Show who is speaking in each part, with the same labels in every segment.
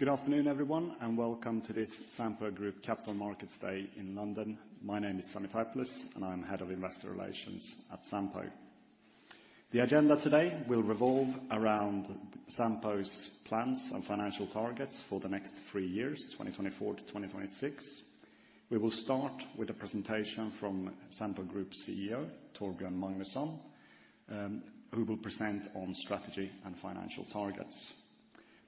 Speaker 1: Good afternoon, everyone, and welcome to this Sampo Group Capital Markets Day in London. My name is Sami Taipalus, and I'm Head of Investor Relations at Sampo. The agenda today will revolve around Sampo's plans and financial targets for the next three years, 2024 to 2026. We will start with a presentation from Sampo Group CEO Torbjörn Magnusson, who will present on strategy and financial targets.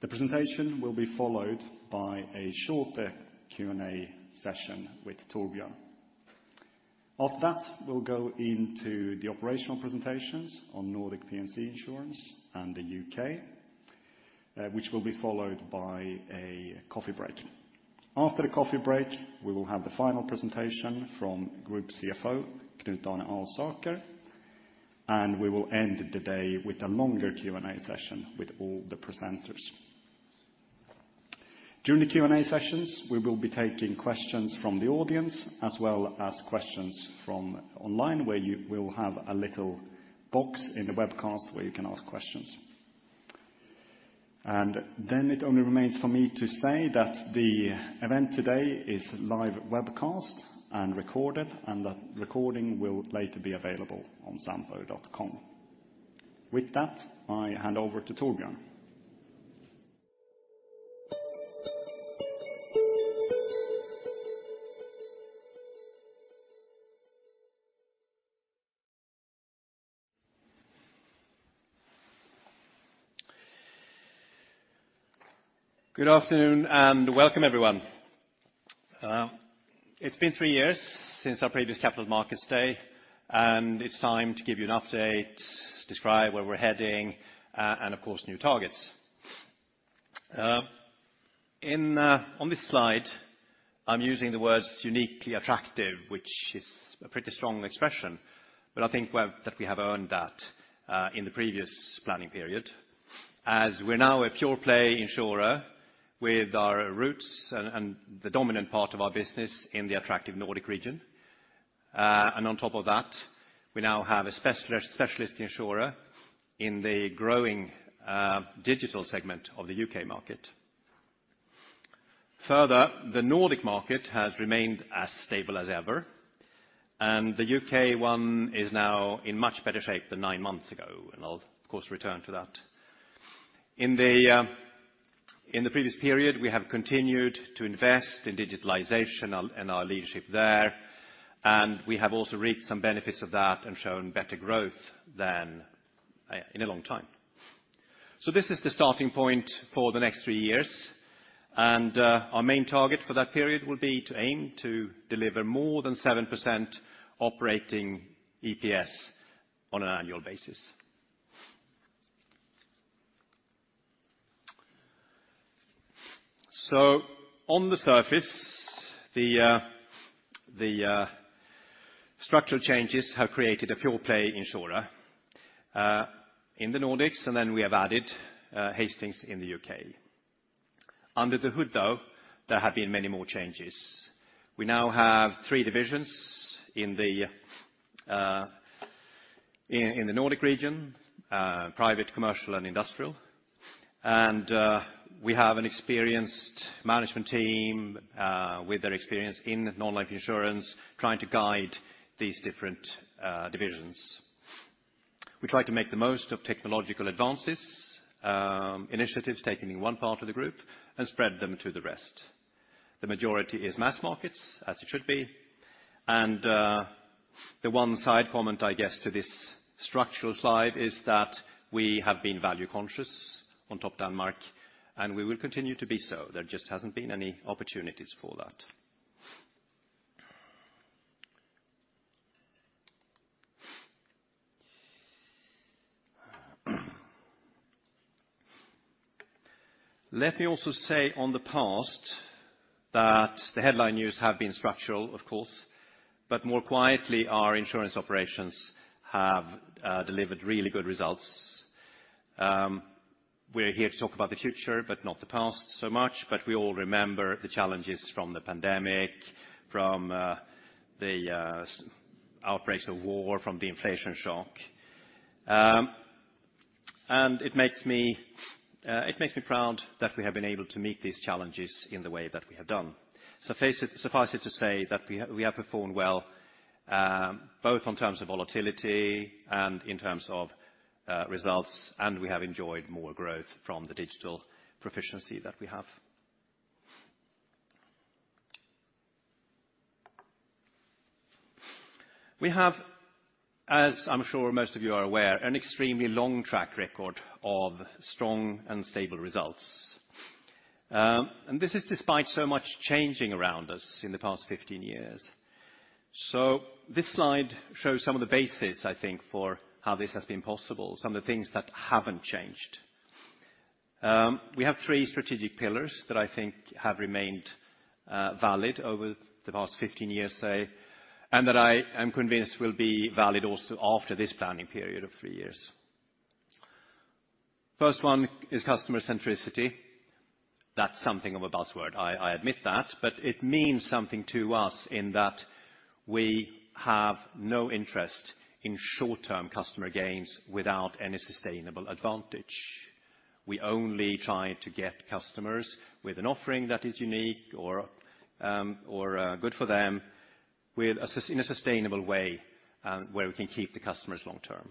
Speaker 1: The presentation will be followed by a shorter Q&A session with Torbjörn. After that, we'll go into the operational presentations on Nordic P&C insurance and the UK, which will be followed by a coffee break. After the coffee break, we will have the final presentation from Group CFO Knut Alsaker, and we will end the day with a longer Q&A session with all the presenters. During the Q&A sessions, we will be taking questions from the audience as well as questions from online, where you will have a little box in the webcast where you can ask questions. And then it only remains for me to say that the event today is live webcast and recorded, and that recording will later be available on Sampo.com. With that, I hand over to Torbjörn.
Speaker 2: Good afternoon and welcome, everyone. It's been three years since our previous Capital Markets Day, and it's time to give you an update, describe where we're heading, and of course, new targets. On this slide, I'm using the words "uniquely attractive," which is a pretty strong expression, but I think that we have earned that in the previous planning period. As we're now a pure-play insurer with our roots and the dominant part of our business in the attractive Nordic region, and on top of that, we now have a specialist insurer in the growing digital segment of the UK market. Further, the Nordic market has remained as stable as ever, and the UK one is now in much better shape than nine months ago, and I'll, of course, return to that. In the previous period, we have continued to invest in digitalization and our leadership there, and we have also reaped some benefits of that and shown better growth than in a long time. So this is the starting point for the next three years, and our main target for that period will be to aim to deliver more than 7% operating EPS on an annual basis. So on the surface, the structural changes have created a pure-play insurer in the Nordics, and then we have added Hastings in the UK. Under the hood, though, there have been many more changes. We now have three divisions in the Nordic region: private, commercial, and industrial. And we have an experienced management team with their experience in non-life insurance trying to guide these different divisions. We try to make the most of technological advances, initiatives taken in one part of the group, and spread them to the rest. The majority is mass markets, as it should be. The one side comment, I guess, to this structural slide is that we have been value conscious on Topdanmark, and we will continue to be so. There just hasn't been any opportunities for that. Let me also say, on the past, that the headline news have been structural, of course, but more quietly, our insurance operations have delivered really good results. We're here to talk about the future, but not the past so much. We all remember the challenges from the pandemic, from the outbreaks of war, from the inflation shock. It makes me proud that we have been able to meet these challenges in the way that we have done. Suffice it to say that we have performed well, both in terms of volatility and in terms of results, and we have enjoyed more growth from the digital proficiency that we have. We have, as I'm sure most of you are aware, an extremely long track record of strong and stable results. This is despite so much changing around us in the past 15 years. This slide shows some of the bases, I think, for how this has been possible, some of the things that haven't changed. We have three strategic pillars that I think have remained valid over the past 15 years, say, and that I am convinced will be valid also after this planning period of three years. First one is customer centricity. That's something of a buzzword. I admit that, but it means something to us in that we have no interest in short-term customer gains without any sustainable advantage. We only try to get customers with an offering that is unique or good for them in a sustainable way, where we can keep the customers long-term.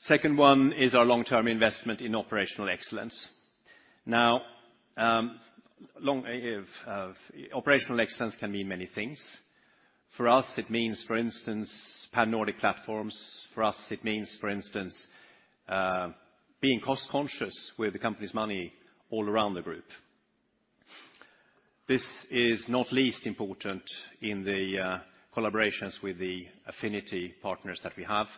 Speaker 2: Second one is our long-term investment in operational excellence. Now, operational excellence can mean many things. For us, it means, for instance, pan-Nordic platforms. For us, it means, for instance, being cost-conscious with the company's money all around the group. This is not least important in the collaborations with the affinity partners that we have,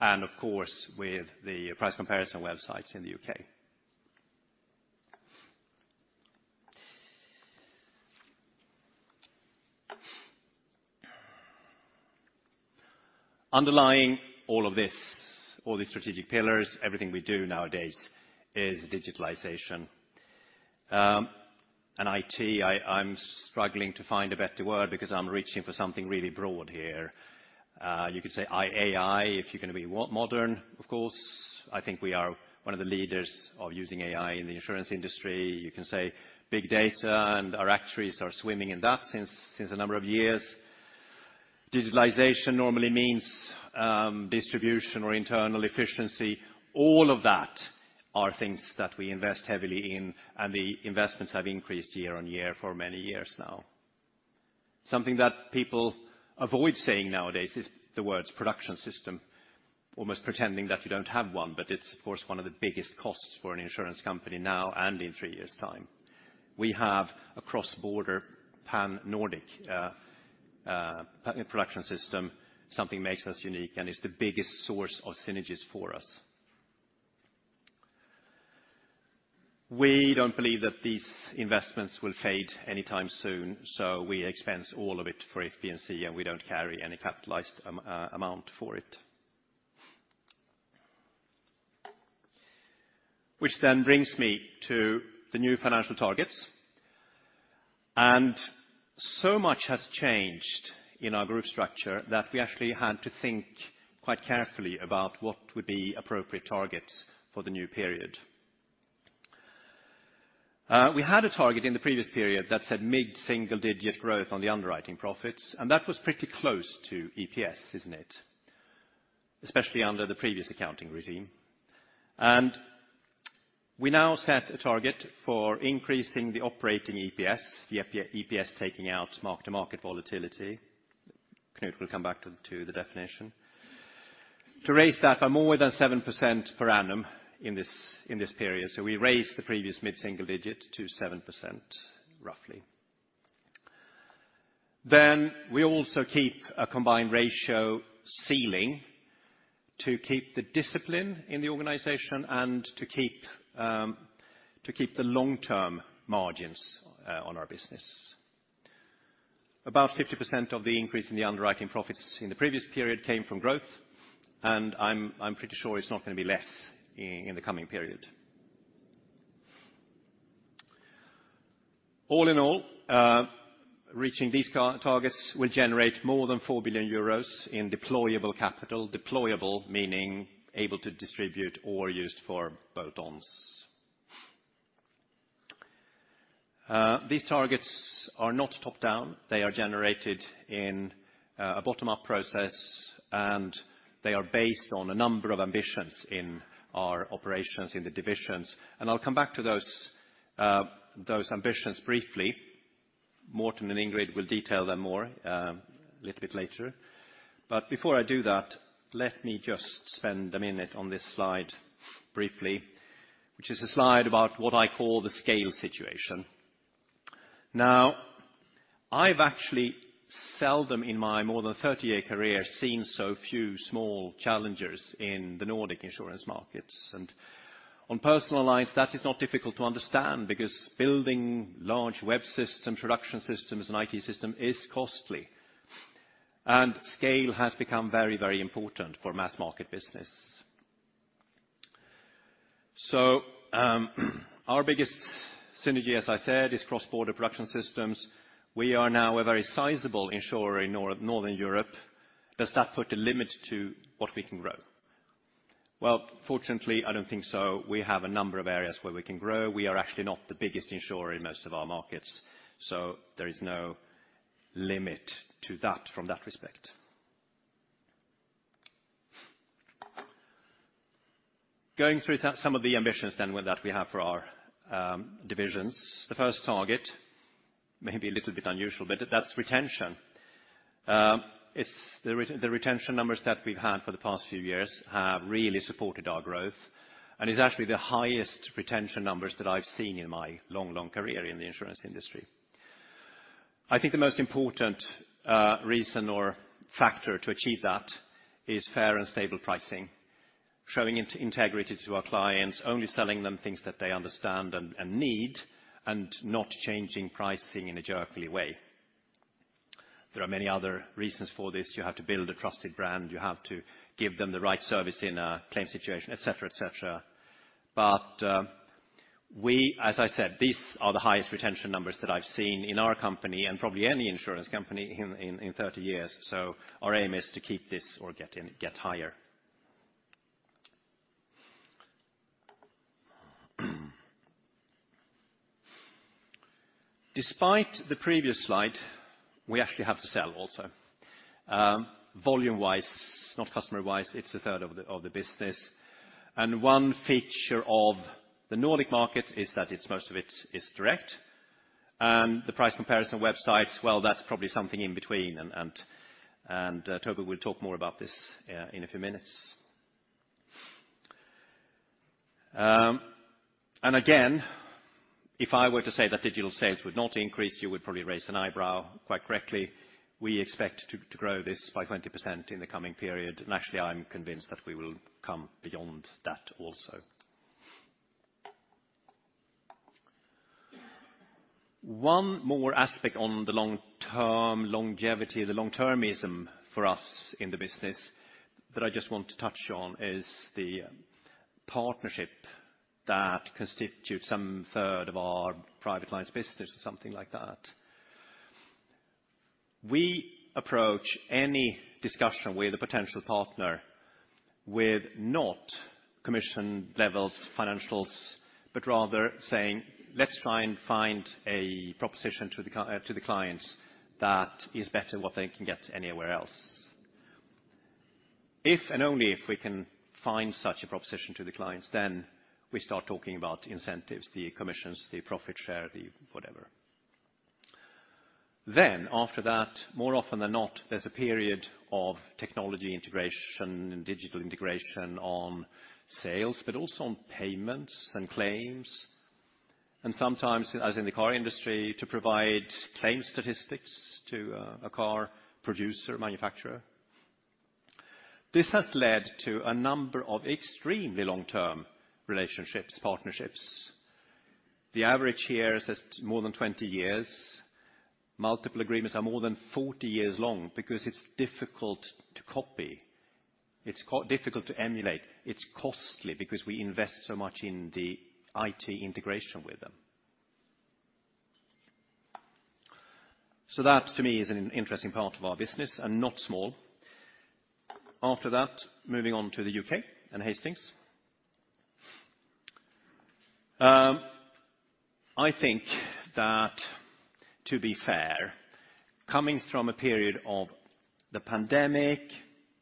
Speaker 2: and of course, with the price comparison websites in the UK. Underlying all of this, all these strategic pillars, everything we do nowadays is digitalization. And IT, I'm struggling to find a better word because I'm reaching for something really broad here. You could say AI if you're going to be modern, of course. I think we are one of the leaders of using AI in the insurance industry. You can say big data, and our actuaries are swimming in that since a number of years. Digitalization normally means distribution or internal efficiency. All of that are things that we invest heavily in, and the investments have increased year on year for many years now. Something that people avoid saying nowadays is the words production system, almost pretending that you don't have one, but it's, of course, one of the biggest costs for an insurance company now and in three years' time. We have a cross-border pan-Nordic production system. Something makes us unique, and it's the biggest source of synergies for us. We don't believe that these investments will fade anytime soon, so we expense all of it for If P&C, and we don't carry any capitalized amount for it. Which then brings me to the new financial targets. So much has changed in our group structure that we actually had to think quite carefully about what would be appropriate targets for the new period. We had a target in the previous period that said mid-single-digit growth on the underwriting profits, and that was pretty close to EPS, isn't it, especially under the previous accounting regime. We now set a target for increasing the operating EPS, the EPS taking out mark-to-market volatility. Knut will come back to the definition. To raise that by more than 7% per annum in this period. We raised the previous mid-single digit to 7%, roughly. Then we also keep a combined ratio ceiling to keep the discipline in the organization and to keep the long-term margins on our business. About 50% of the increase in the underwriting profits in the previous period came from growth, and I'm pretty sure it's not going to be less in the coming period. All in all, reaching these targets will generate more than 4 billion euros in deployable capital. Deployable, meaning able to distribute or used for bolt-ons. These targets are not top-down. They are generated in a bottom-up process, and they are based on a number of ambitions in our operations in the divisions. I'll come back to those ambitions briefly. Morten and Ingrid will detail them more a little bit later. But before I do that, let me just spend a minute on this slide briefly, which is a slide about what I call the scale situation. Now, I've actually seldom in my more than 30-year career seen so few small challengers in the Nordic insurance markets. On personal lines, that is not difficult to understand because building large web systems, production systems, and IT systems is costly, and scale has become very, very important for mass-market business. So our biggest synergy, as I said, is cross-border production systems. We are now a very sizable insurer in Northern Europe. Does that put a limit to what we can grow? Well, fortunately, I don't think so. We have a number of areas where we can grow. We are actually not the biggest insurer in most of our markets, so there is no limit to that from that respect. Going through some of the ambitions then that we have for our divisions. The first target, maybe a little bit unusual, but that's retention. The retention numbers that we've had for the past few years have really supported our growth, and it's actually the highest retention numbers that I've seen in my long, long career in the insurance industry. I think the most important reason or factor to achieve that is fair and stable pricing, showing integrity to our clients, only selling them things that they understand and need, and not changing pricing in a jerkily way. There are many other reasons for this. You have to build a trusted brand. You have to give them the right service in a claim situation, etc., etc. But as I said, these are the highest retention numbers that I've seen in our company and probably any insurance company in 30 years. So our aim is to keep this or get higher. Despite the previous slide, we actually have to sell also. Volume-wise, not customer-wise, it's a third of the business. One feature of the Nordic market is that most of it is direct. The price comparison websites, well, that's probably something in between, and Tobias will talk more about this in a few minutes. Again, if I were to say that digital sales would not increase, you would probably raise an eyebrow quite correctly. We expect to grow this by 20% in the coming period, and actually, I'm convinced that we will come beyond that also. One more aspect on the long-term longevity, the long-termism for us in the business that I just want to touch on is the partnership that constitutes some third of our private lines business or something like that. We approach any discussion with a potential partner with not commission levels, financials, but rather saying, "Let's try and find a proposition to the clients that is better than what they can get anywhere else." If and only if we can find such a proposition to the clients, then we start talking about incentives, the commissions, the profit share, the whatever. Then, after that, more often than not, there's a period of technology integration and digital integration on sales, but also on payments and claims. And sometimes, as in the car industry, to provide claim statistics to a car producer, manufacturer. This has led to a number of extremely long-term relationships, partnerships. The average here says more than 20 years. Multiple agreements are more than 40 years long because it's difficult to copy. It's difficult to emulate. It's costly because we invest so much in the IT integration with them. So that, to me, is an interesting part of our business and not small. After that, moving on to the UK and Hastings. I think that, to be fair, coming from a period of the pandemic,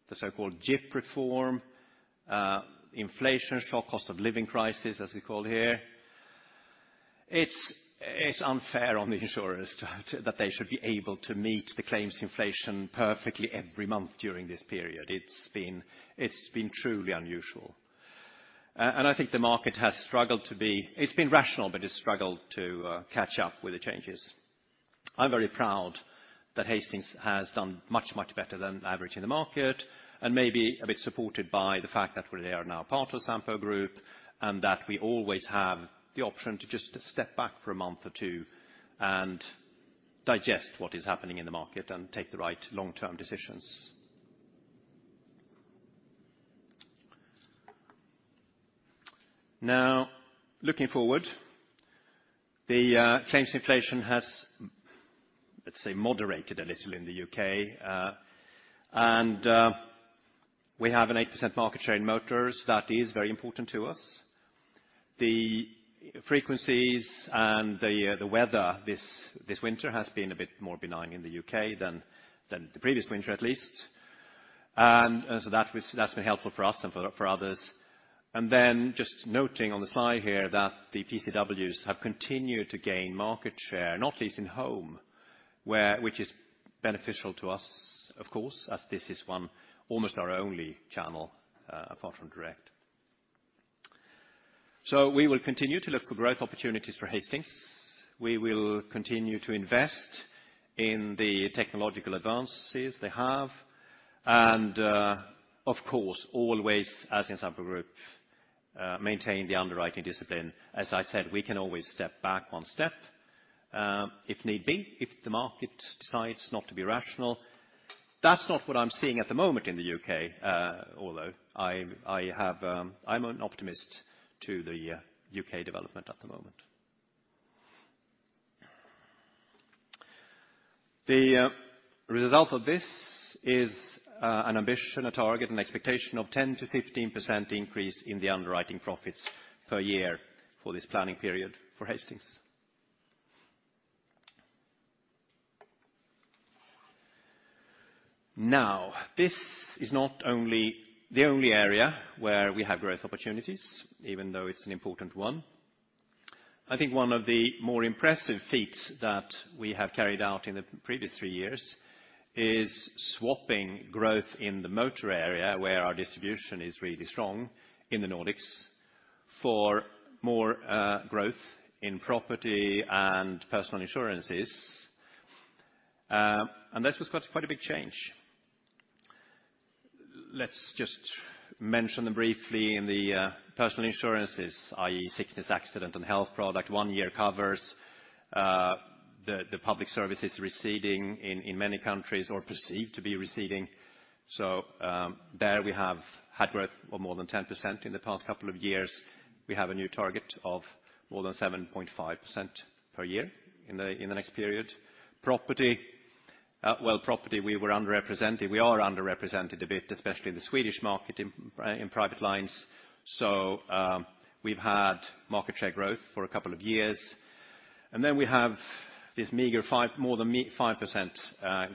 Speaker 2: the so-called GIPP reform, inflation shock, cost of living crisis, as we call it here, it's unfair on the insurers that they should be able to meet the claims inflation perfectly every month during this period. It's been truly unusual. And I think the market has struggled to be it's been rational, but it's struggled to catch up with the changes. I'm very proud that Hastings has done much, much better than average in the market, and maybe a bit supported by the fact that they are now part of Sampo Group and that we always have the option to just step back for a month or two and digest what is happening in the market and take the right long-term decisions. Now, looking forward, the claims inflation has, let's say, moderated a little in the UK. And we have an 8% market share in motors. That is very important to us. The frequencies and the weather this winter has been a bit more benign in the UK than the previous winter, at least. And so that's been helpful for us and for others. Then just noting on the slide here that the PCWs have continued to gain market share, not least in home, which is beneficial to us, of course, as this is almost our only channel apart from direct. We will continue to look for growth opportunities for Hastings. We will continue to invest in the technological advances they have. And of course, always, as in Sampo Group, maintain the underwriting discipline. As I said, we can always step back one step if need be, if the market decides not to be rational. That's not what I'm seeing at the moment in the UK, although I'm an optimist to the UK development at the moment. The result of this is an ambition, a target, an expectation of 10%-15% increase in the underwriting profits per year for this planning period for Hastings. Now, this is not the only area where we have growth opportunities, even though it's an important one. I think one of the more impressive feats that we have carried out in the previous three years is swapping growth in the motor area, where our distribution is really strong, in the Nordics, for more growth in property and personal insurances. This was quite a big change. Let's just mention them briefly in the personal insurances, i.e., sickness, accident, and health product. One year covers the public services receding in many countries or perceived to be receding. So there we have had growth of more than 10% in the past couple of years. We have a new target of more than 7.5% per year in the next period. Property well, property, we were underrepresented. We are underrepresented a bit, especially in the Swedish market in private lines. So we've had market share growth for a couple of years. And then we have this meager more than 5%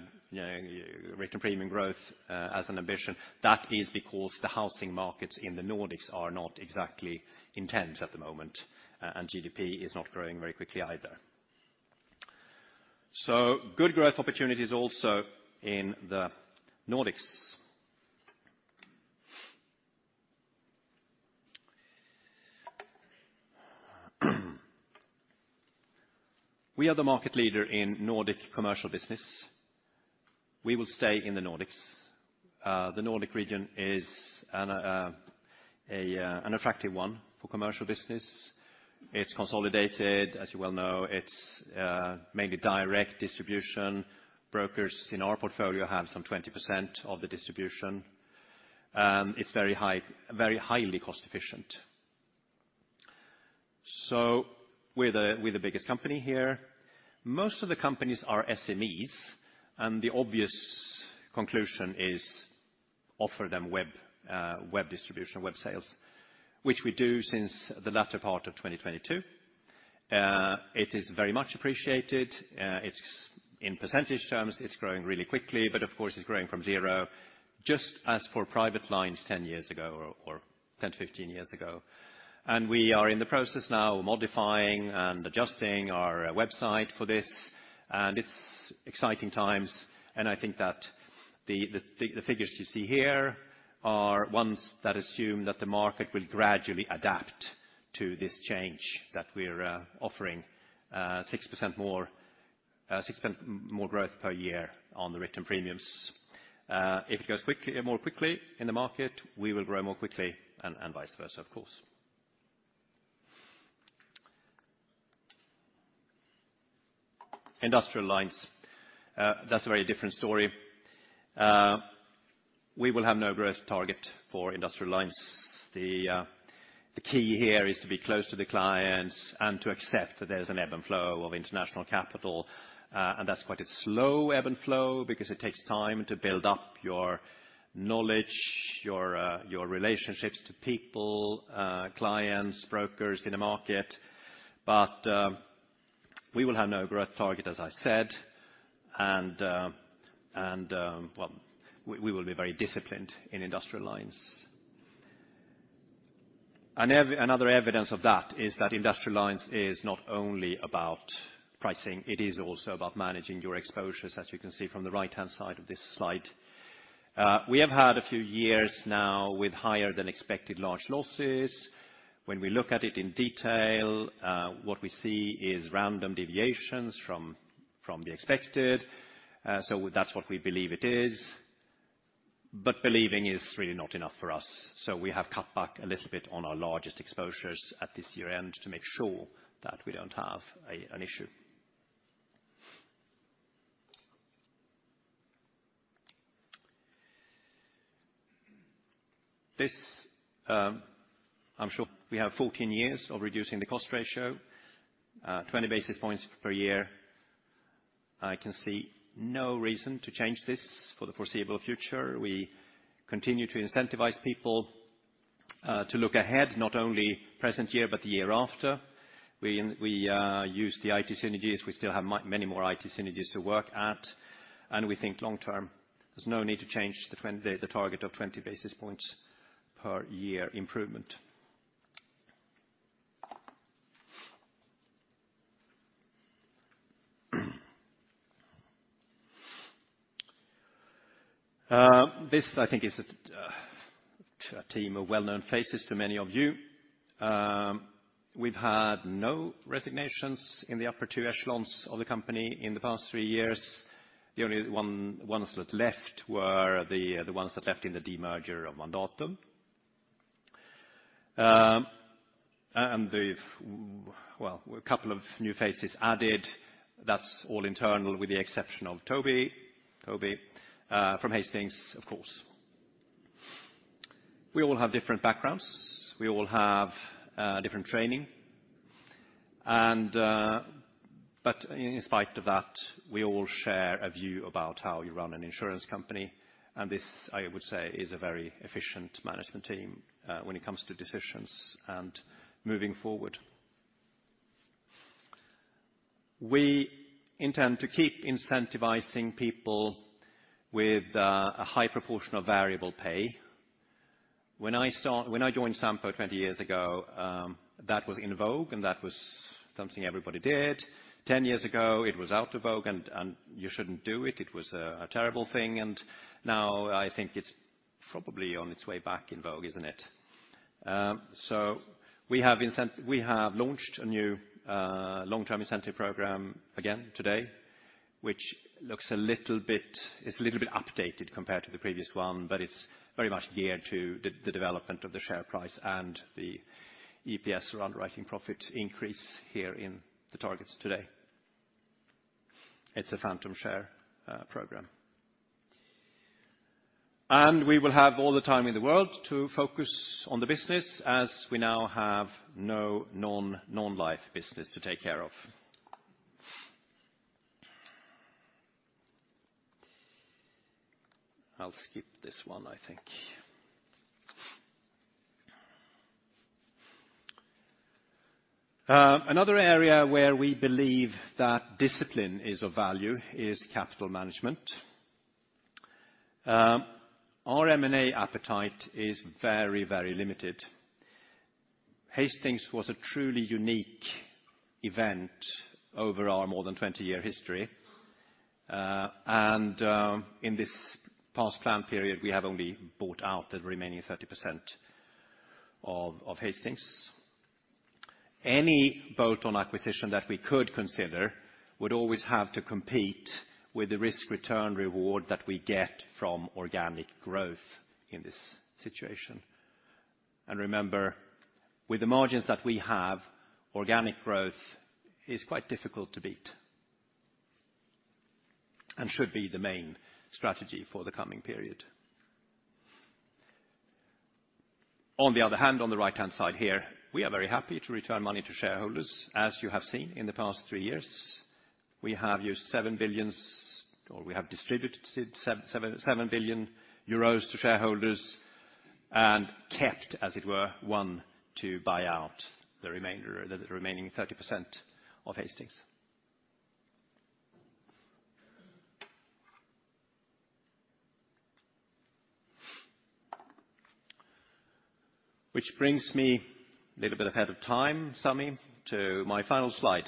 Speaker 2: written premium growth as an ambition. That is because the housing markets in the Nordics are not exactly intense at the moment, and GWP is not growing very quickly either. So good growth opportunities also in the Nordics. We are the market leader in Nordic commercial business. We will stay in the Nordics. The Nordic region is an attractive one for commercial business. It's consolidated. As you well know, it's mainly direct distribution. Brokers in our portfolio have some 20% of the distribution. It's very highly cost-efficient. So we're the biggest company here. Most of the companies are SMEs, and the obvious conclusion is offer them web distribution, web sales, which we do since the latter part of 2022. It is very much appreciated. In percentage terms, it's growing really quickly, but of course, it's growing from zero just as for private lines 10 years ago or 10 to 15 years ago. We are in the process now modifying and adjusting our website for this. It's exciting times. I think that the figures you see here are ones that assume that the market will gradually adapt to this change that we're offering, 6% more growth per year on the written premiums. If it goes more quickly in the market, we will grow more quickly, and vice versa, of course. Industrial lines, that's a very different story. We will have no growth target for industrial lines. The key here is to be close to the clients and to accept that there's an ebb and flow of international capital. That's quite a slow ebb and flow because it takes time to build up your knowledge, your relationships to people, clients, brokers in the market. But we will have no growth target, as I said. Well, we will be very disciplined in industrial lines. Another evidence of that is that industrial lines is not only about pricing. It is also about managing your exposures, as you can see from the right-hand side of this slide. We have had a few years now with higher-than-expected large losses. When we look at it in detail, what we see is random deviations from the expected. So that's what we believe it is. But believing is really not enough for us. So we have cut back a little bit on our largest exposures at this year-end to make sure that we don't have an issue. I'm sure. We have 14 years of reducing the cost ratio, 20 basis points per year. I can see no reason to change this for the foreseeable future. We continue to incentivize people to look ahead, not only present year, but the year after. We use the IT synergies. We still have many more IT synergies to work at. We think long-term, there's no need to change the target of 20 basis points per year improvement. This, I think, is a team of well-known faces to many of you. We've had no resignations in the upper two echelons of the company in the past three years. The only ones that left were the ones that left in the demerger of Mandatum. Well, a couple of new faces added. That's all internal with the exception of Tobias from Hastings, of course. We all have different backgrounds. We all have different training. But in spite of that, we all share a view about how you run an insurance company. And this, I would say, is a very efficient management team when it comes to decisions and moving forward. We intend to keep incentivizing people with a high proportion of variable pay. When I joined Sampo 20 years ago, that was in vogue, and that was something everybody did. 10 years ago, it was out of vogue, and you shouldn't do it. It was a terrible thing. And now I think it's probably on its way back in vogue, isn't it? So we have launched a new long-term incentive program again today, which looks a little bit it's a little bit updated compared to the previous one, but it's very much geared to the development of the share price and the EPS or underwriting profit increase here in the targets today. It's a phantom share program. We will have all the time in the world to focus on the business as we now have no life business to take care of. I'll skip this one, I think. Another area where we believe that discipline is of value is capital management. Our M&A appetite is very, very limited. Hastings was a truly unique event over our more than 20-year history. In this past plan period, we have only bought out the remaining 30% of Hastings. Any bolt-on acquisition that we could consider would always have to compete with the risk-return reward that we get from organic growth in this situation. Remember, with the margins that we have, organic growth is quite difficult to beat and should be the main strategy for the coming period. On the other hand, on the right-hand side here, we are very happy to return money to shareholders, as you have seen in the past three years. We have used 7 billion or we have distributed 7 billion euros to shareholders and kept, as it were, 1 billion to buy out the remaining 30% of Hastings, which brings me a little bit ahead of time, Sami, to my final slide.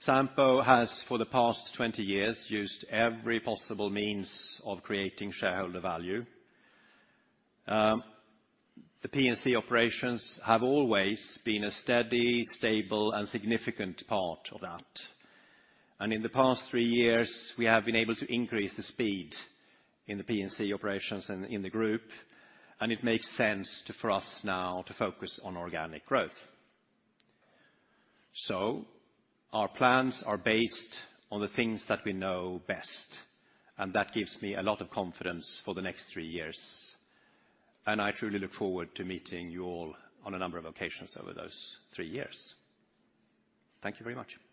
Speaker 2: Sampo has, for the past 20 years, used every possible means of creating shareholder value. The P&C operations have always been a steady, stable, and significant part of that. And in the past three years, we have been able to increase the speed in the P&C operations in the group. And it makes sense for us now to focus on organic growth. So our plans are based on the things that we know best. That gives me a lot of confidence for the next three years. I truly look forward to meeting you all on a number of occasions over those three years. Thank you very much.
Speaker 1: All right.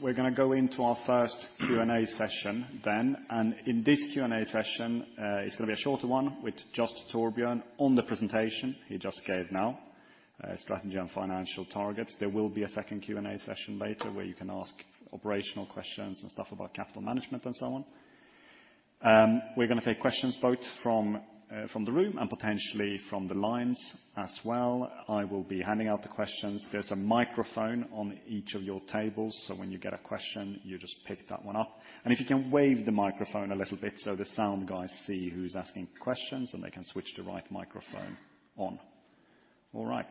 Speaker 1: We're going to go into our first Q&A session then. In this Q&A session, it's going to be a shorter one with just Torbjörn on the presentation he just gave now, strategy and financial targets. There will be a second Q&A session later where you can ask operational questions and stuff about capital management and so on. We're going to take questions both from the room and potentially from the lines as well. I will be handing out the questions. There's a microphone on each of your tables. So when you get a question, you just pick that one up. If you can wave the microphone a little bit so the sound guys see who's asking questions, and they can switch the right microphone on. All right.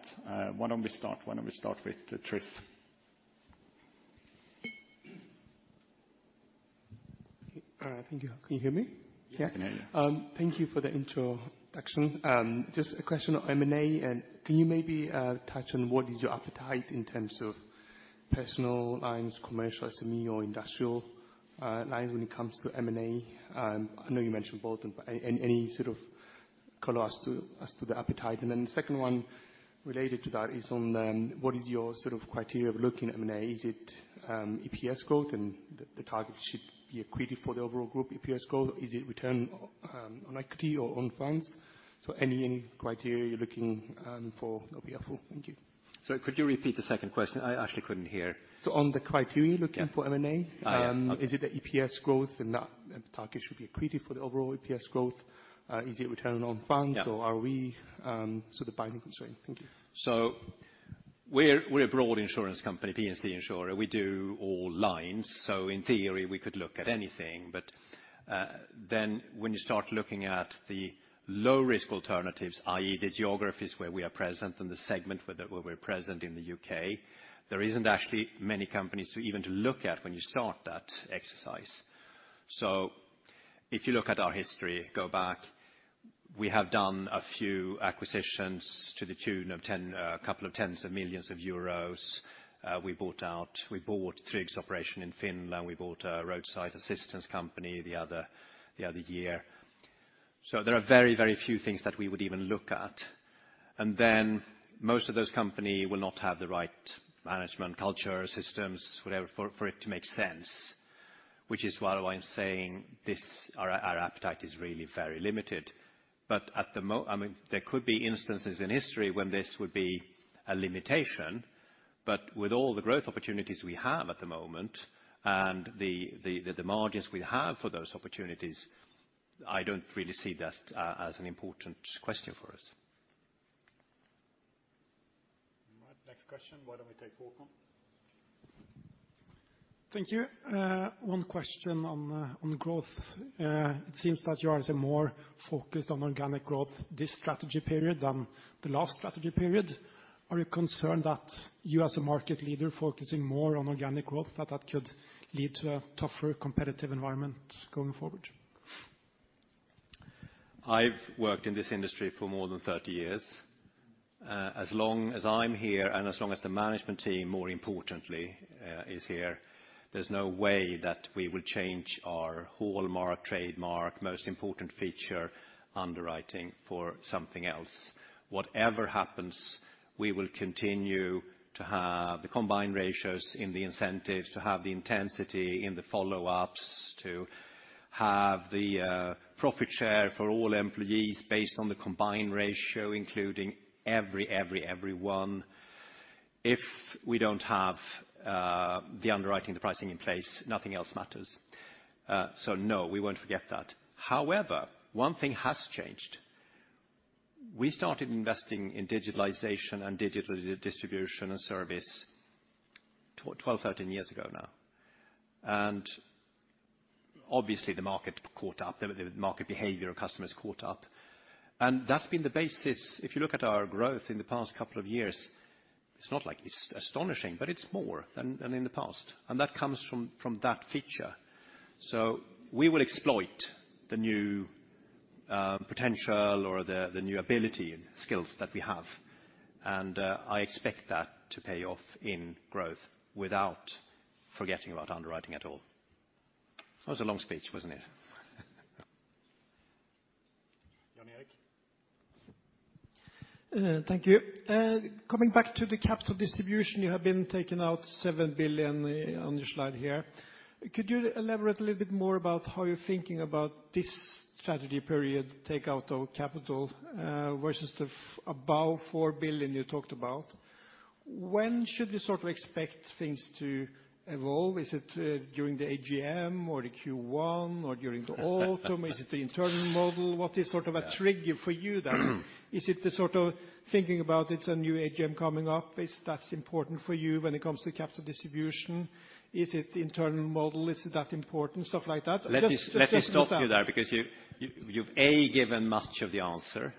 Speaker 1: Why don't we start? Why don't we start with Tryfonas?
Speaker 3: All right. Thank you. Can you hear me?
Speaker 1: Yes, I can hear you.
Speaker 3: Thank you for the introduction. Just a question on M&A. And can you maybe touch on what is your appetite in terms of personal lines, commercial, SME, or industrial lines when it comes to M&A? I know you mentioned bolt-on, but any sort of color as to the appetite. And then the second one related to that is on what is your sort of criteria of looking at M&A? Is it EPS growth? And the target should be equity for the overall group EPS growth. Is it return on equity or on funds? So any criteria you're looking for that would be helpful. Thank you.
Speaker 2: So could you repeat the second question? I actually couldn't hear.
Speaker 3: On the criteria looking for M&A, is it the EPS growth? And that target should be equity for the overall EPS growth. Is it return on funds? So are we so the binding constraint. Thank you.
Speaker 2: So we're a broad insurance company, P&C insurer. We do all lines. So in theory, we could look at anything. But then when you start looking at the low-risk alternatives, i.e., the geographies where we are present and the segment where we're present in the UK, there isn't actually many companies even to look at when you start that exercise. So if you look at our history, go back, we have done a few acquisitions to the tune of a couple of tens of millions EUR. We bought Tryg's operation in Finland. We bought a roadside assistance company the other year. So there are very, very few things that we would even look at. And then most of those companies will not have the right management culture, systems, whatever, for it to make sense, which is why I'm saying our appetite is really very limited. But I mean, there could be instances in history when this would be a limitation. But with all the growth opportunities we have at the moment and the margins we have for those opportunities, I don't really see that as an important question for us.
Speaker 1: All right. Next question. Why don't we take Håkon?
Speaker 4: Thank you. One question on growth. It seems that you are more focused on organic growth this strategy period than the last strategy period. Are you concerned that you, as a market leader focusing more on organic growth, that that could lead to a tougher competitive environment going forward?
Speaker 2: I've worked in this industry for more than 30 years. As long as I'm here and as long as the management team, more importantly, is here, there's no way that we will change our hallmark, trademark, most important feature underwriting for something else. Whatever happens, we will continue to have the combined ratios in the incentives, to have the intensity in the follow-ups, to have the profit share for all employees based on the combined ratio, including every, every, everyone. If we don't have the underwriting, the pricing in place, nothing else matters. So no, we won't forget that. However, one thing has changed. We started investing in digitalization and digital distribution and service 12-13 years ago now. And obviously, the market caught up. The market behavior of customers caught up. And that's been the basis. If you look at our growth in the past couple of years, it's not astonishing, but it's more than in the past. And that comes from that feature. So we will exploit the new potential or the new ability and skills that we have. And I expect that to pay off in growth without forgetting about underwriting at all. That was a long speech, wasn't it?
Speaker 1: Jan Erik?
Speaker 5: Thank you. Coming back to the capital distribution, you have been taking out 7 billion on your slide here. Could you elaborate a little bit more about how you're thinking about this strategy period, takeout of capital, versus the above 4 billion you talked about? When should we sort of expect things to evolve? Is it during the AGM or the Q1 or during the autumn? Is it the internal model? What is sort of a trigger for you then? Is it the sort of thinking about it's a new AGM coming up? Is that important for you when it comes to capital distribution? Is it internal model? Is it that important? Stuff like that.
Speaker 1: Let me stop you there because you've A, given much of the answer,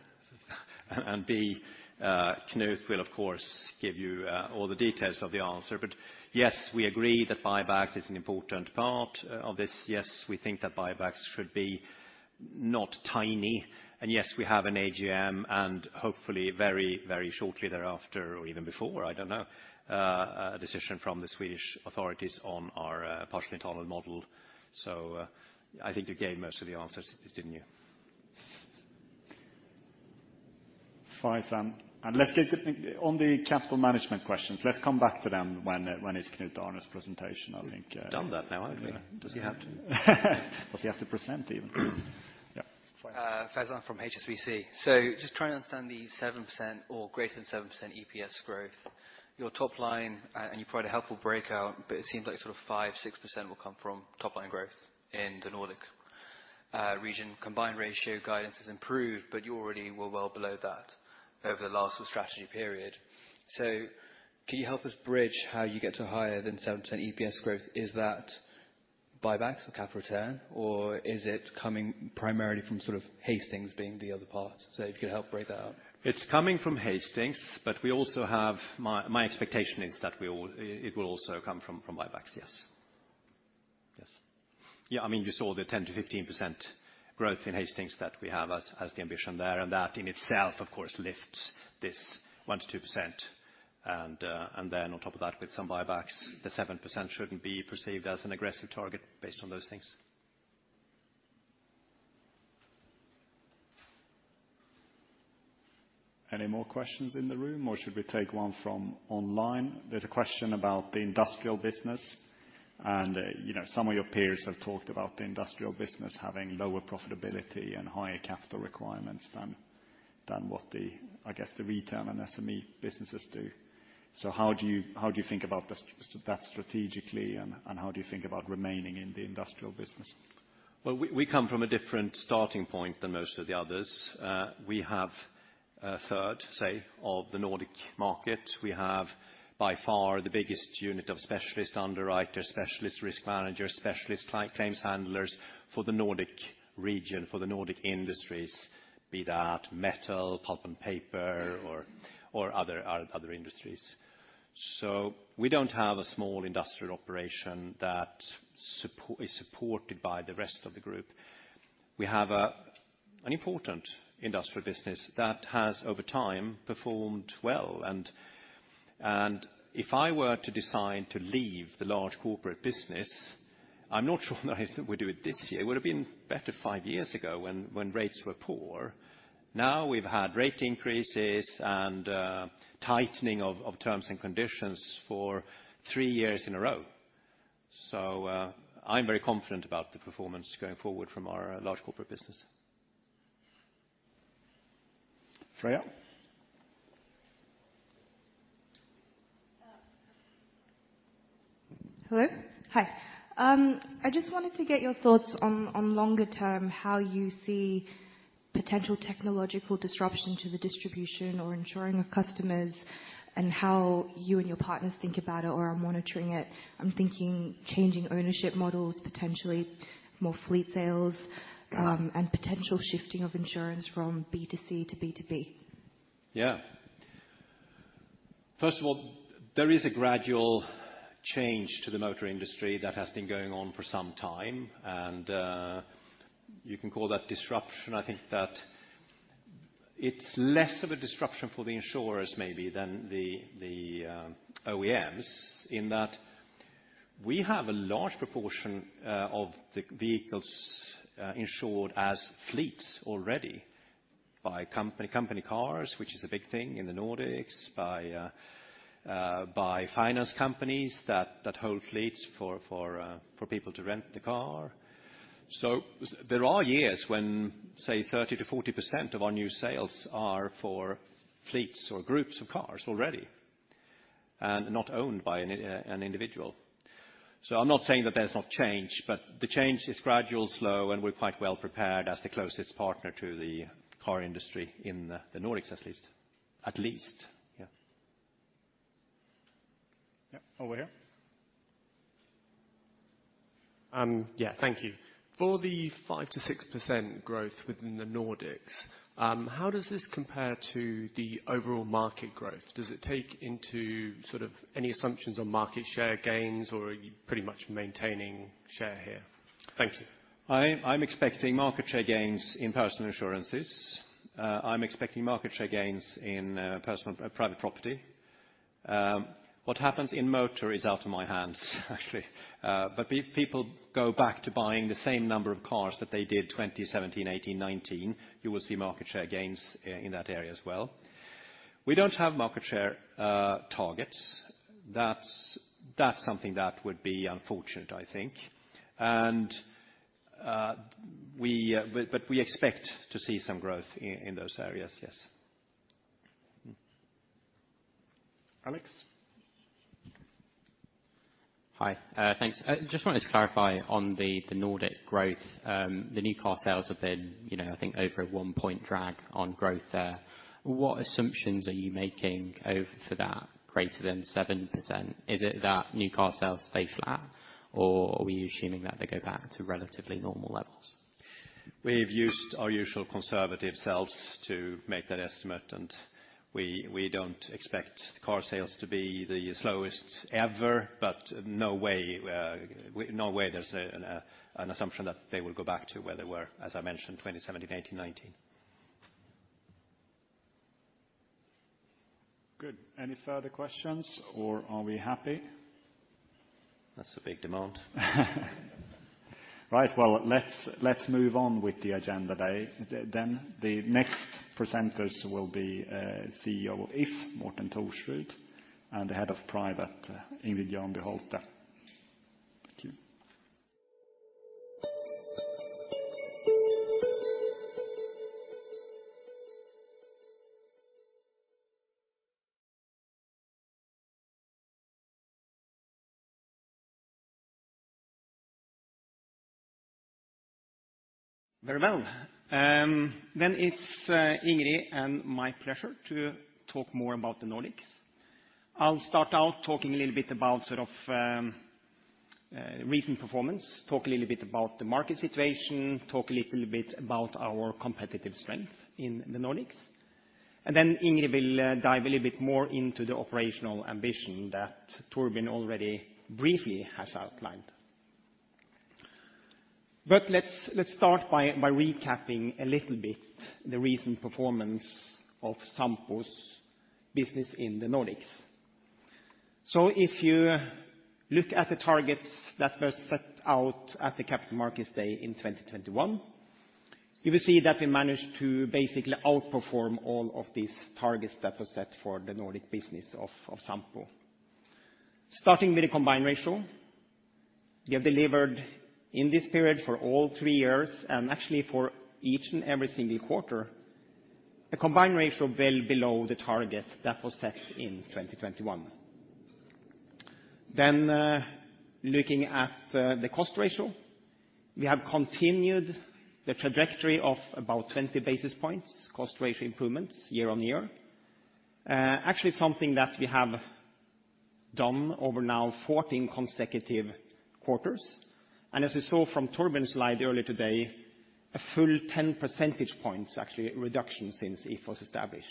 Speaker 1: and B, Knut will, of course, give you all the details of the answer. But yes, we agree that buybacks is an important part of this. Yes, we think that buybacks should be not tiny. And yes, we have an AGM and hopefully very, very shortly thereafter or even before, I don't know, a decision from the Swedish authorities on our partial internal model. So I think you gave most of the answers, didn't you?
Speaker 2: Fine, Sam. Let's get on the capital management questions. Let's come back to them when it's Knut Arne's presentation, I think.
Speaker 1: He's done that now, actually. Does he have to?
Speaker 2: Does he have to present even? Yeah. Faizan?
Speaker 6: Faizan from HSBC. Just trying to understand the 7% or greater than 7% EPS growth. Your top line, and you provide a helpful breakout, but it seems like sort of 5%-6% will come from top-line growth in the Nordic region. Combined Ratio guidance has improved, but you already were well below that over the last strategy period. So can you help us bridge how you get to higher than 7% EPS growth? Is that buybacks or capital return, or is it coming primarily from sort of Hastings being the other part? So if you could help break that up.
Speaker 2: It's coming from Hastings, but my expectation is that it will also come from buybacks, yes. Yes. Yeah. I mean, you saw the 10% to 15% growth in Hastings that we have as the ambition there. And that in itself, of course, lifts this 1% to 2%. And then on top of that, with some buybacks, the 7% shouldn't be perceived as an aggressive target based on those things.
Speaker 1: Any more questions in the room, or should we take one from online? There's a question about the industrial business. Some of your peers have talked about the industrial business having lower profitability and higher capital requirements than what, I guess, the retail and SME businesses do. How do you think about that strategically, and how do you think about remaining in the industrial business?
Speaker 2: Well, we come from a different starting point than most of the others. We have a third, say, of the Nordic market. We have, by far, the biggest unit of specialist underwriters, specialist risk managers, specialist claims handlers for the Nordic region, for the Nordic industries, be that metal, pulp, and paper, or other industries. So we don't have a small industrial operation that is supported by the rest of the group. We have an important industrial business that has, over time, performed well. And if I were to decide to leave the large corporate business, I'm not sure that we'd do it this year. It would have been better five years ago when rates were poor. Now we've had rate increases and tightening of terms and conditions for three years in a row. So I'm very confident about the performance going forward from our large corporate business.
Speaker 1: Freya?
Speaker 7: Hello? Hi. I just wanted to get your thoughts on longer-term how you see potential technological disruption to the distribution or insuring of customers and how you and your partners think about it or are monitoring it? I'm thinking changing ownership models, potentially more fleet sales, and potential shifting of insurance from B2C to B2B.
Speaker 2: Yeah. First of all, there is a gradual change to the motor industry that has been going on for some time. You can call that disruption. I think that it's less of a disruption for the insurers, maybe, than the OEMs in that we have a large proportion of the vehicles insured as fleets already by company cars, which is a big thing in the Nordics, by finance companies that hold fleets for people to rent the car. So there are years when, say, 30% to 40% of our new sales are for fleets or groups of cars already and not owned by an individual. So I'm not saying that there's not change, but the change is gradual, slow, and we're quite well prepared as the closest partner to the car industry in the Nordics, at least. At least. Yeah.
Speaker 8: Yeah. Over here.
Speaker 3: Yeah. Thank you. For the 5% to 6% growth within the Nordics, how does this compare to the overall market growth? Does it take into sort of any assumptions on market share gains or pretty much maintaining share here? Thank you.
Speaker 2: I'm expecting market share gains in personal insurances. I'm expecting market share gains in private property. What happens in motor is out of my hands, actually. But if people go back to buying the same number of cars that they did 2017, 2018, 2019, you will see market share gains in that area as well. We don't have market share targets. That's something that would be unfortunate, I think. But we expect to see some growth in those areas, yes.
Speaker 1: Alex?
Speaker 3: Hi. Thanks. I just wanted to clarify on the Nordic growth. The new car sales have been, I think, over a one-point drag on growth there. What assumptions are you making for that greater than 7%? Is it that new car sales stay flat, or are we assuming that they go back to relatively normal levels?
Speaker 2: We've used our usual conservative selves to make that estimate. We don't expect car sales to be the slowest ever, but no way there's an assumption that they will go back to where they were, as I mentioned, 2017, 2018, 2019.
Speaker 8: Good. Any further questions, or are we happy?
Speaker 2: That's a big demand.
Speaker 1: Right. Well, let's move on with the agenda then. The next presenters will be CEO of If, Morten Thorsrud, and the Head of Private, Ingrid Janbu Holte. Thank you.
Speaker 9: Very well. Then it's Ingrid and my pleasure to talk more about the Nordics. I'll start out talking a little bit about sort of recent performance, talk a little bit about the market situation, talk a little bit about our competitive strength in the Nordics. Then Ingrid will dive a little bit more into the operational ambition that Torbjörn already briefly has outlined. Let's start by recapping a little bit the recent performance of Sampo's business in the Nordics. So if you look at the targets that were set out at the Capital Markets Day in 2021, you will see that we managed to basically outperform all of these targets that were set for the Nordic business of Sampo. Starting with the combined ratio, we have delivered in this period for all three years and actually for each and every single quarter a combined ratio well below the target that was set in 2021. Then looking at the cost ratio, we have continued the trajectory of about 20 basis points cost ratio improvements year-on-year, actually something that we have done over now 14 consecutive quarters. As you saw from Torbjörn's slide earlier today, a full 10 percentage points, actually, reduction since If was established.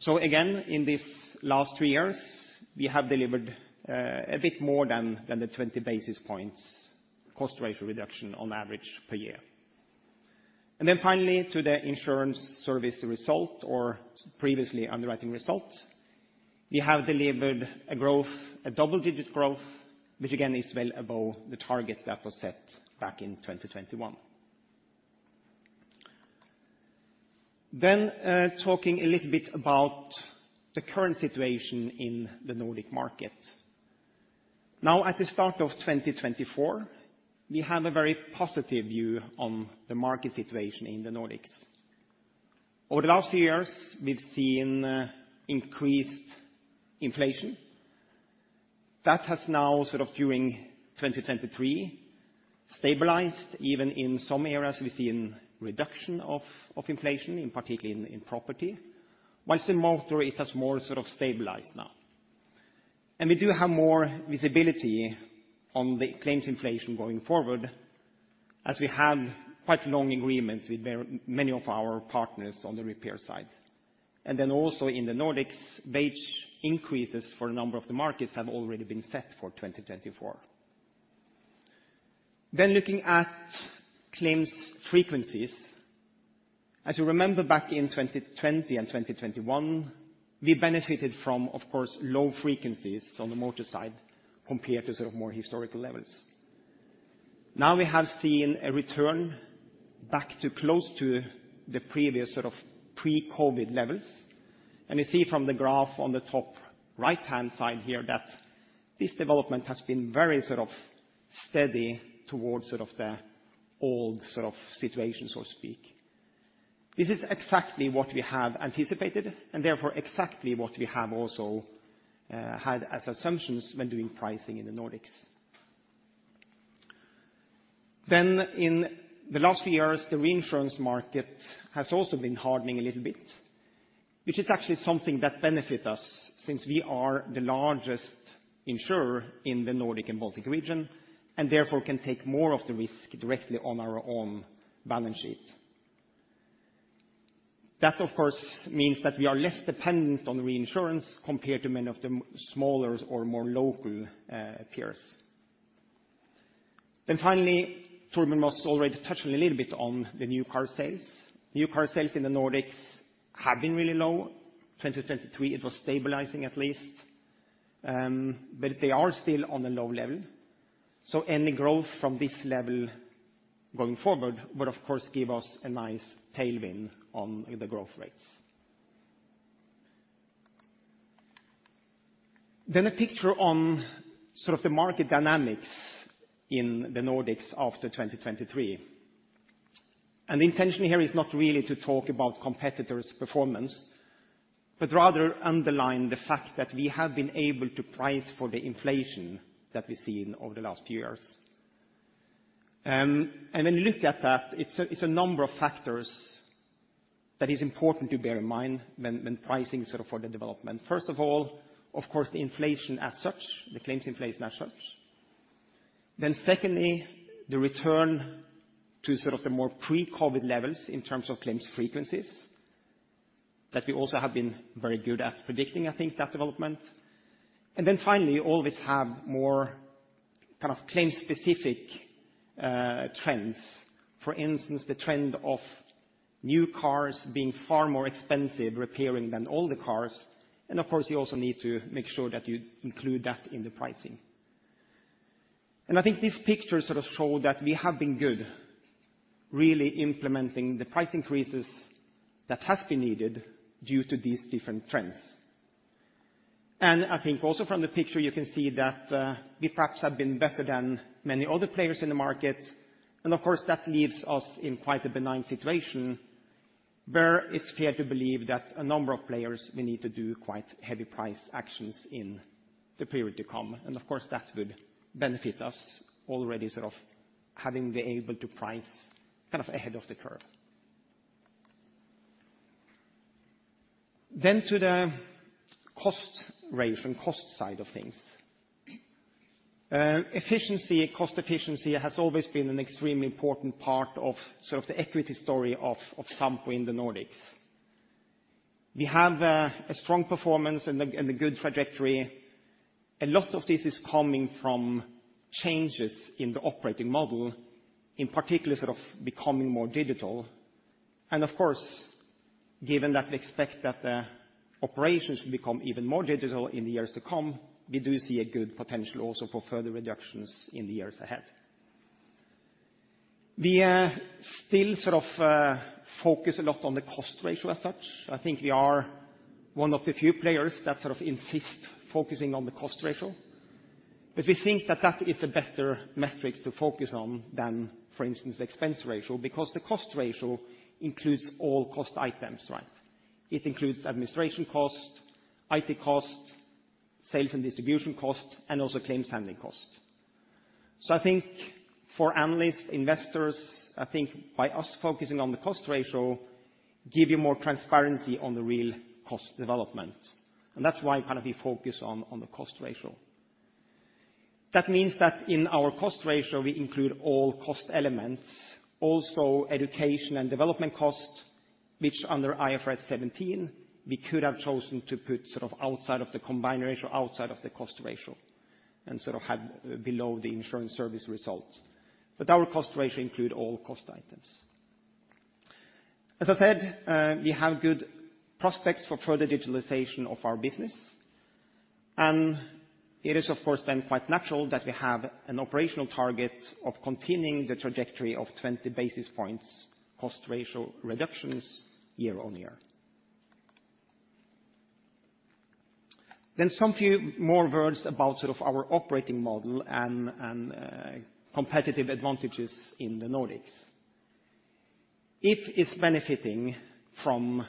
Speaker 9: So again, in these last three years, we have delivered a bit more than the 20 basis points cost ratio reduction on average per year. And then finally, to the insurance service result or previously underwriting result, we have delivered a double-digit growth, which again is well above the target that was set back in 2021. Talking a little bit about the current situation in the Nordic market. Now, at the start of 2024, we have a very positive view on the market situation in the Nordics. Over the last few years, we've seen increased inflation. That has now, sort of during 2023, stabilized. Even in some areas, we've seen reduction of inflation, particularly in property, while in motor, it has more sort of stabilized now. We do have more visibility on the claims inflation going forward as we have quite long agreements with many of our partners on the repair side. Then also in the Nordics, wage increases for a number of the markets have already been set for 2024. Looking at claims frequencies, as you remember, back in 2020 and 2021, we benefited from, of course, low frequencies on the motor side compared to sort of more historical levels. Now we have seen a return back to close to the previous sort of pre-COVID levels. You see from the graph on the top right-hand side here that this development has been very sort of steady towards sort of the old sort of situations, so to speak. This is exactly what we have anticipated and therefore exactly what we have also had as assumptions when doing pricing in the Nordics. In the last few years, the reinsurance market has also been hardening a little bit, which is actually something that benefits us since we are the largest insurer in the Nordic and Baltic region and therefore can take more of the risk directly on our own balance sheet. That, of course, means that we are less dependent on reinsurance compared to many of the smaller or more local peers. Then finally, Torbjörn was already touching a little bit on the new car sales. New car sales in the Nordics have been really low. 2023, it was stabilizing, at least. But they are still on a low level. So any growth from this level going forward would, of course, give us a nice tailwind on the growth rates. Then a picture on sort of the market dynamics in the Nordics after 2023. And the intention here is not really to talk about competitors' performance, but rather underline the fact that we have been able to price for the inflation that we've seen over the last few years. And when you look at that, it's a number of factors that is important to bear in mind when pricing sort of for the development. First of all, of course, the inflation as such, the claims inflation as such. Then, secondly, the return to sort of the more pre-COVID levels in terms of claims frequencies that we also have been very good at predicting, I think, that development. And then finally, always have more kind of claim-specific trends. For instance, the trend of new cars being far more expensive repairing than older cars. And of course, you also need to make sure that you include that in the pricing. And I think this picture sort of showed that we have been good really implementing the price increases that have been needed due to these different trends. And I think also from the picture, you can see that we perhaps have been better than many other players in the market. And of course, that leaves us in quite a benign situation where it's fair to believe that a number of players we need to do quite heavy price actions in the period to come. And of course, that would benefit us already sort of having been able to price kind of ahead of the curve. Then to the cost ratio, the cost side of things. Cost efficiency has always been an extremely important part of sort of the equity story of Sampo in the Nordics. We have a strong performance and a good trajectory. A lot of this is coming from changes in the operating model, in particular sort of becoming more digital. And of course, given that we expect that the operations will become even more digital in the years to come, we do see a good potential also for further reductions in the years ahead. We still sort of focus a lot on the cost ratio as such. I think we are one of the few players that sort of insist focusing on the cost ratio. But we think that that is a better metric to focus on than, for instance, the expense ratio because the cost ratio includes all cost items, right? It includes administration cost, IT cost, sales and distribution cost, and also claims handling cost. So I think for analysts, investors, I think by us focusing on the cost ratio gives you more transparency on the real cost development. And that's why kind of we focus on the cost ratio. That means that in our cost ratio, we include all cost elements, also education and development cost, which under IFRS 17, we could have chosen to put sort of outside of the combined ratio, outside of the cost ratio, and sort of have below the insurance service result. But our cost ratio includes all cost items. As I said, we have good prospects for further digitalization of our business. It is, of course, then quite natural that we have an operational target of continuing the trajectory of 20 basis points cost ratio reductions year on year. Some few more words about sort of our operating model and competitive advantages in the Nordics. If is benefiting from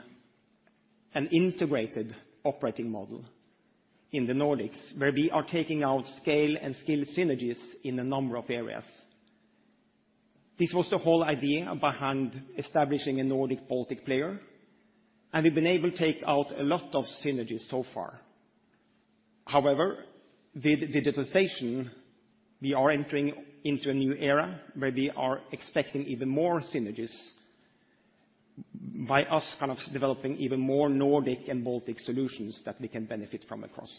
Speaker 9: an integrated operating model in the Nordics where we are taking out scale and skill synergies in a number of areas. This was the whole idea behind establishing a Nordic-Baltic player. We've been able to take out a lot of synergies so far. However, with digitalization, we are entering into a new era where we are expecting even more synergies by us kind of developing even more Nordic and Baltic solutions that we can benefit from across.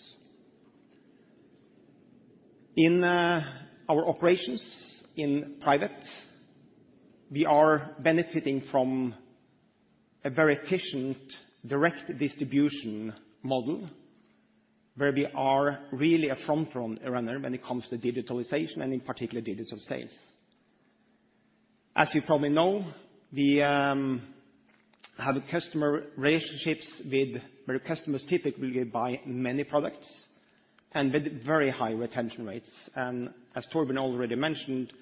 Speaker 9: In our operations in private, we are benefiting from a very efficient direct distribution model where we are really a front-runner when it comes to digitalization and in particular digital sales. As you probably know, we have customer relationships where customers typically buy many products and with very high retention rates. As Torbjörn already mentioned,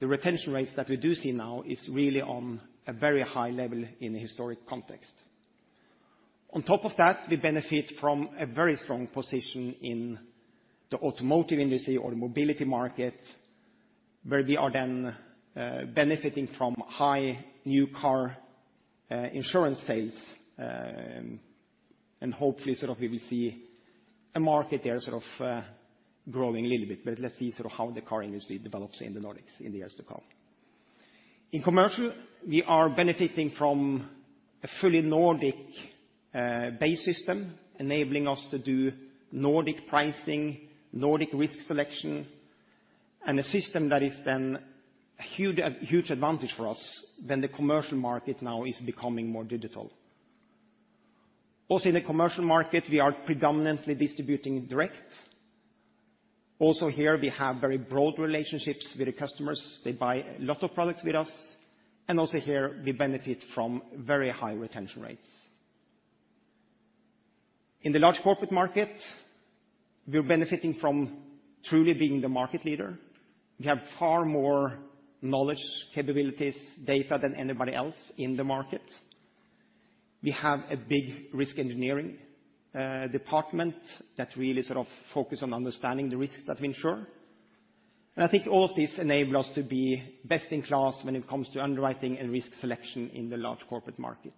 Speaker 9: the retention rate that we do see now is really on a very high level in a historic context. On top of that, we benefit from a very strong position in the automotive industry or the mobility market where we are then benefiting from high new car insurance sales. And hopefully, sort of we will see a market there sort of growing a little bit. But let's see sort of how the car industry develops in the Nordics in the years to come. In commercial, we are benefiting from a fully Nordic base system enabling us to do Nordic pricing, Nordic risk selection, and a system that is then a huge advantage for us when the commercial market now is becoming more digital. Also in the commercial market, we are predominantly distributing direct. Also here, we have very broad relationships with the customers. They buy a lot of products with us. And also here, we benefit from very high retention rates. In the large corporate market, we're benefiting from truly being the market leader. We have far more knowledge, capabilities, data than anybody else in the market. We have a big risk engineering department that really sort of focuses on understanding the risks that we insure. And I think all of this enables us to be best in class when it comes to underwriting and risk selection in the large corporate market.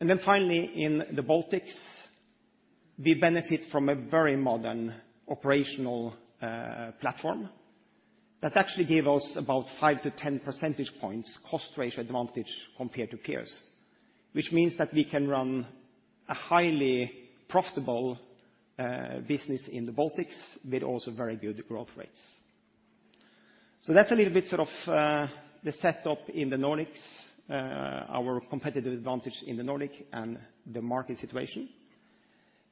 Speaker 9: And then finally, in the Baltics, we benefit from a very modern operational platform that actually gives us about 5 to 10 percentage points cost ratio advantage compared to peers, which means that we can run a highly profitable business in the Baltics with also very good growth rates. So that's a little bit sort of the setup in the Nordics, our competitive advantage in the Nordic, and the market situation.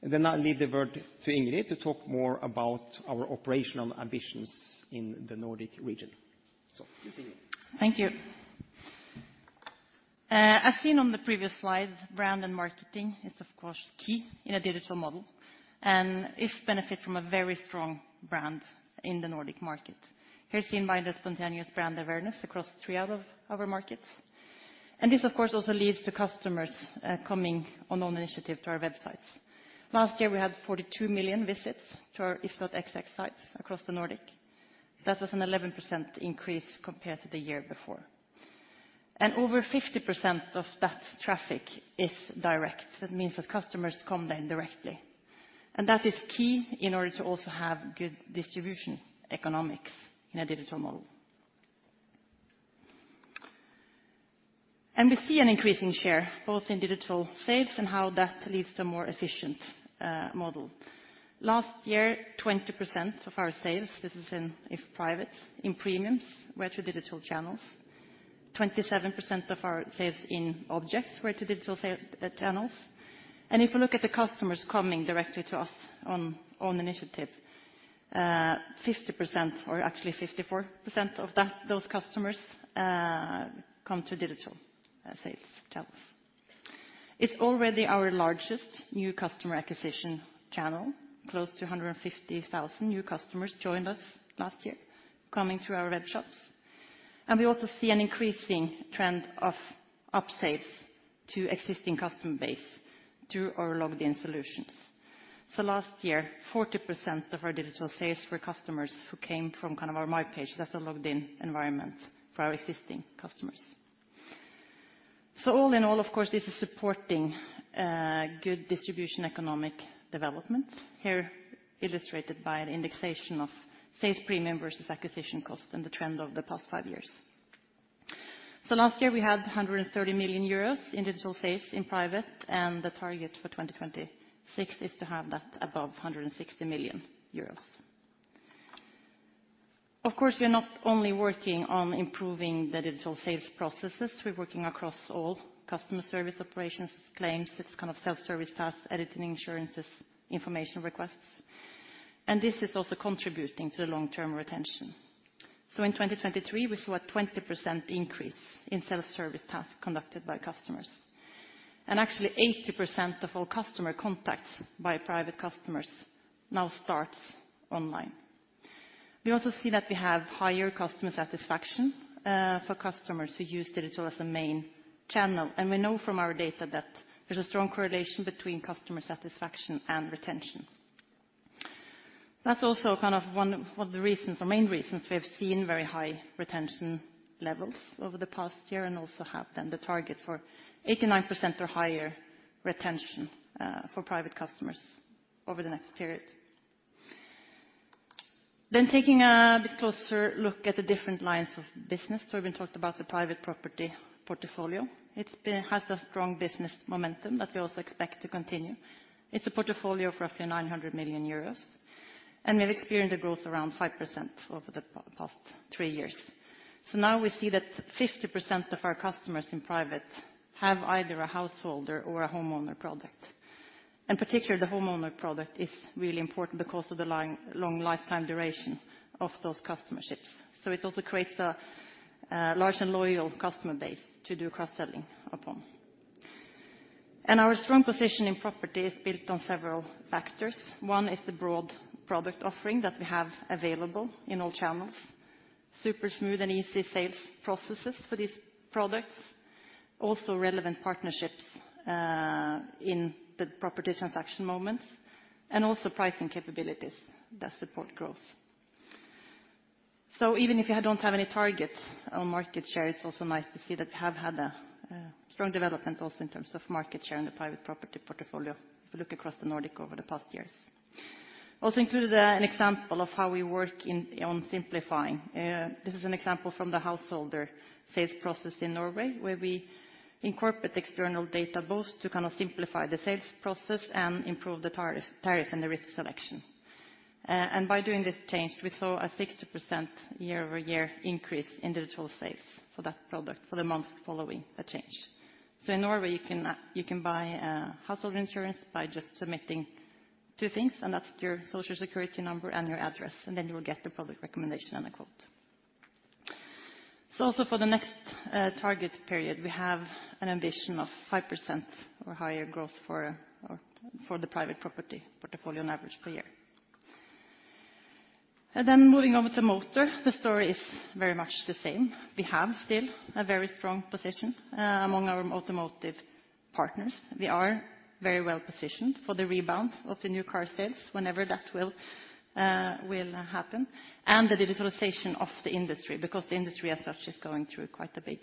Speaker 9: Then I'll leave the word to Ingrid to talk more about our operational ambitions in the Nordic region. So you see me.
Speaker 10: Thank you. As seen on the previous slide, brand and marketing is, of course, key in a digital model and is benefit from a very strong brand in the Nordic market. Here seen by the spontaneous brand awareness across three out of our markets. And this, of course, also leads to customers coming on own initiative to our websites. Last year, we had 42 million visits to our, If.xx, sites across the Nordic. That was an 11% increase compared to the year before. And over 50% of that traffic is direct. That means that customers come then directly. And that is key in order to also have good distribution economics in a digital model. We see an increasing share both in digital sales and how that leads to a more efficient model. Last year, 20% of our sales – this is in If Private – in premiums went to digital channels. 27% of our sales in objects went to digital channels. If you look at the customers coming directly to us on own initiative, 50% or actually 54% of those customers come to digital sales channels. It's already our largest new customer acquisition channel. Close to 150,000 new customers joined us last year coming through our webshops. We also see an increasing trend of upsales to existing customer base through our logged-in solutions. Last year, 40% of our digital sales were customers who came from kind of our My Pages. That's a logged-in environment for our existing customers. So all in all, of course, this is supporting good distribution economic development, here illustrated by the indexation of sales premium versus acquisition cost and the trend of the past five years. So last year, we had 130 million euros in digital sales in private. And the target for 2026 is to have that above 160 million euros. Of course, we are not only working on improving the digital sales processes. We're working across all customer service operations, claims, it's kind of self-service tasks, editing insurances, information requests. And this is also contributing to the long-term retention. So in 2023, we saw a 20% increase in self-service tasks conducted by customers. And actually, 80% of all customer contacts by private customers now starts online. We also see that we have higher customer satisfaction for customers who use digital as a main channel. We know from our data that there's a strong correlation between customer satisfaction and retention. That's also kind of one of the reasons or main reasons we have seen very high retention levels over the past year and also have then the target for 89% or higher retention for private customers over the next period. Taking a bit closer look at the different lines of business, Torbjörn talked about the private property portfolio. It has a strong business momentum that we also expect to continue. It's a portfolio of roughly 900 million euros. We've experienced a growth around 5% over the past three years. Now we see that 50% of our customers in private have either a household or a homeowner product. In particular, the homeowner product is really important because of the long lifetime duration of those customerships. So it also creates a large and loyal customer base to do cross-selling upon. Our strong position in property is built on several factors. One is the broad product offering that we have available in all channels, super smooth and easy sales processes for these products, also relevant partnerships in the property transaction moments, and also pricing capabilities that support growth. So even if you don't have any target on market share, it's also nice to see that we have had a strong development also in terms of market share in the private property portfolio if you look across the Nordics over the past years. Also included an example of how we work on simplifying. This is an example from the household sales process in Norway where we incorporate external data both to kind of simplify the sales process and improve the tariff and the risk selection. By doing this change, we saw a 60% year-over-year increase in digital sales for that product for the months following the change. In Norway, you can buy household insurance by just submitting two things. That's your social security number and your address. Then you will get the product recommendation and a quote. Also for the next target period, we have an ambition of 5% or higher growth for the private property portfolio on average per year. Moving over to motor, the story is very much the same. We have still a very strong position among our automotive partners. We are very well positioned for the rebound of the new car sales whenever that will happen and the digitalization of the industry because the industry as such is going through quite a big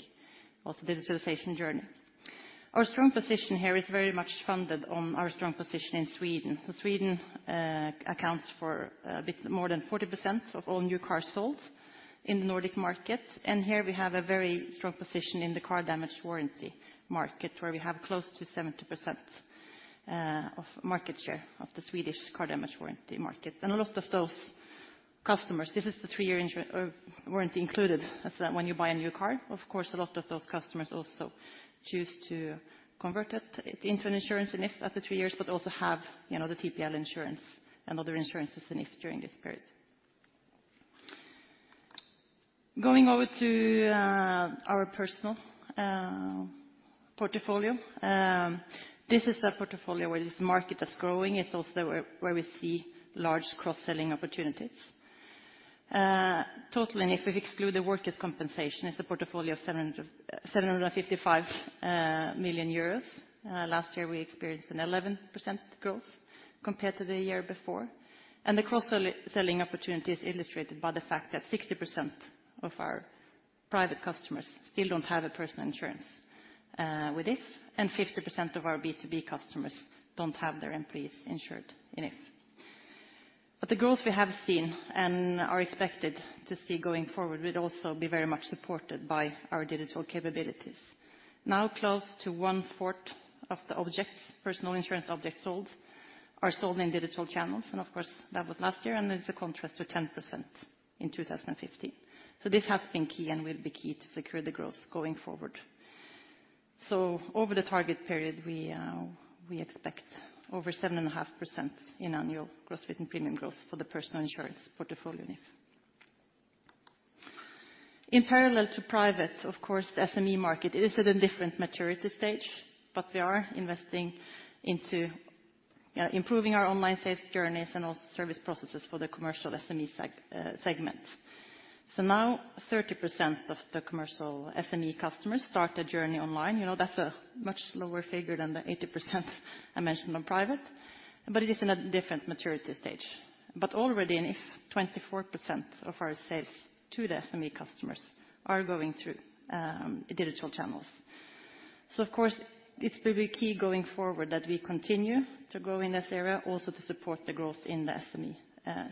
Speaker 10: also digitalization journey. Our strong position here is very much founded on our strong position in Sweden. Sweden accounts for a bit more than 40% of all new cars sold in the Nordic market. Here we have a very strong position in the car damage warranty market where we have close to 70% of market share of the Swedish car damage warranty market. A lot of those customers, this is the three-year warranty included when you buy a new car. Of course, a lot of those customers also choose to convert it into an insurance in If at the three years but also have the TPL insurance and other insurances in If during this period. Going over to our personal portfolio, this is a portfolio where this market that's growing, it's also where we see large cross-selling opportunities. Totally, if we exclude the workers' compensation, it's a portfolio of 755 million euros. Last year, we experienced an 11% growth compared to the year before. The cross-selling opportunity is illustrated by the fact that 60% of our private customers still don't have a personal insurance with If, and 50% of our B2B customers don't have their employees insured in If. The growth we have seen and are expected to see going forward would also be very much supported by our digital capabilities. Now, close to one-fourth of the personal insurance objects sold are sold in digital channels. Of course, that was last year. It's a contrast to 10% in 2015. This has been key and will be key to secure the growth going forward. So over the target period, we expect over 7.5% in annual gross written premium growth for the personal insurance portfolio in If. In parallel to private, of course, the SME market, it is at a different maturity stage. But we are investing into improving our online sales journeys and also service processes for the commercial SME segment. So now, 30% of the commercial SME customers start a journey online. That's a much lower figure than the 80% I mentioned on private. But it is in a different maturity stage. But already in If, 24% of our sales to the SME customers are going through digital channels. So of course, it's going to be key going forward that we continue to grow in this area, also to support the growth in the SME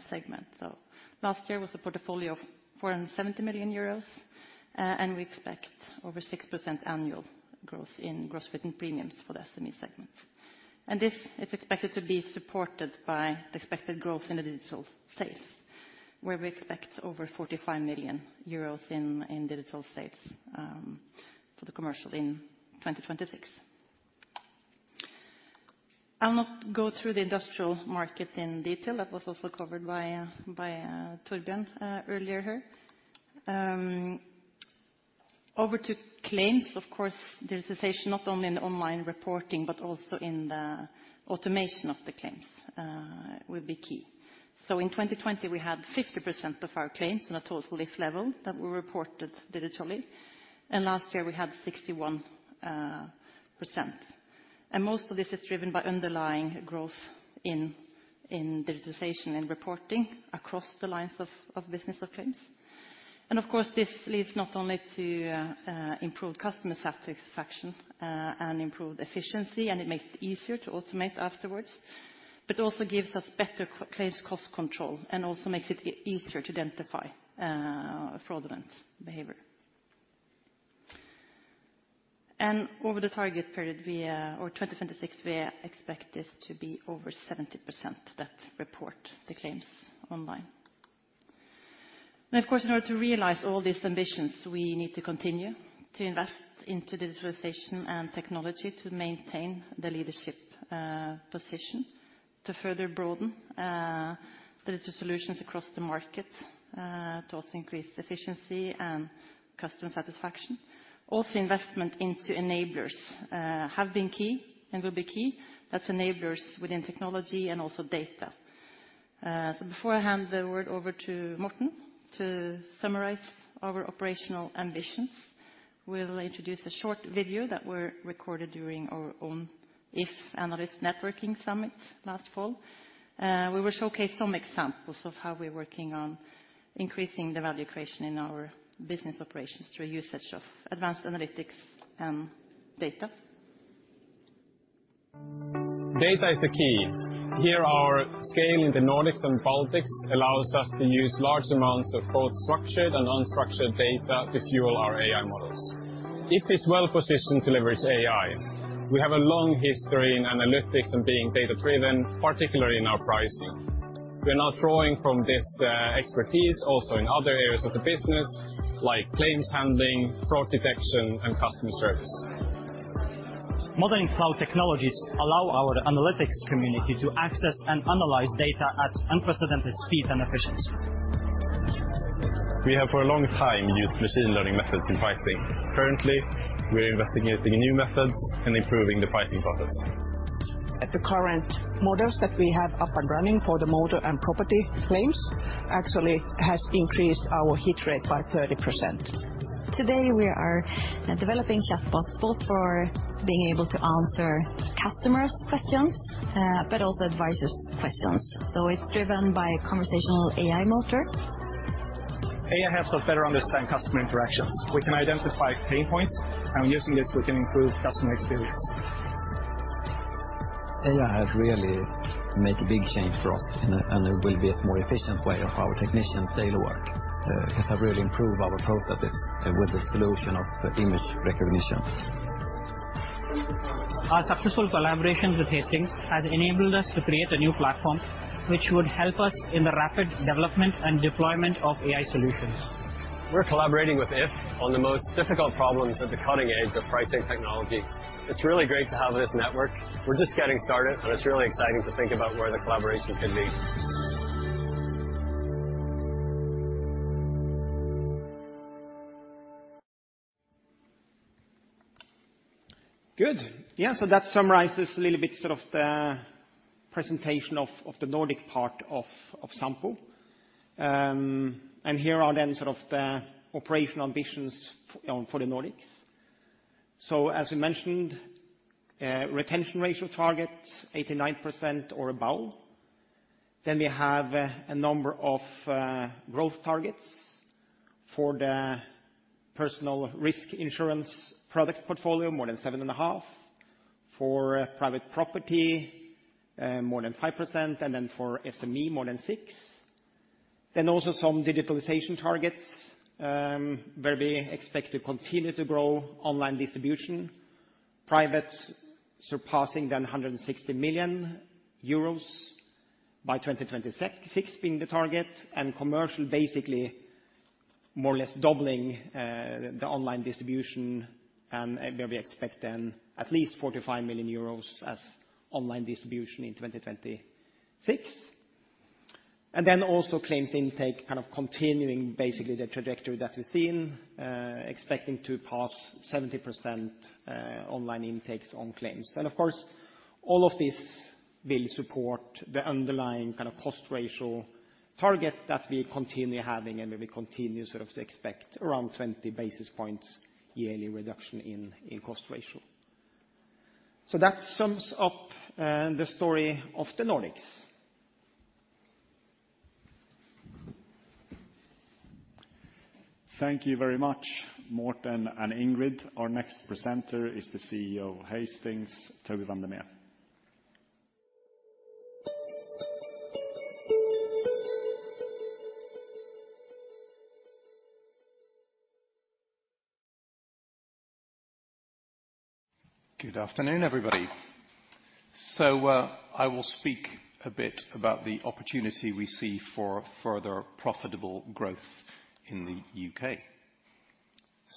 Speaker 10: segment. So last year, it was a portfolio of 470 million euros. We expect over 6% annual growth in gross written premiums for the SME segment. It's expected to be supported by the expected growth in the digital sales where we expect over 45 million euros in digital sales for the commercial in 2026. I'll not go through the industrial market in detail. That was also covered by Torbjörn earlier here. Over to claims, of course, digitization not only in the online reporting but also in the automation of the claims will be key. So in 2020, we had 50% of our claims on a total If level that were reported digitally. Last year, we had 61%. Most of this is driven by underlying growth in digitization and reporting across the lines of business of claims. And of course, this leads not only to improved customer satisfaction and improved efficiency, and it makes it easier to automate afterwards, but also gives us better claims cost control and also makes it easier to identify fraudulent behavior. And over the target period, or 2026, we expect this to be over 70% that report the claims online. And of course, in order to realize all these ambitions, we need to continue to invest into digitalization and technology to maintain the leadership position, to further broaden the digital solutions across the market to also increase efficiency and customer satisfaction. Also, investment into enablers have been key and will be key. That's enablers within technology and also data. So before I hand the word over to Morten to summarize our operational ambitions, we'll introduce a short video that were recorded during our own If Analyst Networking Summit last fall. We will showcase some examples of how we're working on increasing the value creation in our business operations through usage of advanced analytics and data.
Speaker 9: Good. Yeah. So that summarizes a little bit sort of the presentation of the Nordic part of Sampo. Here are then sort of the operational ambitions for the Nordics. So as we mentioned, retention ratio target, 89% or above. Then we have a number of growth targets for the personal risk insurance product portfolio, more than 7.5%. For private property, more than 5%. And then for SME, more than 6%. Then also some digitalization targets where we expect to continue to grow online distribution, private surpassing then 160 million euros by 2026 being the target, and commercial basically more or less doubling the online distribution. Where we expect then at least 45 million euros as online distribution in 2026. And then also claims intake kind of continuing basically the trajectory that we've seen, expecting to pass 70% online intakes on claims. And of course, all of this will support the underlying kind of cost ratio target that we continue having and where we continue sort of to expect around 20 basis points yearly reduction in cost ratio. So that sums up the story of the Nordics.
Speaker 1: Thank you very much, Morten and Ingrid. Our next presenter is the CEO of Hastings, Tobias van der Meer.
Speaker 11: Good afternoon, everybody. So I will speak a bit about the opportunity we see for further profitable growth in the UK.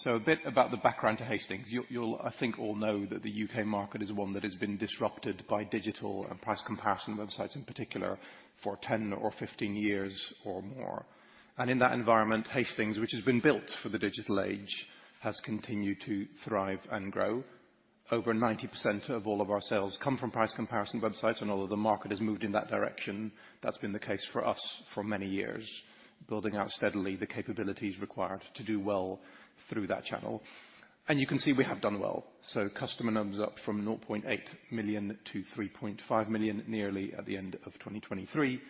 Speaker 11: So a bit about the background to Hastings. You'll, I think, all know that the UK market is one that has been disrupted by digital and price comparison websites in particular for 10 or 15 years or more. In that environment, Hastings, which has been built for the digital age, has continued to thrive and grow. Over 90% of all of our sales come from price comparison websites. Although the market has moved in that direction, that's been the case for us for many years, building out steadily the capabilities required to do well through that channel. You can see we have done well. Customer numbers up from 0.8 million to 3.5 million nearly at the end of 2023.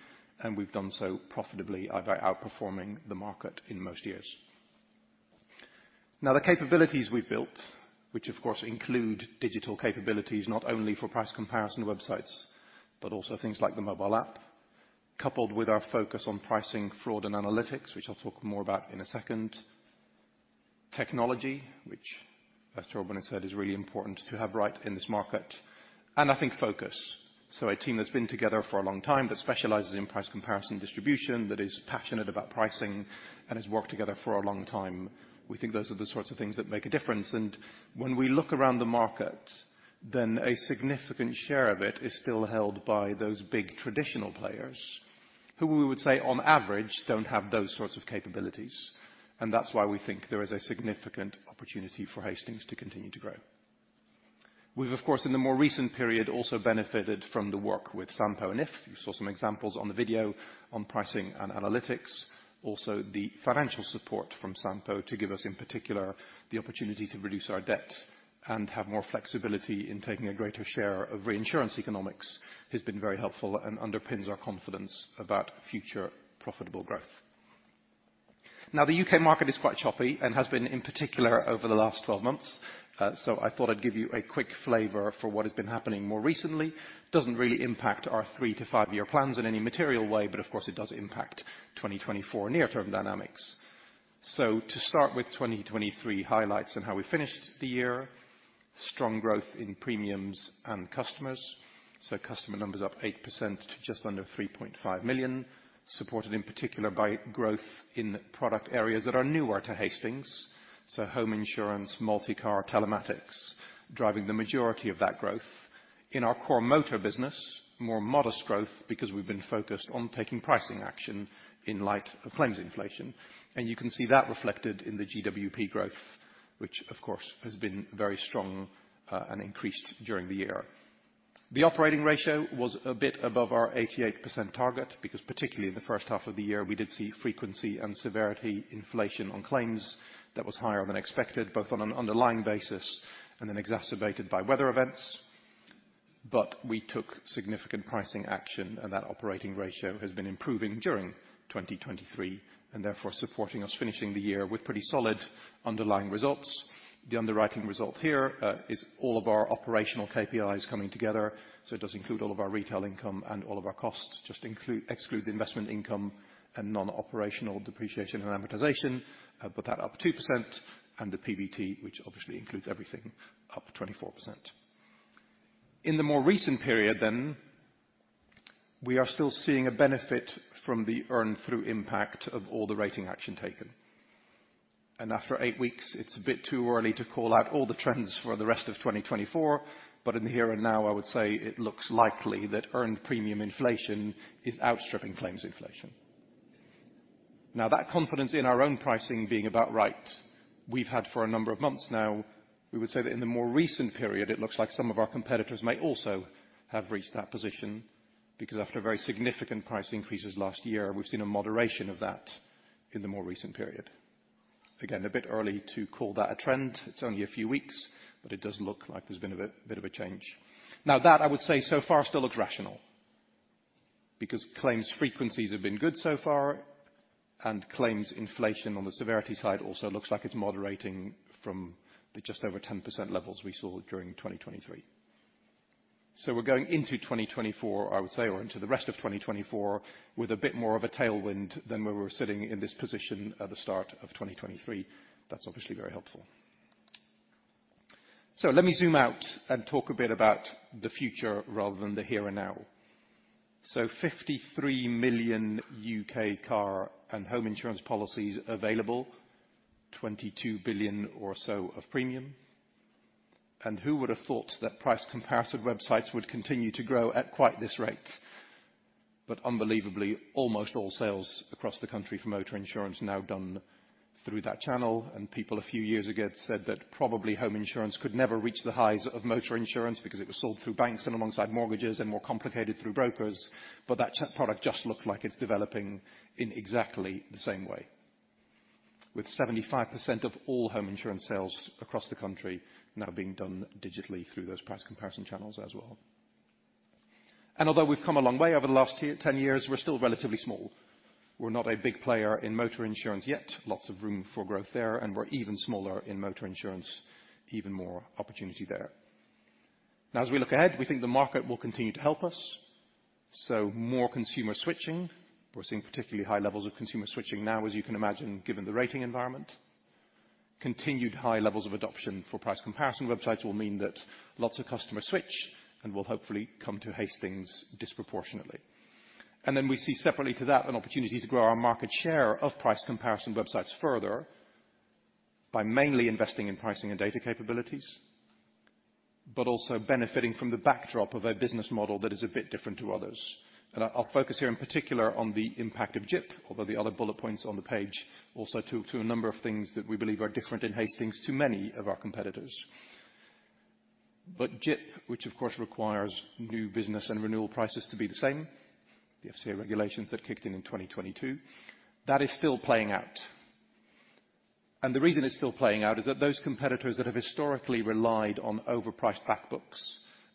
Speaker 11: We've done so profitably by outperforming the market in most years. Now, the capabilities we've built, which of course include digital capabilities not only for price comparison websites but also things like the mobile app, coupled with our focus on pricing, fraud, and analytics, which I'll talk more about in a second, technology, which, as Torbjörn has said, is really important to have right in this market, and I think focus. So a team that's been together for a long time that specializes in price comparison distribution, that is passionate about pricing, and has worked together for a long time. We think those are the sorts of things that make a difference. And when we look around the market, then a significant share of it is still held by those big traditional players who, we would say, on average, don't have those sorts of capabilities. And that's why we think there is a significant opportunity for Hastings to continue to grow. We've, of course, in the more recent period also benefited from the work with Sampo and If. You saw some examples on the video on pricing and analytics. Also, the financial support from Sampo to give us, in particular, the opportunity to reduce our debt and have more flexibility in taking a greater share of reinsurance economics has been very helpful and underpins our confidence about future profitable growth. Now, the UK market is quite choppy and has been, in particular, over the last 12 months. So I thought I'd give you a quick flavor for what has been happening more recently. It doesn't really impact our three-to-five-year plans in any material way. But of course, it does impact 2024 near-term dynamics. So to start with 2023 highlights and how we finished the year, strong growth in premiums and customers. So customer numbers up 8% to just under 3.5 million, supported in particular by growth in product areas that are newer to Hastings, so home insurance, multi-car, telematics, driving the majority of that growth. In our core motor business, more modest growth because we've been focused on taking pricing action in light of claims inflation. And you can see that reflected in the GWP growth, which, of course, has been very strong and increased during the year. The operating ratio was a bit above our 88% target because, particularly in the first half of the year, we did see frequency and severity inflation on claims that was higher than expected both on an underlying basis and then exacerbated by weather events. But we took significant pricing action. And that operating ratio has been improving during 2023 and therefore supporting us finishing the year with pretty solid underlying results. The underwriting result here is all of our operational KPIs coming together. So it does include all of our retail income and all of our costs. It just excludes investment income and non-operational depreciation and amortization, but that up 2%, and the PBT, which obviously includes everything, up 24%. In the more recent period, then, we are still seeing a benefit from the earned-through impact of all the rating action taken. After eight weeks, it's a bit too early to call out all the trends for the rest of 2024. In the here and now, I would say it looks likely that earned premium inflation is outstripping claims inflation. Now, that confidence in our own pricing being about right, we've had for a number of months now. We would say that in the more recent period, it looks like some of our competitors may also have reached that position because after very significant price increases last year, we've seen a moderation of that in the more recent period. Again, a bit early to call that a trend. It's only a few weeks. But it does look like there's been a bit of a change. Now, that, I would say, so far still looks rational because claims frequencies have been good so far. And claims inflation on the severity side also looks like it's moderating from the just over 10% levels we saw during 2023. So we're going into 2024, I would say, or into the rest of 2024 with a bit more of a tailwind than where we were sitting in this position at the start of 2023. That's obviously very helpful. So let me zoom out and talk a bit about the future rather than the here and now. So 53 million UK car and home insurance policies available, 22 billion or so of premium. And who would have thought that price comparison websites would continue to grow at quite this rate? But unbelievably, almost all sales across the country for motor insurance now done through that channel. And people a few years ago said that probably home insurance could never reach the highs of motor insurance because it was sold through banks and alongside mortgages and more complicated through brokers. But that product just looked like it's developing in exactly the same way, with 75% of all home insurance sales across the country now being done digitally through those price comparison channels as well. And although we've come a long way over the last 10 years, we're still relatively small. We're not a big player in motor insurance yet. Lots of room for growth there. We're even smaller in motor insurance, even more opportunity there. Now, as we look ahead, we think the market will continue to help us. More consumer switching. We're seeing particularly high levels of consumer switching now, as you can imagine, given the rating environment. Continued high levels of adoption for price comparison websites will mean that lots of customers switch and will hopefully come to Hastings disproportionately. Then we see, separately to that, an opportunity to grow our market share of price comparison websites further by mainly investing in pricing and data capabilities but also benefiting from the backdrop of a business model that is a bit different to others. I'll focus here, in particular, on the impact of GIP, although the other bullet points on the page also talk to a number of things that we believe are different in Hastings to many of our competitors. GIP, which of course requires new business and renewal prices to be the same. The FCA regulations that kicked in in 2022, that is still playing out. The reason it's still playing out is that those competitors that have historically relied on overpriced backbooks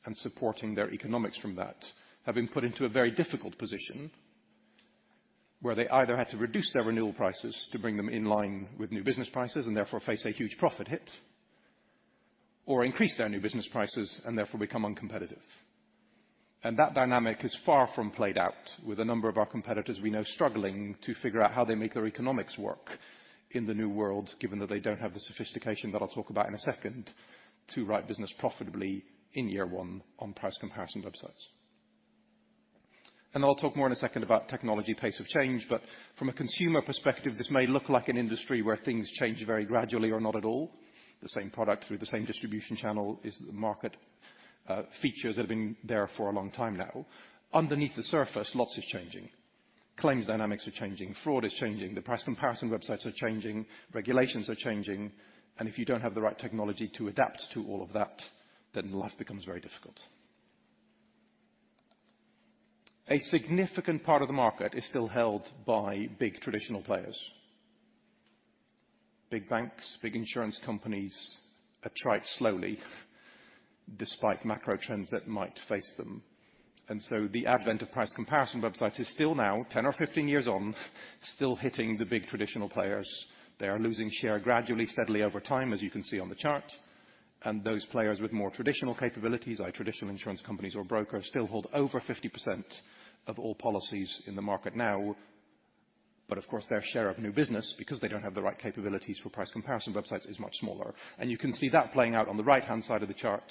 Speaker 11: and supporting their economics from that have been put into a very difficult position where they either had to reduce their renewal prices to bring them in line with new business prices and therefore face a huge profit hit or increase their new business prices and therefore become uncompetitive. That dynamic is far from played out, with a number of our competitors, we know, struggling to figure out how they make their economics work in the new world, given that they don't have the sophistication that I'll talk about in a second to write business profitably in year one on price comparison websites. And I'll talk more in a second about technology pace of change. But from a consumer perspective, this may look like an industry where things change very gradually or not at all. The same product through the same distribution channel is the market features that have been there for a long time now. Underneath the surface, lots is changing. Claims dynamics are changing. Fraud is changing. The price comparison websites are changing. Regulations are changing. And if you don't have the right technology to adapt to all of that, then life becomes very difficult. A significant part of the market is still held by big traditional players. Big banks, big insurance companies attract slowly despite macro trends that might face them. So the advent of price comparison websites is still now, 10 or 15 years on, still hitting the big traditional players. They are losing share gradually, steadily over time, as you can see on the chart. Those players with more traditional capabilities, either traditional insurance companies or brokers, still hold over 50% of all policies in the market now. But of course, their share of new business because they don't have the right capabilities for price comparison websites is much smaller. You can see that playing out on the right-hand side of the chart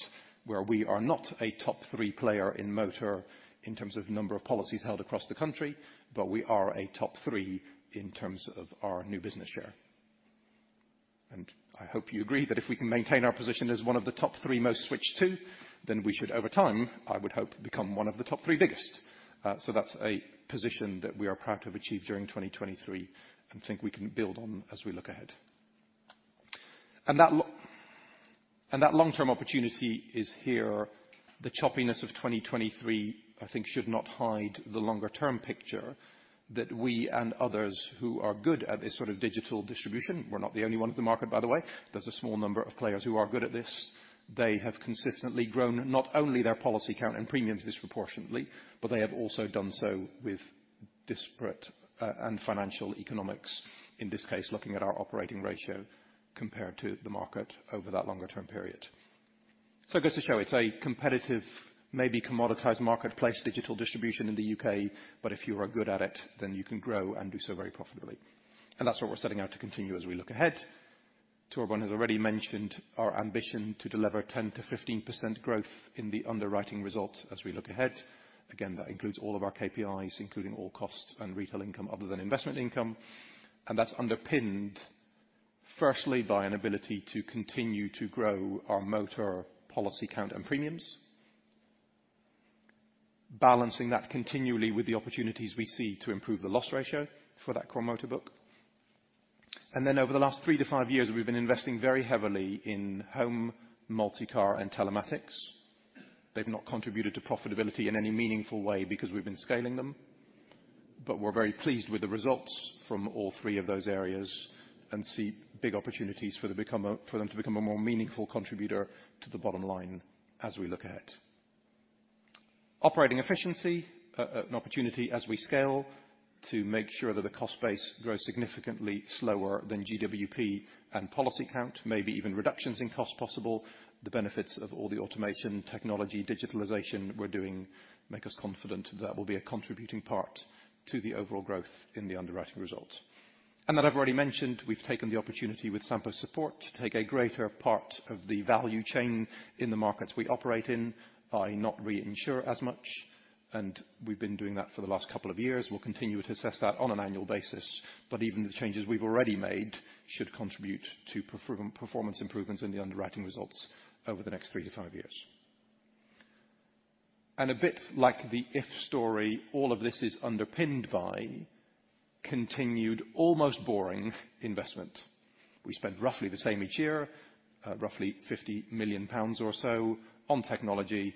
Speaker 11: where we are not a top three player in motor in terms of number of policies held across the country. But we are a top three in terms of our new business share. And I hope you agree that if we can maintain our position as one of the top three most switched to, then we should, over time, I would hope, become one of the top three biggest. So that's a position that we are proud to have achieved during 2023 and think we can build on as we look ahead. And that long-term opportunity is here. The choppiness of 2023, I think, should not hide the longer-term picture that we and others who are good at this sort of digital distribution. We're not the only one in the market, by the way. There's a small number of players who are good at this. They have consistently grown not only their policy count and premiums disproportionately, but they have also done so with disparate and financial economics, in this case, looking at our operating ratio compared to the market over that longer-term period. So I guess to show, it's a competitive, maybe commoditized marketplace digital distribution in the UK. But if you are good at it, then you can grow and do so very profitably. And that's what we're setting out to continue as we look ahead. Torbjörn has already mentioned our ambition to deliver 10% to 15% growth in the underwriting results as we look ahead. Again, that includes all of our KPIs, including all costs and retail income other than investment income. And that's underpinned, firstly, by an ability to continue to grow our motor policy count and premiums, balancing that continually with the opportunities we see to improve the loss ratio for that core motor book. And then over the last three to five years, we've been investing very heavily in home, multi-car, and telematics. They've not contributed to profitability in any meaningful way because we've been scaling them. But we're very pleased with the results from all three of those areas and see big opportunities for them to become a more meaningful contributor to the bottom line as we look ahead. Operating efficiency, an opportunity as we scale to make sure that the cost base grows significantly slower than GWP and policy count, maybe even reductions in cost possible. The benefits of all the automation, technology, digitalization we're doing make us confident that that will be a contributing part to the overall growth in the underwriting results. And that I've already mentioned, we've taken the opportunity with Sampo support to take a greater part of the value chain in the markets we operate in by not reinsuring as much. And we've been doing that for the last couple of years. We'll continue to assess that on an annual basis. But even the changes we've already made should contribute to performance improvements in the underwriting results over the next three to five years. And a bit like the If story, all of this is underpinned by continued, almost boring investment. We spend roughly the same each year, roughly 50 million pounds or so on technology.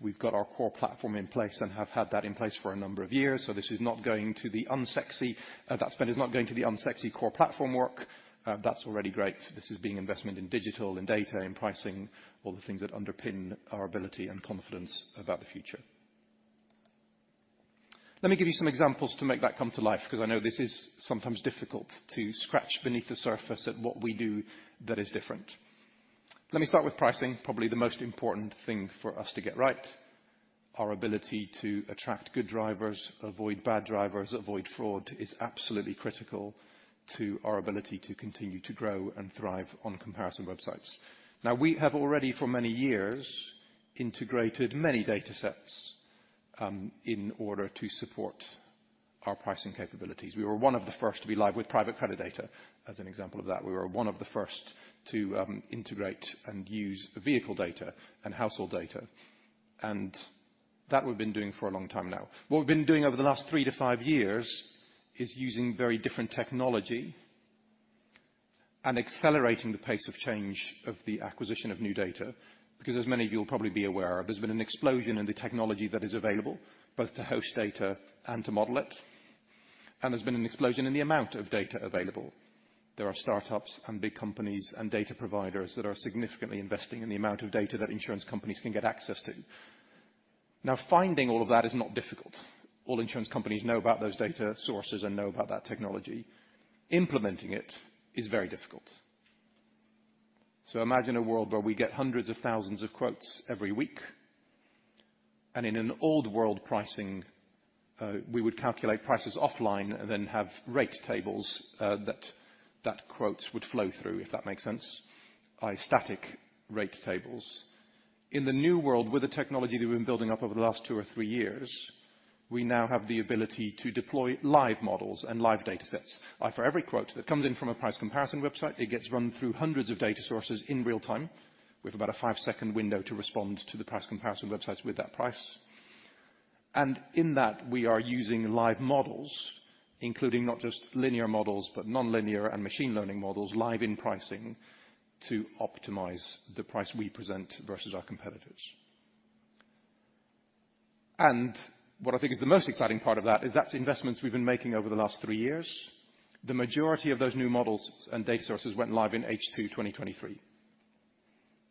Speaker 11: We've got our core platform in place and have had that in place for a number of years. So this is not going to the unsexy. That spend is not going to the unsexy core platform work. That's already great. This is being investment in digital, in data, in pricing, all the things that underpin our ability and confidence about the future. Let me give you some examples to make that come to life because I know this is sometimes difficult to scratch beneath the surface at what we do that is different. Let me start with pricing, probably the most important thing for us to get right. Our ability to attract good drivers, avoid bad drivers, avoid fraud is absolutely critical to our ability to continue to grow and thrive on comparison websites. Now, we have already, for many years, integrated many datasets in order to support our pricing capabilities. We were one of the first to be live with private credit data as an example of that. We were one of the first to integrate and use vehicle data and household data. And that we've been doing for a long time now. What we've been doing over the last three to five years is using very different technology and accelerating the pace of change of the acquisition of new data because, as many of you will probably be aware of, there's been an explosion in the technology that is available both to host data and to model it. And there's been an explosion in the amount of data available. There are startups and big companies and data providers that are significantly investing in the amount of data that insurance companies can get access to. Now, finding all of that is not difficult. All insurance companies know about those data sources and know about that technology. Implementing it is very difficult. So imagine a world where we get hundreds of thousands of quotes every week. And in an old world pricing, we would calculate prices offline and then have rate tables that quotes would flow through, if that makes sense, static rate tables. In the new world, with the technology that we've been building up over the last two or three years, we now have the ability to deploy live models and live datasets. For every quote that comes in from a price comparison website, it gets run through hundreds of data sources in real time with about a 5-second window to respond to the price comparison websites with that price. In that, we are using live models, including not just linear models but nonlinear and machine learning models live in pricing to optimize the price we present versus our competitors. What I think is the most exciting part of that is that's investments we've been making over the last three years. The majority of those new models and data sources went live in H2 2023.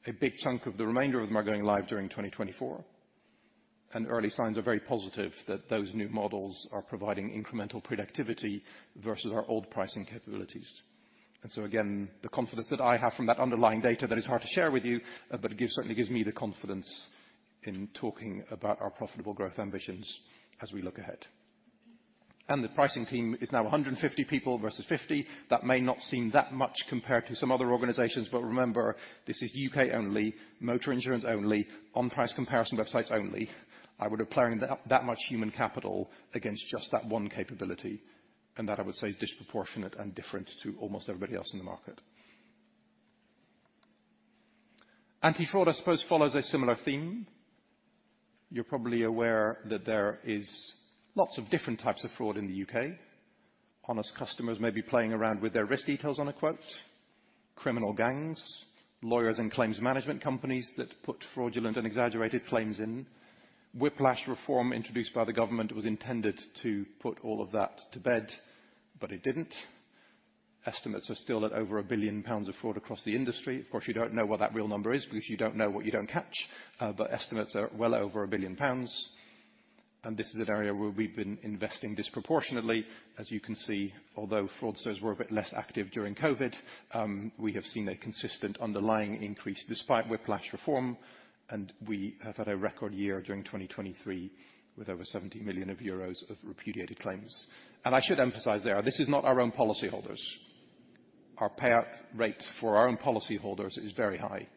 Speaker 11: A big chunk of the remainder of them are going live during 2024. Early signs are very positive that those new models are providing incremental productivity versus our old pricing capabilities. So again, the confidence that I have from that underlying data that is hard to share with you but certainly gives me the confidence in talking about our profitable growth ambitions as we look ahead. The pricing team is now 150 people versus 50. That may not seem that much compared to some other organizations. Remember, this is U.K. only, motor insurance only, on price comparison websites only. I would have deployed that much human capital against just that one capability. That, I would say, is disproportionate and different to almost everybody else in the market. Anti-fraud, I suppose, follows a similar theme. You're probably aware that there is lots of different types of fraud in the U.K. Honest customers may be playing around with their risk details on a quote, criminal gangs, lawyers and claims management companies that put fraudulent and exaggerated claims in. Whiplash Reform introduced by the government was intended to put all of that to bed, but it didn't. Estimates are still at over 1 billion pounds of fraud across the industry. Of course, you don't know what that real number is because you don't know what you don't catch. But estimates are well over 1 billion pounds. This is an area where we've been investing disproportionately, as you can see. Although fraudsters were a bit less active during COVID, we have seen a consistent underlying increase despite Whiplash Reform. We have had a record year during 2023 with over 70 million euros of repudiated claims. I should emphasize there, this is not our own policyholders. Our payout rate for our own policyholders is very high.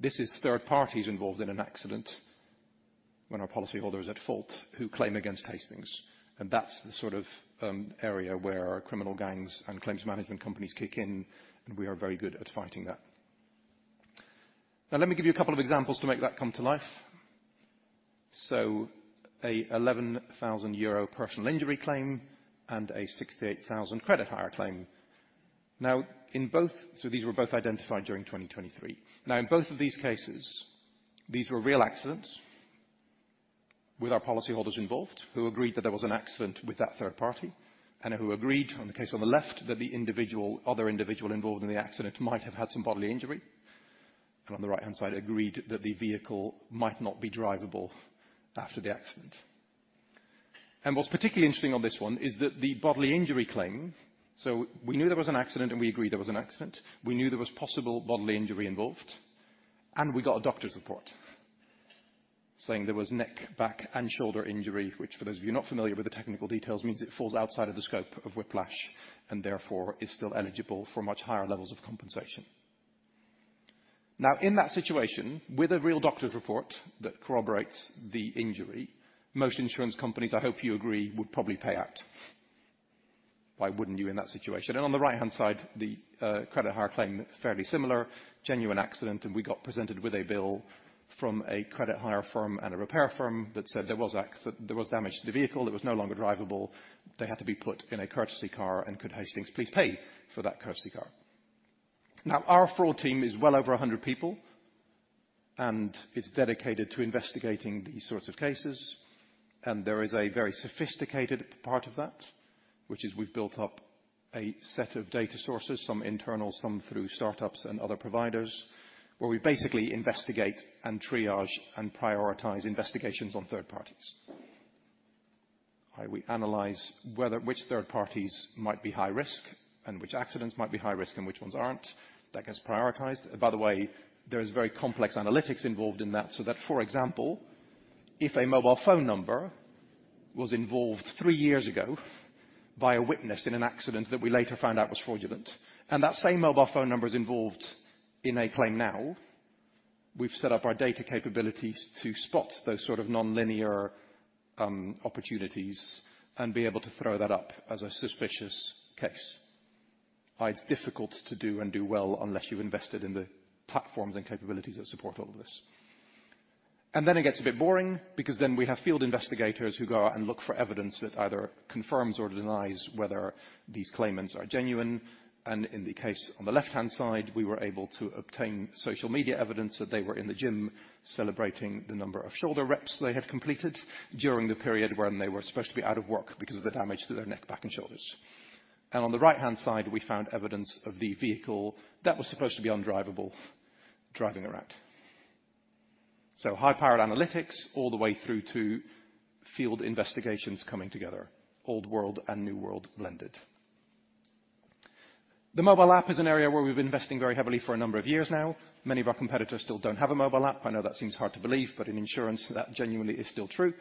Speaker 11: This is third parties involved in an accident when our policyholder is at fault who claim against Hastings. That's the sort of area where criminal gangs and claims management companies kick in. And we are very good at fighting that. Now, let me give you a couple of examples to make that come to life. So an 11,000 euro personal injury claim and a 68,000 credit hire claim. Now, in both these were both identified during 2023. Now, in both of these cases, these were real accidents with our policyholders involved who agreed that there was an accident with that third party and who agreed on the case on the left that the other individual involved in the accident might have had some bodily injury and on the right-hand side agreed that the vehicle might not be drivable after the accident. What's particularly interesting on this one is that the bodily injury claim, so we knew there was an accident, and we agreed there was an accident. We knew there was possible bodily injury involved. We got a doctor's report saying there was neck, back, and shoulder injury, which for those of you not familiar with the technical details means it falls outside of the scope of whiplash and therefore is still eligible for much higher levels of compensation. Now, in that situation, with a real doctor's report that corroborates the injury, most insurance companies, I hope you agree, would probably pay out. Why wouldn't you in that situation? On the right-hand side, the credit hire claim, fairly similar, genuine accident. We got presented with a bill from a credit hire firm and a repair firm that said there was damage to the vehicle. It was no longer drivable. They had to be put in a courtesy car and could the Hastings policy pay for that courtesy car. Now, our fraud team is well over 100 people. It's dedicated to investigating these sorts of cases. There is a very sophisticated part of that, which is we've built up a set of data sources, some internal, some through startups and other providers, where we basically investigate and triage and prioritize investigations on third parties. We analyze which third parties might be high risk and which accidents might be high risk and which ones aren't. That gets prioritized. By the way, there is very complex analytics involved in that. So that, for example, if a mobile phone number was involved three years ago by a witness in an accident that we later found out was fraudulent and that same mobile phone number is involved in a claim now, we've set up our data capabilities to spot those sort of nonlinear opportunities and be able to throw that up as a suspicious case. It's difficult to do and do well unless you've invested in the platforms and capabilities that support all of this. Then it gets a bit boring because then we have field investigators who go out and look for evidence that either confirms or denies whether these claimants are genuine. In the case on the left-hand side, we were able to obtain social media evidence that they were in the gym celebrating the number of shoulder reps they had completed during the period when they were supposed to be out of work because of the damage to their neck, back, and shoulders. On the right-hand side, we found evidence of the vehicle that was supposed to be undrivable driving around. High-powered analytics all the way through to field investigations coming together, old world and new world blended. The mobile app is an area where we've been investing very heavily for a number of years now. Many of our competitors still don't have a mobile app. I know that seems hard to believe, but in insurance, that genuinely is still true.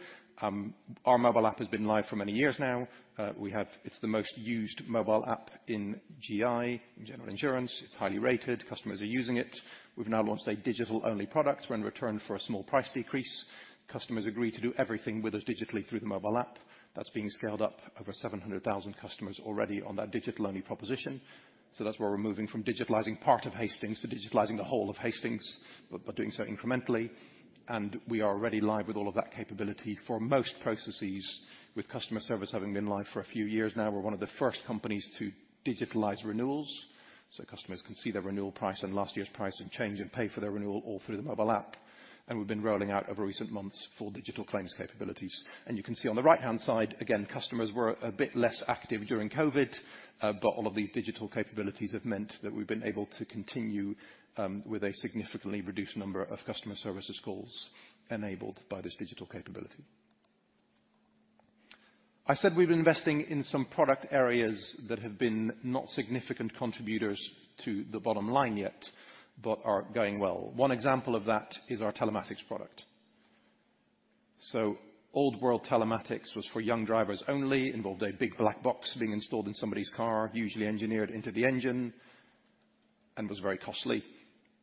Speaker 11: Our mobile app has been live for many years now. It's the most used mobile app in GI, in general insurance. It's highly rated. Customers are using it. We've now launched a digital-only product where in return for a small price decrease, customers agree to do everything with us digitally through the mobile app. That's being scaled up over 700,000 customers already on that digital-only proposition. So that's where we're moving from digitalizing part of Hastings to digitalizing the whole of Hastings but doing so incrementally. And we are already live with all of that capability for most processes with customer service having been live for a few years now. We're one of the first companies to digitalize renewals. So customers can see their renewal price and last year's price and change and pay for their renewal all through the mobile app. And we've been rolling out over recent months full digital claims capabilities. You can see on the right-hand side, again, customers were a bit less active during COVID. All of these digital capabilities have meant that we've been able to continue with a significantly reduced number of customer services calls enabled by this digital capability. I said we've been investing in some product areas that have been not significant contributors to the bottom line yet but are going well. One example of that is our telematics product. Old world telematics was for young drivers only, involved a big black box being installed in somebody's car, usually engineered into the engine, and was very costly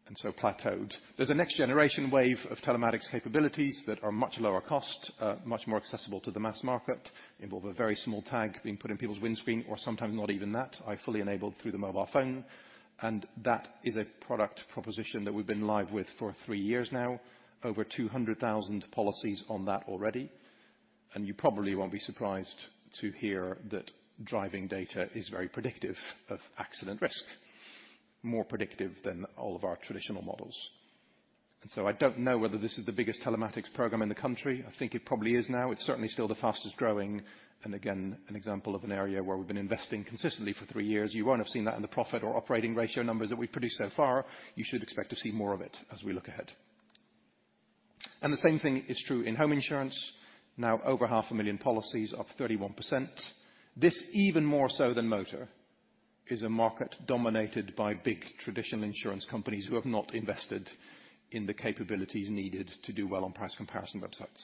Speaker 11: and so plateaued. There's a next generation wave of telematics capabilities that are much lower cost, much more accessible to the mass market, involve a very small tag being put in people's windshield or sometimes not even that, if fully enabled through the mobile phone. That is a product proposition that we've been live with for three years now, over 200,000 policies on that already. You probably won't be surprised to hear that driving data is very predictive of accident risk, more predictive than all of our traditional models. So I don't know whether this is the biggest telematics program in the country. I think it probably is now. It's certainly still the fastest growing. Again, an example of an area where we've been investing consistently for three years. You won't have seen that in the profit or operating ratio numbers that we've produced so far. You should expect to see more of it as we look ahead. The same thing is true in home insurance. Now, over 500,000 policies, up 31%. This even more so than motor is a market dominated by big traditional insurance companies who have not invested in the capabilities needed to do well on price comparison websites.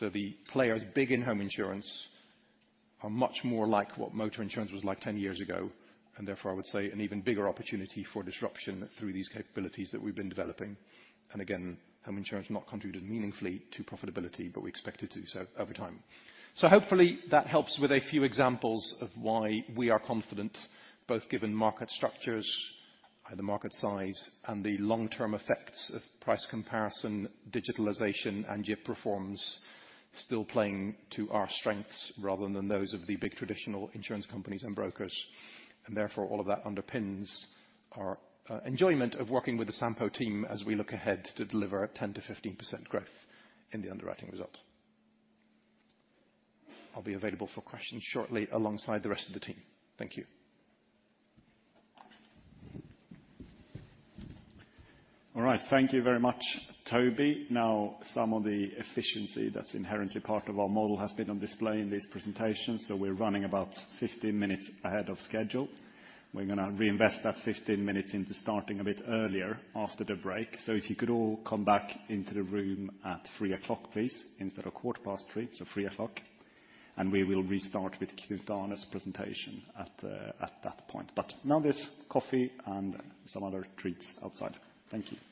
Speaker 11: So the players big in home insurance are much more like what motor insurance was like 10 years ago. And therefore, I would say an even bigger opportunity for disruption through these capabilities that we've been developing. And again, home insurance not contributed meaningfully to profitability, but we expected to over time. So hopefully, that helps with a few examples of why we are confident, both given market structures, either market size, and the long-term effects of price comparison, digitalization, and GIP reforms still playing to our strengths rather than those of the big traditional insurance companies and brokers. Therefore, all of that underpins our enjoyment of working with the Sampo team as we look ahead to deliver 10% to 15% growth in the underwriting results. I'll be available for questions shortly alongside the rest of the team. Thank you.
Speaker 1: All right. Thank you very much, Toby. Now, some of the efficiency that's inherently part of our model has been on display in these presentations. So we're running about 15 minutes ahead of schedule. We're going to reinvest that 15 minutes into starting a bit earlier after the break. So if you could all come back into the room at 3 o'clock, please, instead of quarter past 3, so 3 o'clock. And we will restart with Knut Alsaker's presentation at that point. But now there's coffee and some other treats outside. Thank you. All right.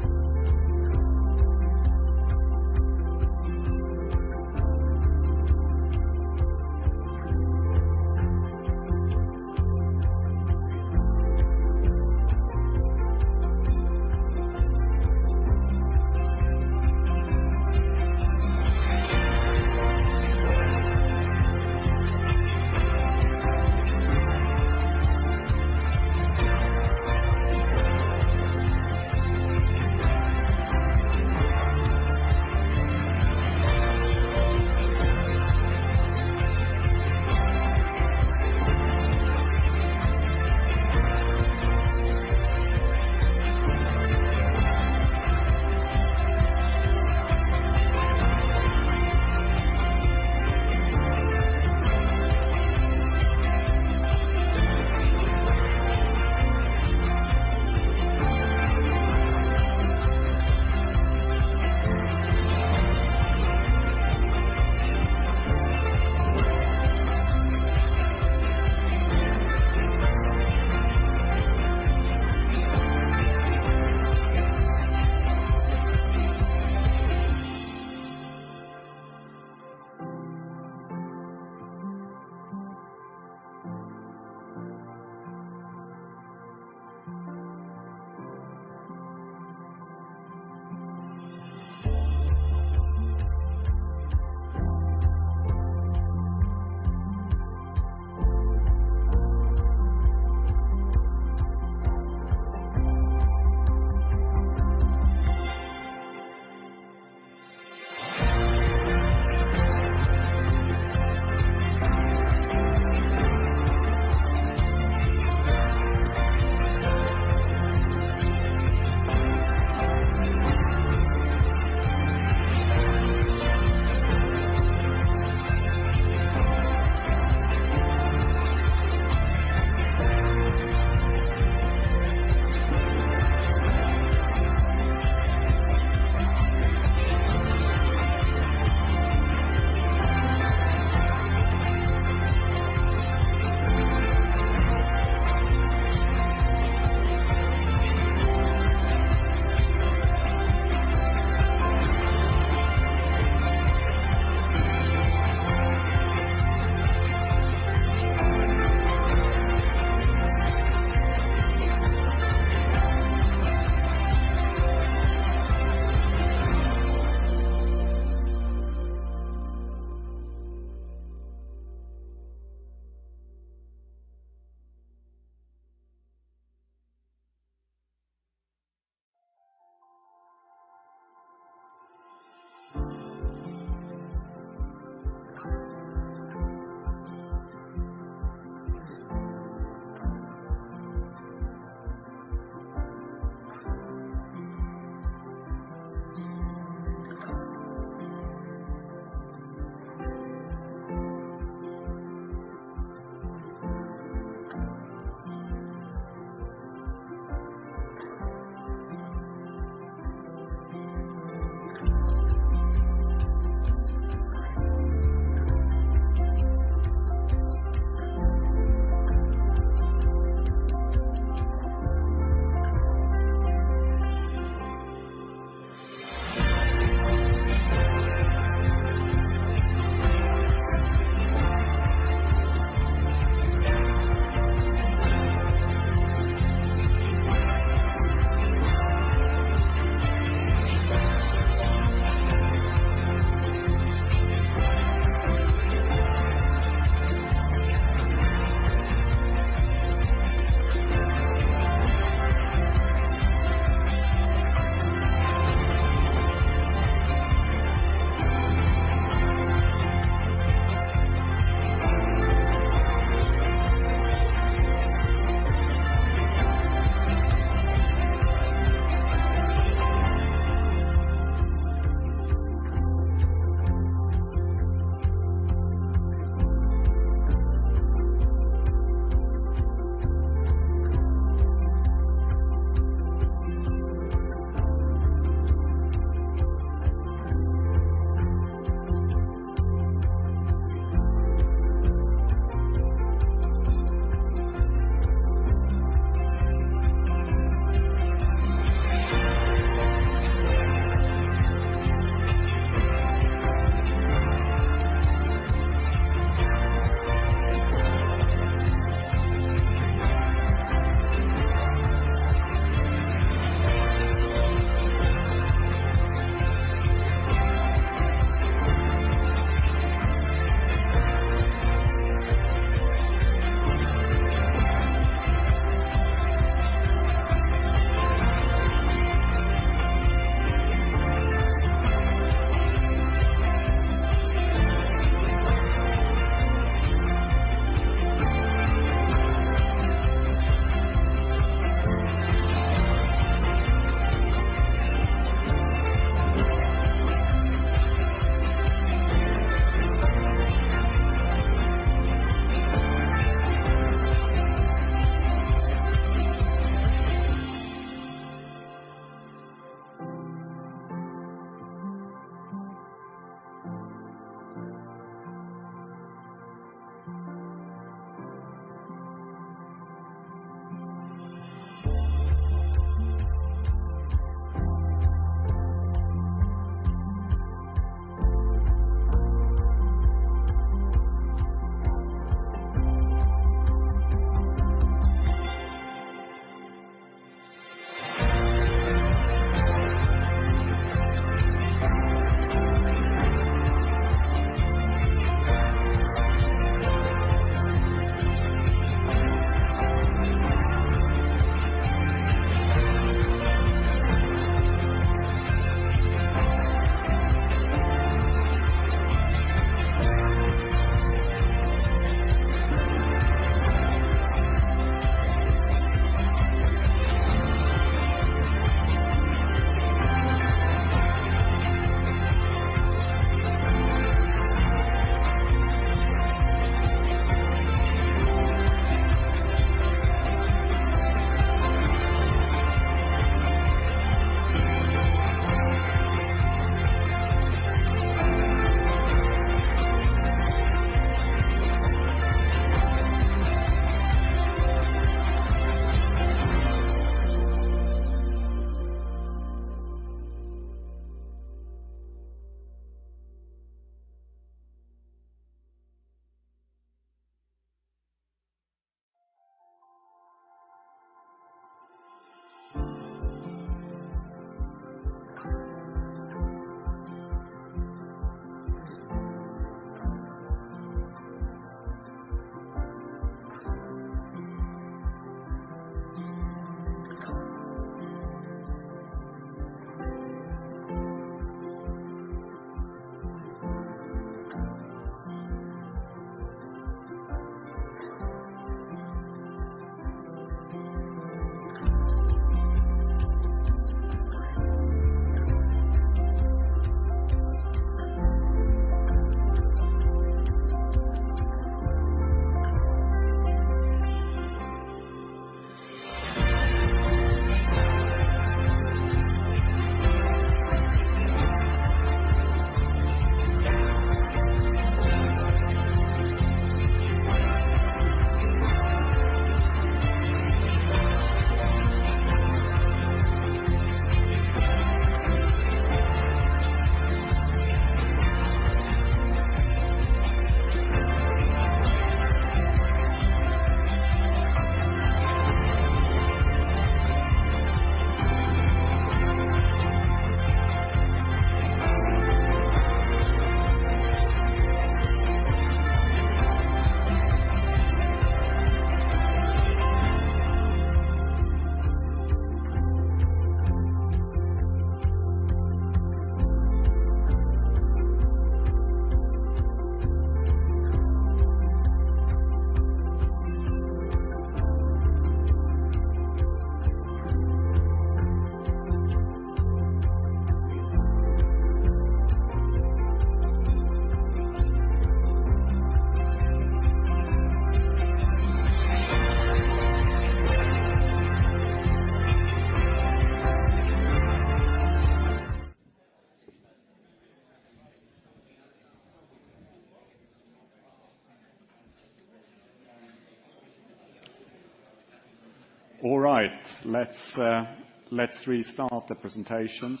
Speaker 1: Let's restart the presentations.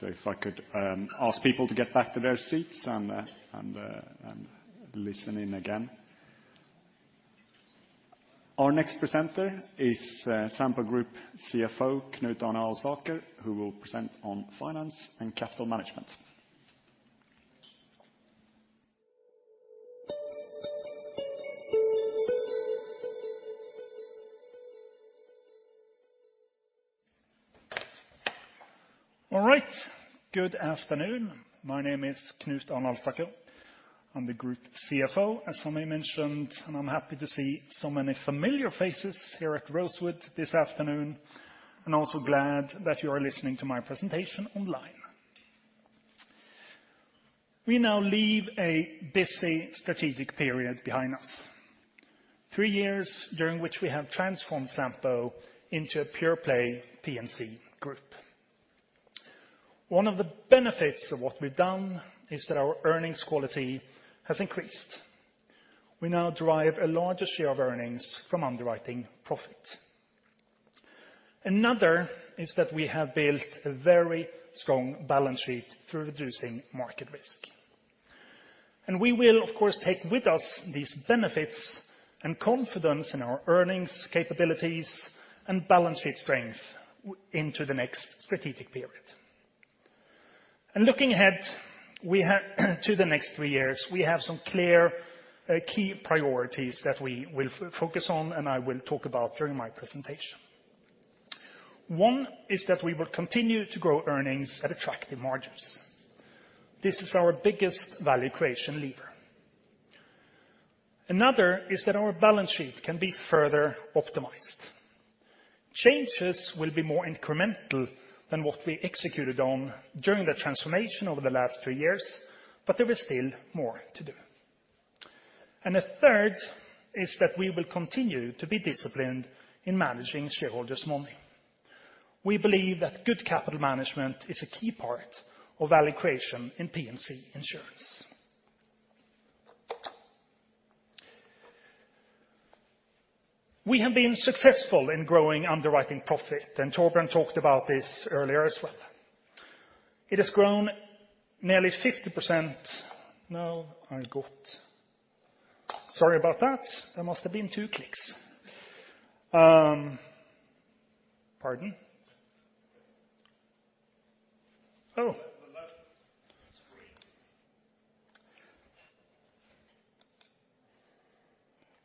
Speaker 1: So if I could ask people to get back to their seats and listen in again. Our next presenter is Sampo Group CFO, Knut Alsaker, who will present on finance and capital management. All right. Good afternoon. My name is Knut Alsaker.
Speaker 8: I'm the Group CFO, as somebody mentioned, and I'm happy to see so many familiar faces here at Rosewood this afternoon, and also glad that you are listening to my presentation online. We now leave a busy strategic period behind us, three years during which we have transformed Sampo into a pure-play P&C group. One of the benefits of what we've done is that our earnings quality has increased. We now derive a larger share of earnings from underwriting profit. Another is that we have built a very strong balance sheet through reducing market risk. We will, of course, take with us these benefits and confidence in our earnings capabilities and balance sheet strength into the next strategic period. Looking ahead to the next three years, we have some clear key priorities that we will focus on, and I will talk about during my presentation. One is that we will continue to grow earnings at attractive margins. This is our biggest value creation lever. Another is that our balance sheet can be further optimized. Changes will be more incremental than what we executed on during the transformation over the last three years, but there is still more to do. The third is that we will continue to be disciplined in managing shareholders' money. We believe that good capital management is a key part of value creation in P&C insurance. We have been successful in growing underwriting profit, and Torbjörn talked about this earlier as well. It has grown nearly 50%. Now, I got sorry about that. There must have been 2 clicks. Pardon. Oh.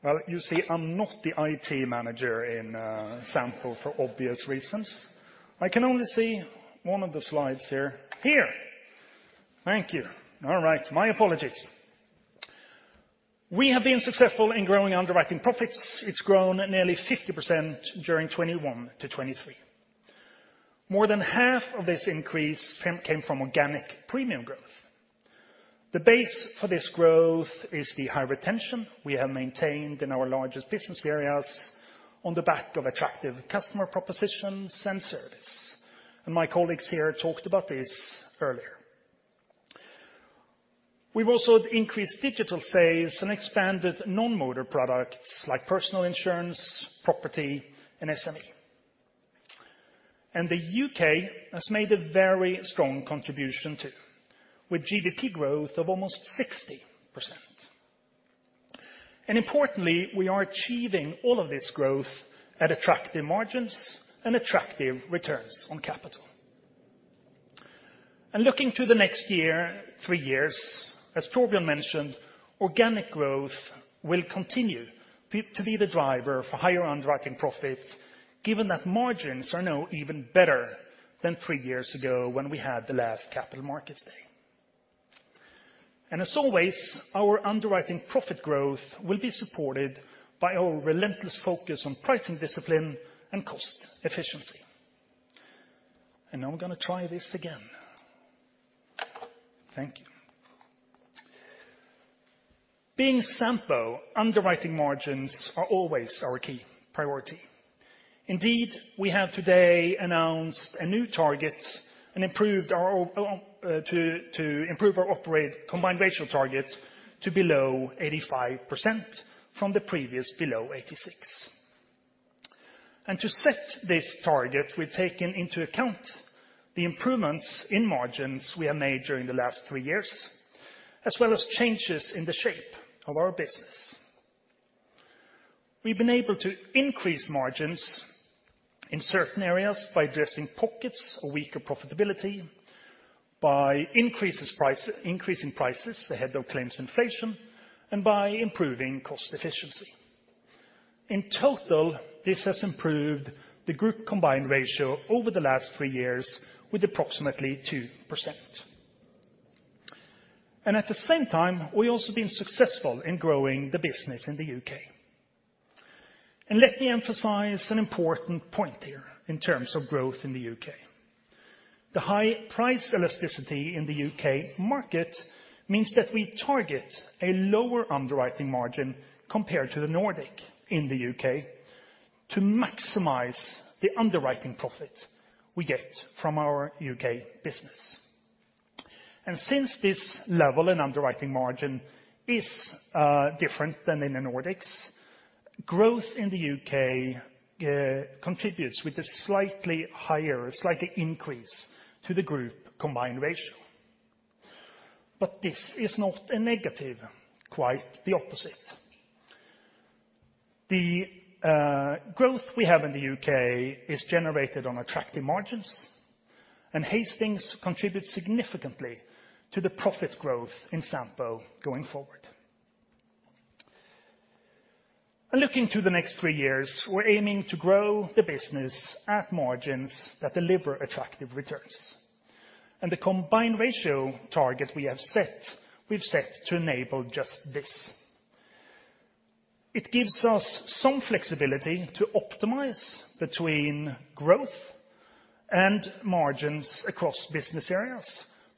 Speaker 8: Well, you see, I'm not the IT manager in Sampo for obvious reasons. I can only see one of the slides here. Here. Thank you. All right. My apologies. We have been successful in growing underwriting profits. It's grown nearly 50% during 2021-2023. More than half of this increase came from organic premium growth. The base for this growth is the high retention we have maintained in our largest business areas on the back of attractive customer propositions and service. My colleagues here talked about this earlier. We've also increased digital sales and expanded non-motor products like personal insurance, property, and SME. The UK has made a very strong contribution too, with GWP growth of almost 60%. Importantly, we are achieving all of this growth at attractive margins and attractive returns on capital. And looking to the next year, three years, as Torbjörn mentioned, organic growth will continue to be the driver for higher underwriting profits, given that margins are now even better than three years ago when we had the last Capital Markets Day. And as always, our underwriting profit growth will be supported by our relentless focus on pricing discipline and cost efficiency. And now I'm going to try this again. Thank you. Being Sampo, underwriting margins are always our key priority. Indeed, we have today announced a new target to improve our combined ratio target to below 85% from the previous below 86%. And to set this target, we've taken into account the improvements in margins we have made during the last three years, as well as changes in the shape of our business. We've been able to increase margins in certain areas by addressing pockets or weaker profitability, by increasing prices ahead of claims inflation, and by improving cost efficiency. In total, this has improved the group combined ratio over the last three years with approximately 2%. And at the same time, we've also been successful in growing the business in the UK. And let me emphasize an important point here in terms of growth in the UK. The high price elasticity in the UK market means that we target a lower underwriting margin compared to the Nordic in the UK to maximize the underwriting profit we get from our UK business. And since this level in underwriting margin is different than in the Nordics, growth in the UK contributes with a slightly higher increase to the group combined ratio. But this is not a negative, quite the opposite. The growth we have in the UK is generated on attractive margins, and Hastings contributes significantly to the profit growth in Sampo going forward. Looking to the next three years, we're aiming to grow the business at margins that deliver attractive returns. The combined ratio target we have set, we've set to enable just this. It gives us some flexibility to optimize between growth and margins across business areas,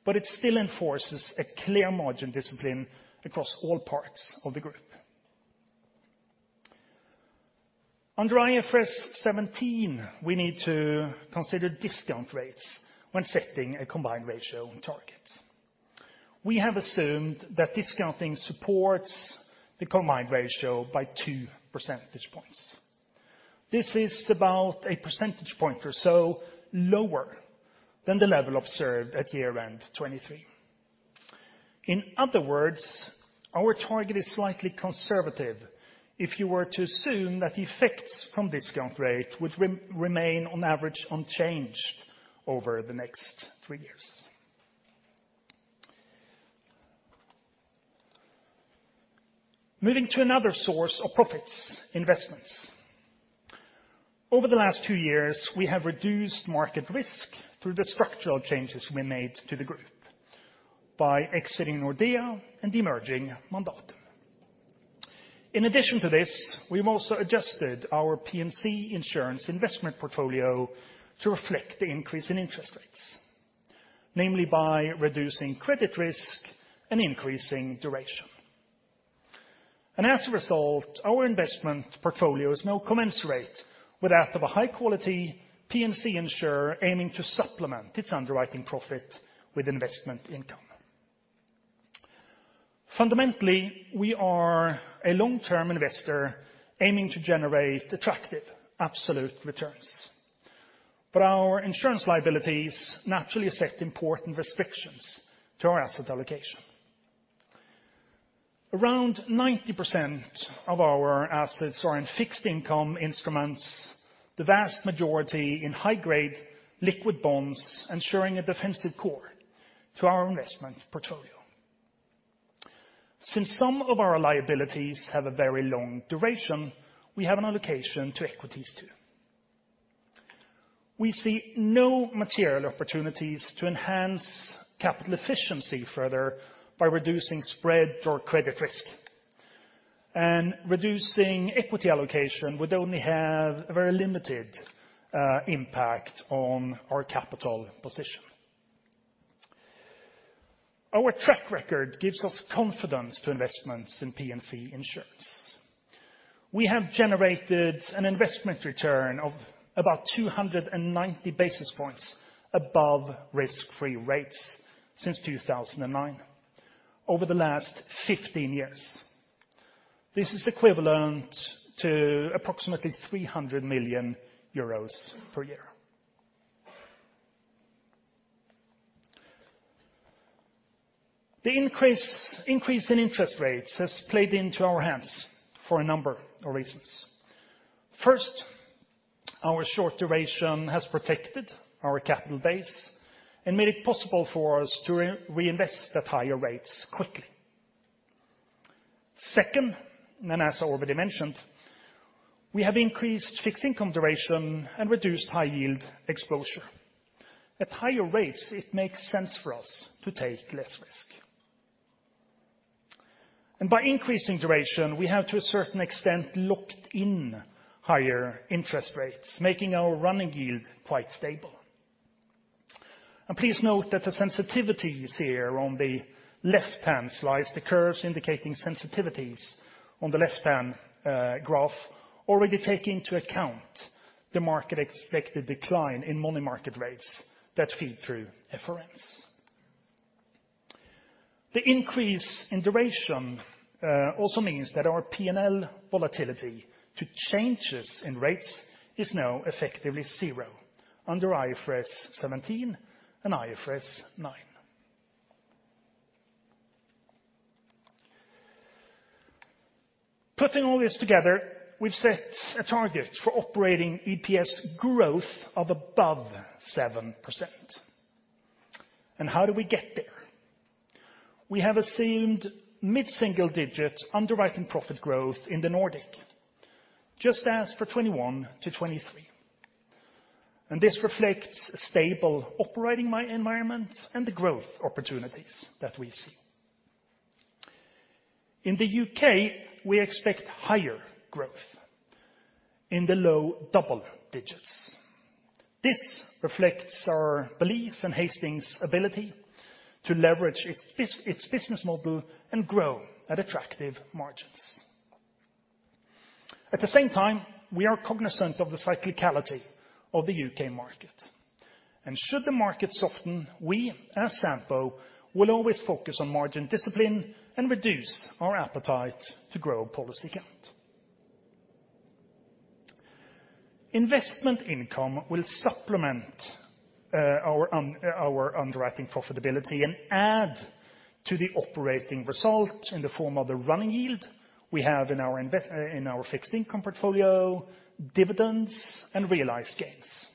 Speaker 8: but it still enforces a clear margin discipline across all parts of the group. Under IFRS 17, we need to consider discount rates when setting a combined ratio target. We have assumed that discounting supports the combined ratio by 2 percentage points. This is about a percentage point or so lower than the level observed at year-end 2023. In other words, our target is slightly conservative if you were to assume that the effects from discount rate would remain, on average, unchanged over the next three years. Moving to another source of profits, investments. Over the last two years, we have reduced market risk through the structural changes we made to the group by exiting Nordea and the emerging Mandatum. In addition to this, we've also adjusted our P&C insurance investment portfolio to reflect the increase in interest rates, namely by reducing credit risk and increasing duration. And as a result, our investment portfolio is now commensurate with that of a high-quality P&C insurer aiming to supplement its underwriting profit with investment income. Fundamentally, we are a long-term investor aiming to generate attractive, absolute returns. But our insurance liabilities naturally set important restrictions to our asset allocation. Around 90% of our assets are in fixed income instruments, the vast majority in high-grade liquid bonds ensuring a defensive core to our investment portfolio. Since some of our liabilities have a very long duration, we have an allocation to equities too. We see no material opportunities to enhance capital efficiency further by reducing spread or credit risk. Reducing equity allocation would only have a very limited impact on our capital position. Our track record gives us confidence to investments in P&C insurance. We have generated an investment return of about 290 basis points above risk-free rates since 2009 over the last 15 years. This is equivalent to approximately 300 million euros per year. The increase in interest rates has played into our hands for a number of reasons. First, our short duration has protected our capital base and made it possible for us to reinvest at higher rates quickly. Second, and as I already mentioned, we have increased fixed income duration and reduced high-yield exposure. At higher rates, it makes sense for us to take less risk. And by increasing duration, we have, to a certain extent, locked in higher interest rates, making our running yield quite stable. And please note that the sensitivities here on the left-hand slides, the curves indicating sensitivities on the left-hand graph, already take into account the market-expected decline in money market rates that feed through FRNs. The increase in duration also means that our P&L volatility to changes in rates is now effectively zero under IFRS 17 and IFRS 9. Putting all this together, we've set a target for operating EPS growth of above 7%. And how do we get there? We have assumed mid-single-digit underwriting profit growth in the Nordic, just as for 2021 to 2023. This reflects a stable operating environment and the growth opportunities that we see. In the U.K., we expect higher growth in the low double digits. This reflects our belief in Hastings' ability to leverage its business model and grow at attractive margins. At the same time, we are cognizant of the cyclicality of the U.K. market. Should the market soften, we, as Sampo, will always focus on margin discipline and reduce our appetite to grow policy count. Investment income will supplement our underwriting profitability and add to the operating result in the form of the running yield we have in our fixed income portfolio, dividends, and realized gains.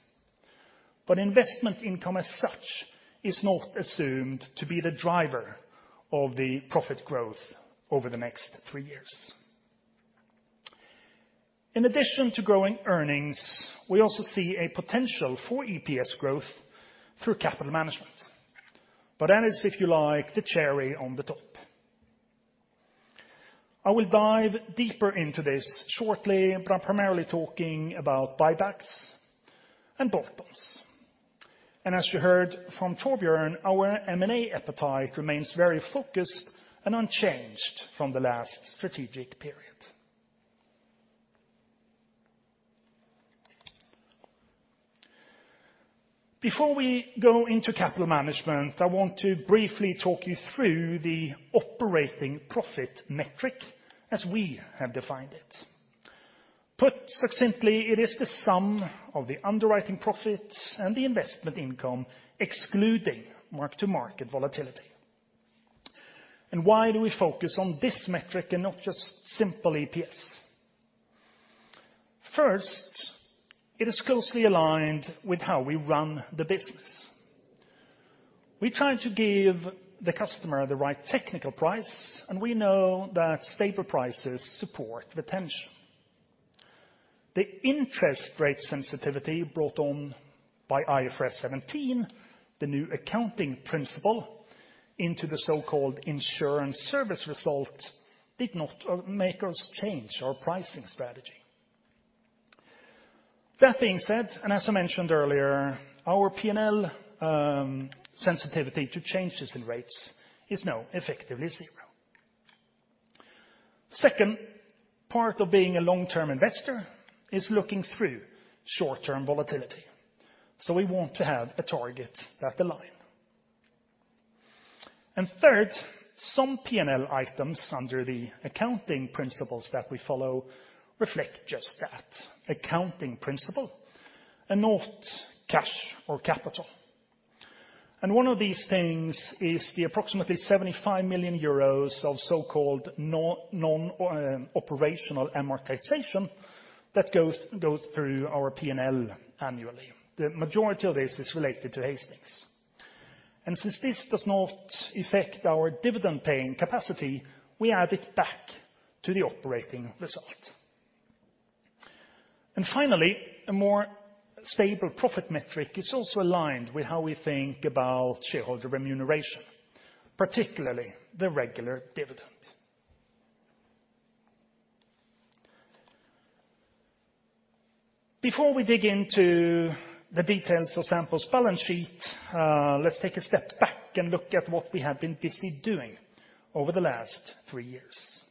Speaker 8: Investment income as such is not assumed to be the driver of the profit growth over the next three years. In addition to growing earnings, we also see a potential for EPS growth through capital management. But that is, if you like, the cherry on the top. I will dive deeper into this shortly, but I'm primarily talking about buybacks and bolt-ons. As you heard from Torbjörn, our M&A appetite remains very focused and unchanged from the last strategic period. Before we go into capital management, I want to briefly talk you through the operating profit metric as we have defined it. Put succinctly, it is the sum of the underwriting profits and the investment income excluding mark-to-market volatility. Why do we focus on this metric and not just simple EPS? First, it is closely aligned with how we run the business. We try to give the customer the right technical price, and we know that stable prices support retention. The interest rate sensitivity brought on by IFRS 17, the new accounting principle, into the so-called insurance service result did not make us change our pricing strategy. That being said, and as I mentioned earlier, our P&L sensitivity to changes in rates is now effectively zero. Second, part of being a long-term investor is looking through short-term volatility. So we want to have a target that aligns. And third, some P&L items under the accounting principles that we follow reflect just that, accounting principle, and not cash or capital. And one of these things is the approximately 75 million euros of so-called non-operational amortization that goes through our P&L annually. The majority of this is related to Hastings. And since this does not affect our dividend-paying capacity, we add it back to the operating result. Finally, a more stable profit metric is also aligned with how we think about shareholder remuneration, particularly the regular dividend. Before we dig into the details of Sampo's balance sheet, let's take a step back and look at what we have been busy doing over the last three years.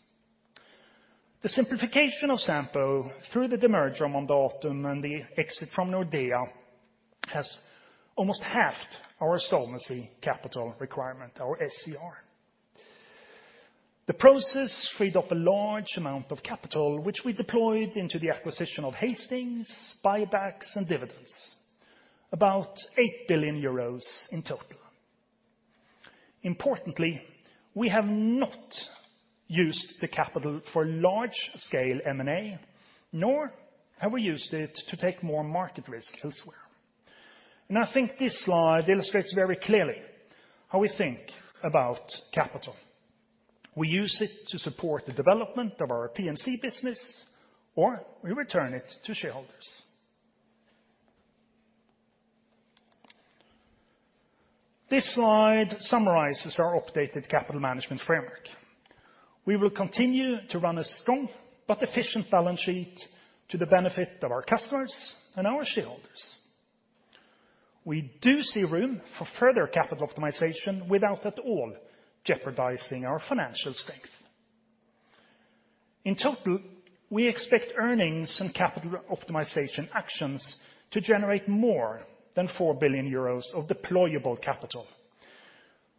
Speaker 8: The simplification of Sampo through the demerger on Mandatum and the exit from Nordea has almost halved our solvency capital requirement, our SCR. The process freed up a large amount of capital, which we deployed into the acquisition of Hastings, buybacks, and dividends, about 8 billion euros in total. Importantly, we have not used the capital for large-scale M&A, nor have we used it to take more market risk elsewhere. I think this slide illustrates very clearly how we think about capital. We use it to support the development of our P&C business, or we return it to shareholders. This slide summarizes our updated capital management framework. We will continue to run a strong but efficient balance sheet to the benefit of our customers and our shareholders. We do see room for further capital optimization without at all jeopardizing our financial strength. In total, we expect earnings and capital optimization actions to generate more than 4 billion euros of deployable capital,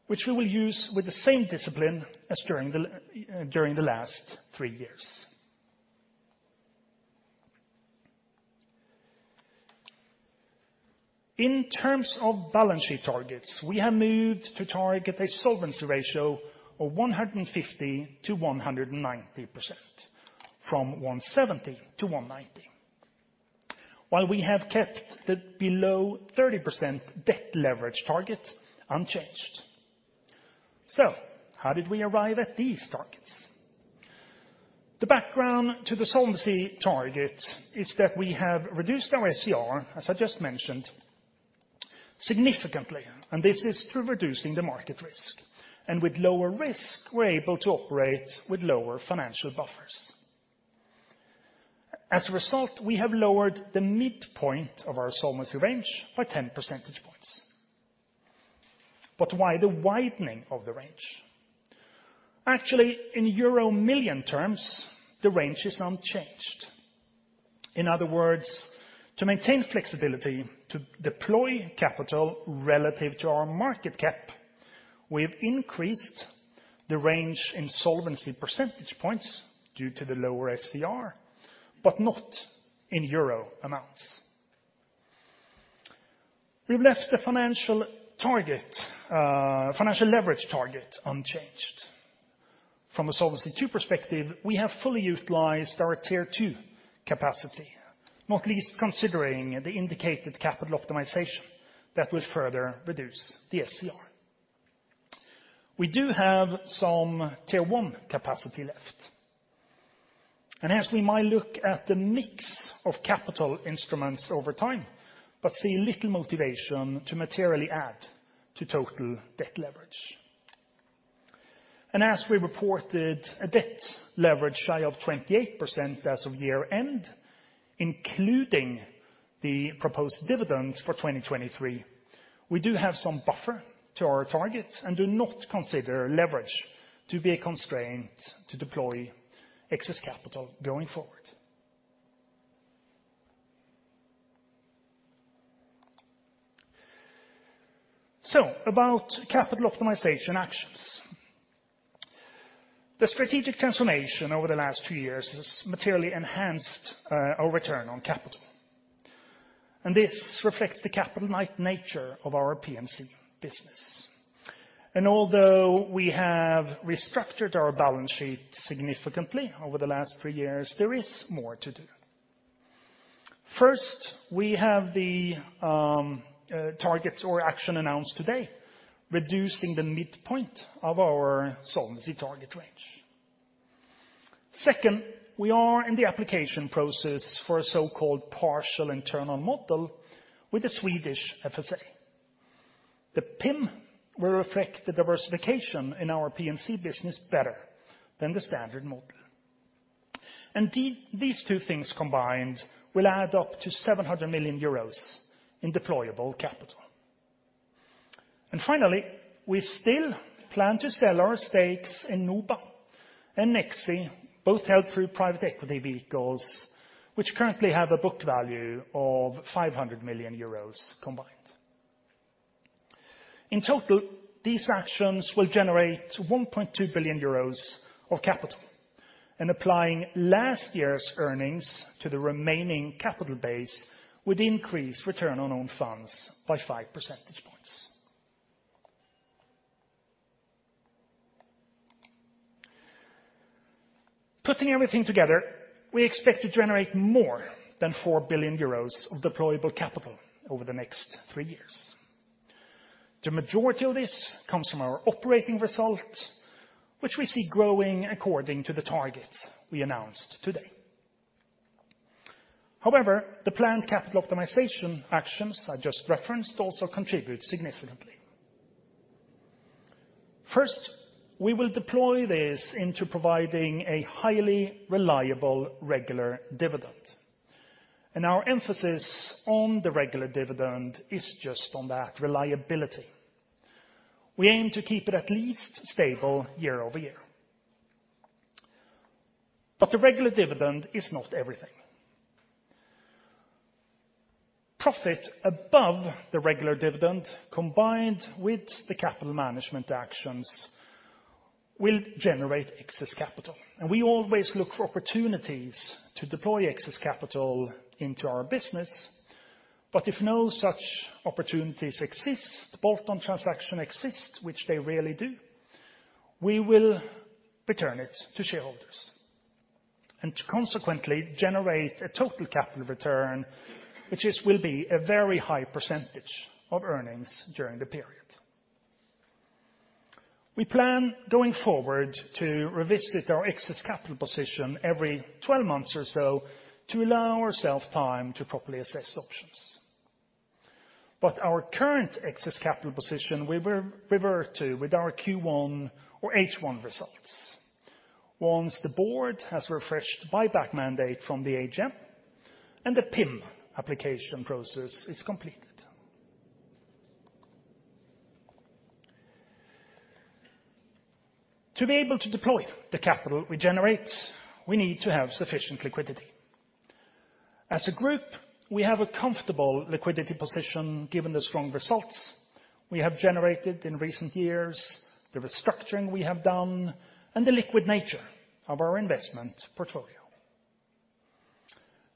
Speaker 8: which we will use with the same discipline as during the last three years. In terms of balance sheet targets, we have moved to target a solvency ratio of 150% to 190%, from 170% to 190%, while we have kept the below 30% debt leverage target unchanged. So how did we arrive at these targets? The background to the solvency target is that we have reduced our SCR, as I just mentioned, significantly, and this is through reducing the market risk. With lower risk, we're able to operate with lower financial buffers. As a result, we have lowered the midpoint of our solvency range by 10 percentage points. But why the widening of the range? Actually, in euro million terms, the range is unchanged. In other words, to maintain flexibility to deploy capital relative to our market cap, we have increased the range in solvency percentage points due to the lower SCR, but not in euro amounts. We've left the financial leverage target unchanged. From a solvency perspective, we have fully utilized our Tier 2 capacity, not least considering the indicated capital optimization that will further reduce the SCR. We do have some Tier 1 capacity left. As we might look at the mix of capital instruments over time, but see little motivation to materially add to total debt leverage. As we reported a debt leverage shy of 28% as of year-end, including the proposed dividends for 2023, we do have some buffer to our targets and do not consider leverage to be a constraint to deploy excess capital going forward. So, about capital optimization actions. The strategic transformation over the last two years has materially enhanced our return on capital. This reflects the capital light nature of our P&C business. Although we have restructured our balance sheet significantly over the last three years, there is more to do. First, we have the targets or action announced today, reducing the midpoint of our solvency target range. Second, we are in the application process for a so-called partial internal model with the Swedish FSA. The PIM will reflect the diversification in our P&C business better than the standard model. These two things combined will add up to 700 million euros in deployable capital. Finally, we still plan to sell our stakes in NOBA and Nexi, both held through private equity vehicles, which currently have a book value of 500 million euros combined. In total, these actions will generate 1.2 billion euros of capital. Applying last year's earnings to the remaining capital base would increase return on own funds by 5 percentage points. Putting everything together, we expect to generate more than 4 billion euros of deployable capital over the next three years. The majority of this comes from our operating result, which we see growing according to the targets we announced today. However, the planned capital optimization actions I just referenced also contribute significantly. First, we will deploy this into providing a highly reliable regular dividend. Our emphasis on the regular dividend is just on that reliability. We aim to keep it at least stable year-over-year. But the regular dividend is not everything. Profit above the regular dividend combined with the capital management actions will generate excess capital. We always look for opportunities to deploy excess capital into our business. But if no such opportunities exist, bolt-on transactions exist, which they really do, we will return it to shareholders and consequently generate a total capital return, which will be a very high percentage of earnings during the period. We plan going forward to revisit our excess capital position every 12 months or so to allow ourselves time to properly assess options. But our current excess capital position, we revert to with our Q1 or H1 results once the board has refreshed buyback mandate from the AGM and the PIM application process is completed. To be able to deploy the capital we generate, we need to have sufficient liquidity. As a group, we have a comfortable liquidity position given the strong results we have generated in recent years, the restructuring we have done, and the liquid nature of our investment portfolio.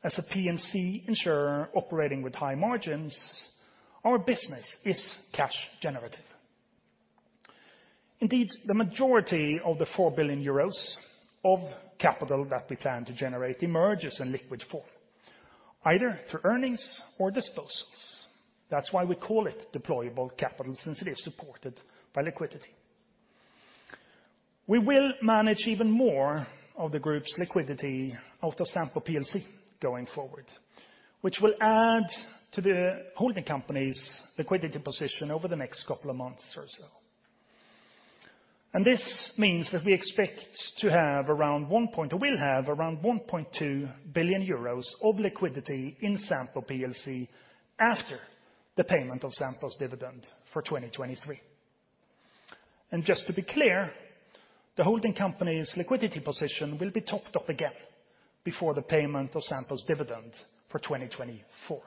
Speaker 8: As a P&C insurer operating with high margins, our business is cash-generative. Indeed, the majority of the 4 billion euros of capital that we plan to generate emerges in liquid form, either through earnings or disposals. That's why we call it Deployable Capital, supported by liquidity. We will manage even more of the group's liquidity out of Sampo PLC going forward, which will add to the holding company's liquidity position over the next couple of months or so. This means that we expect to have around 1.2 billion euros of liquidity in Sampo PLC after the payment of Sampo's dividend for 2023. Just to be clear, the holding company's liquidity position will be topped up again before the payment of Sampo's dividend for 2024.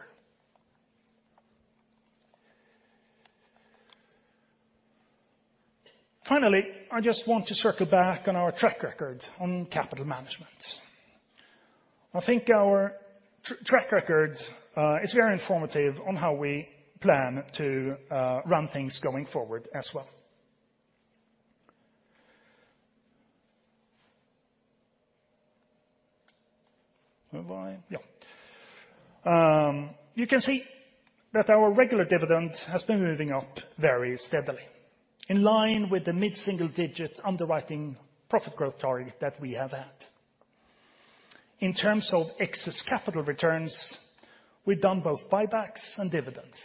Speaker 8: Finally, I just want to circle back on our track record on capital management. I think our track record is very informative on how we plan to run things going forward as well. You can see that our regular dividend has been moving up very steadily in line with the mid-single digit underwriting profit growth target that we have had. In terms of excess capital returns, we've done both buybacks and dividends.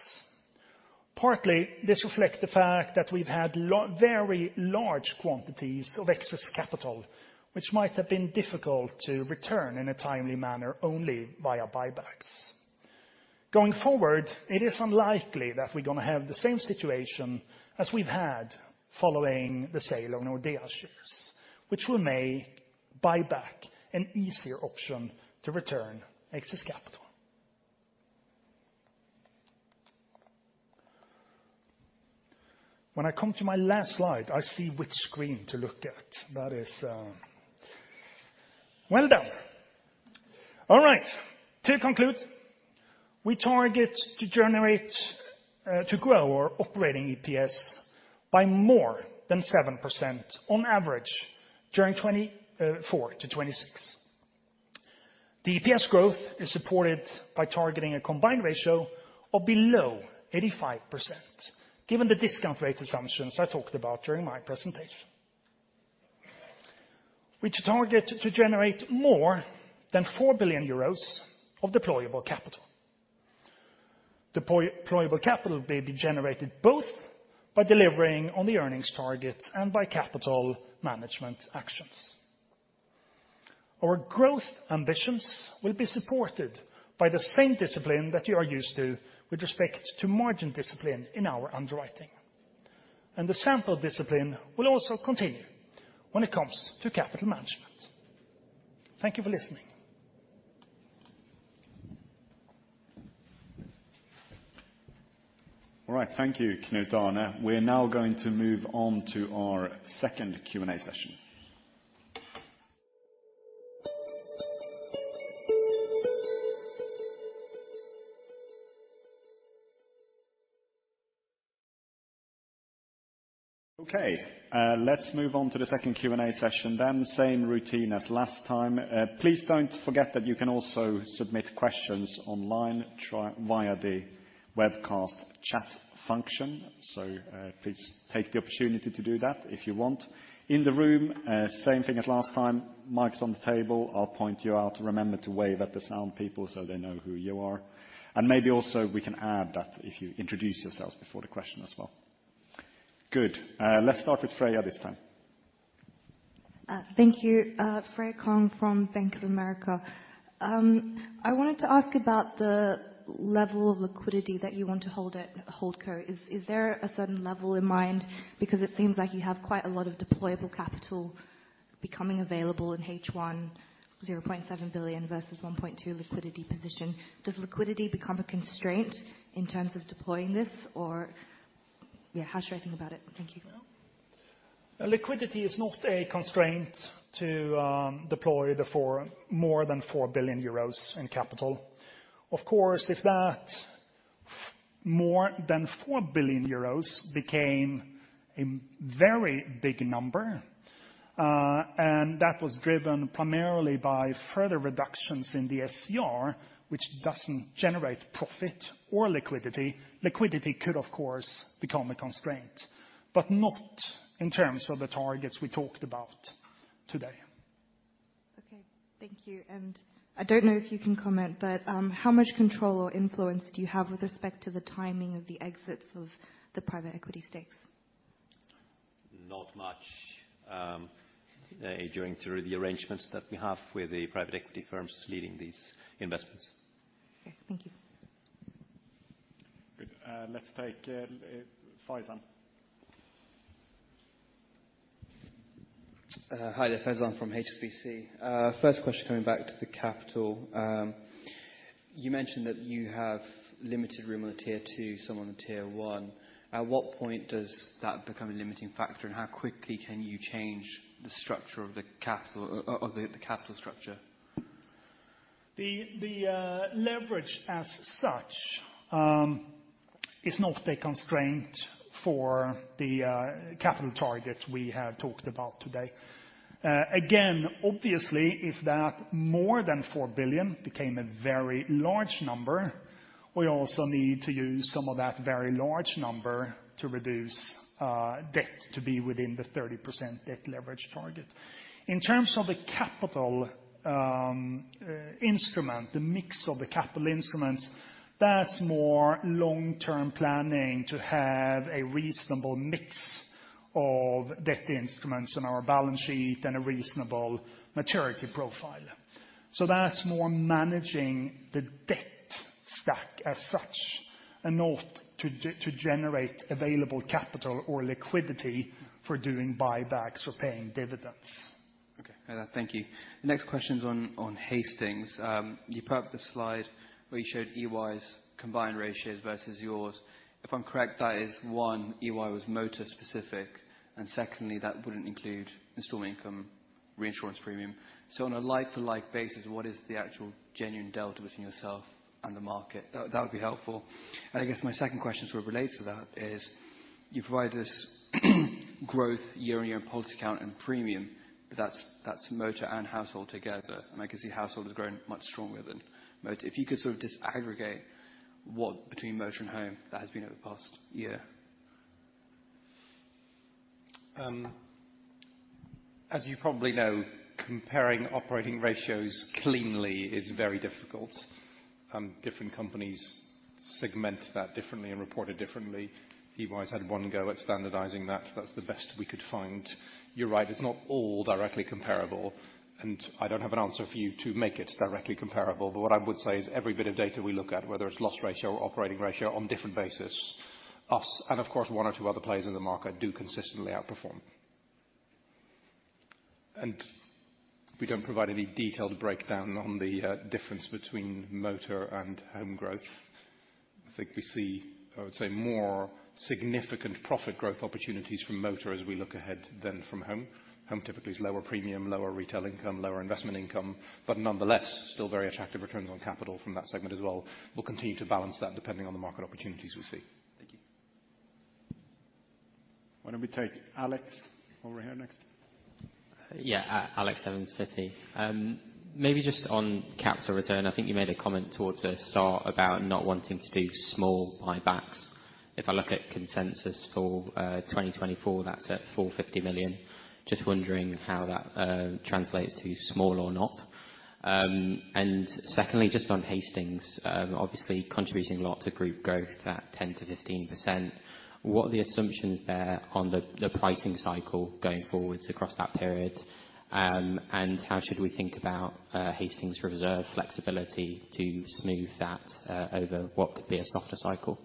Speaker 8: Partly, this reflects the fact that we've had very large quantities of excess capital, which might have been difficult to return in a timely manner only via buybacks. Going forward, it is unlikely that we're going to have the same situation as we've had following the sale of Nordea shares, which will make buyback an easier option to return excess capital. When I come to my last slide, I see which screen to look at. That is well done. All right. To conclude, we target to grow our operating EPS by more than 7% on average during 2024-2026. The EPS growth is supported by targeting a combined ratio of below 85%, given the discount rate assumptions I talked about during my presentation. We target to generate more than 4 billion euros of deployable capital. Deployable capital will be generated both by delivering on the earnings targets and by capital management actions. Our growth ambitions will be supported by the same discipline that you are used to with respect to margin discipline in our underwriting. And the Sampo discipline will also continue when it comes to capital management. Thank you for listening.
Speaker 1: All right. Thank you, Knut Alsaker. We're now going to move on to our second Q&A session. Okay. Let's move on to the second Q&A session then, same routine as last time. Please don't forget that you can also submit questions online via the webcast chat function. So please take the opportunity to do that if you want. In the room, same thing as last time, mics on the table. I'll point you out. Remember to wave at the sound people so they know who you are. Maybe also we can add that if you introduce yourselves before the question as well. Good. Let's start with Freya this time.
Speaker 12: Thank you. Freya Kong from Bank of America. I wanted to ask about the level of liquidity that you want to hold at Holdco. Is there a certain level in mind? Because it seems like you have quite a lot of deployable capital becoming available in H1, 0.7 billion versus 1.2 billion liquidity position. Does liquidity become a constraint in terms of deploying this, or how should I think about it? Thank you.
Speaker 8: Liquidity is not a constraint to deploy more than 4 billion euros in capital. Of course, if that more than 4 billion euros became a very big number, and that was driven primarily by further reductions in the SCR, which doesn't generate profit or liquidity, liquidity could, of course, become a constraint, but not in terms of the targets we talked about today.
Speaker 12: Okay. Thank you. I don't know if you can comment, but how much control or influence do you have with respect to the timing of the exits of the private equity stakes?
Speaker 1: Not much done through the arrangements that we have with the private equity firms leading these investments.
Speaker 12: Okay. Thank you.
Speaker 1: Good. Let's take Faizan.
Speaker 6: Hi there, Faizan from HSBC. First question coming back to the capital. You mentioned that you have limited room on the Tier 2, some on the Tier 1. At what point does that become a limiting factor, and how quickly can you change the structure of the capital structure?
Speaker 8: The leverage as such is not a constraint for the capital target we have talked about today. Again, obviously, if that more than 4 billion became a very large number, we also need to use some of that very large number to reduce debt to be within the 30% debt leverage target. In terms of the capital instrument, the mix of the capital instruments, that's more long-term planning to have a reasonable mix of debt instruments in our balance sheet and a reasonable maturity profile. So that's more managing the debt stack as such and not to generate available capital or liquidity for doing buybacks or paying dividends.
Speaker 6: Okay. Thank you. The next question's on Hastings. You put up the slide where you showed EY's combined ratios versus yours. If I'm correct, that is one, EY was motor-specific, and secondly, that wouldn't include installment income, reinsurance premium. So on a like-for-like basis, what is the actual genuine delta between yourself and the market? That would be helpful. And I guess my second question sort of relates to that is you provide this growth year-on-year in policy account and premium, but that's motor and household together. And I can see household is growing much stronger than motor. If you could sort of disaggregate between motor and home, that has been over the past year.
Speaker 8: As you probably know, comparing operating ratios cleanly is very difficult. Different companies segment that differently and report it differently. EY's had one go at standardizing that. That's the best we could find. You're right. It's not all directly comparable. I don't have an answer for you to make it directly comparable. What I would say is every bit of data we look at, whether it's loss ratio or operating ratio, on different basis, us and, of course, one or two other players in the market do consistently outperform. We don't provide any detailed breakdown on the difference between motor and home growth. I think we see, I would say, more significant profit growth opportunities from motor as we look ahead than from home. Home typically is lower premium, lower retail income, lower investment income, but nonetheless, still very attractive returns on capital from that segment as well. We'll continue to balance that depending on the market opportunities we see.
Speaker 1: Thank you. Why don't we take Alex over here next?
Speaker 13: Yeah. Alex Evans, Citi. Maybe just on capital return, I think you made a comment towards the start about not wanting to do small buybacks. If I look at consensus for 2024, that's at 450 million. Just wondering how that translates to small or not. And secondly, just on Hastings, obviously, contributing a lot to group growth at 10% to 15%. What are the assumptions there on the pricing cycle going forwards across that period? And how should we think about Hastings reserve flexibility to smooth that over what could be a softer cycle?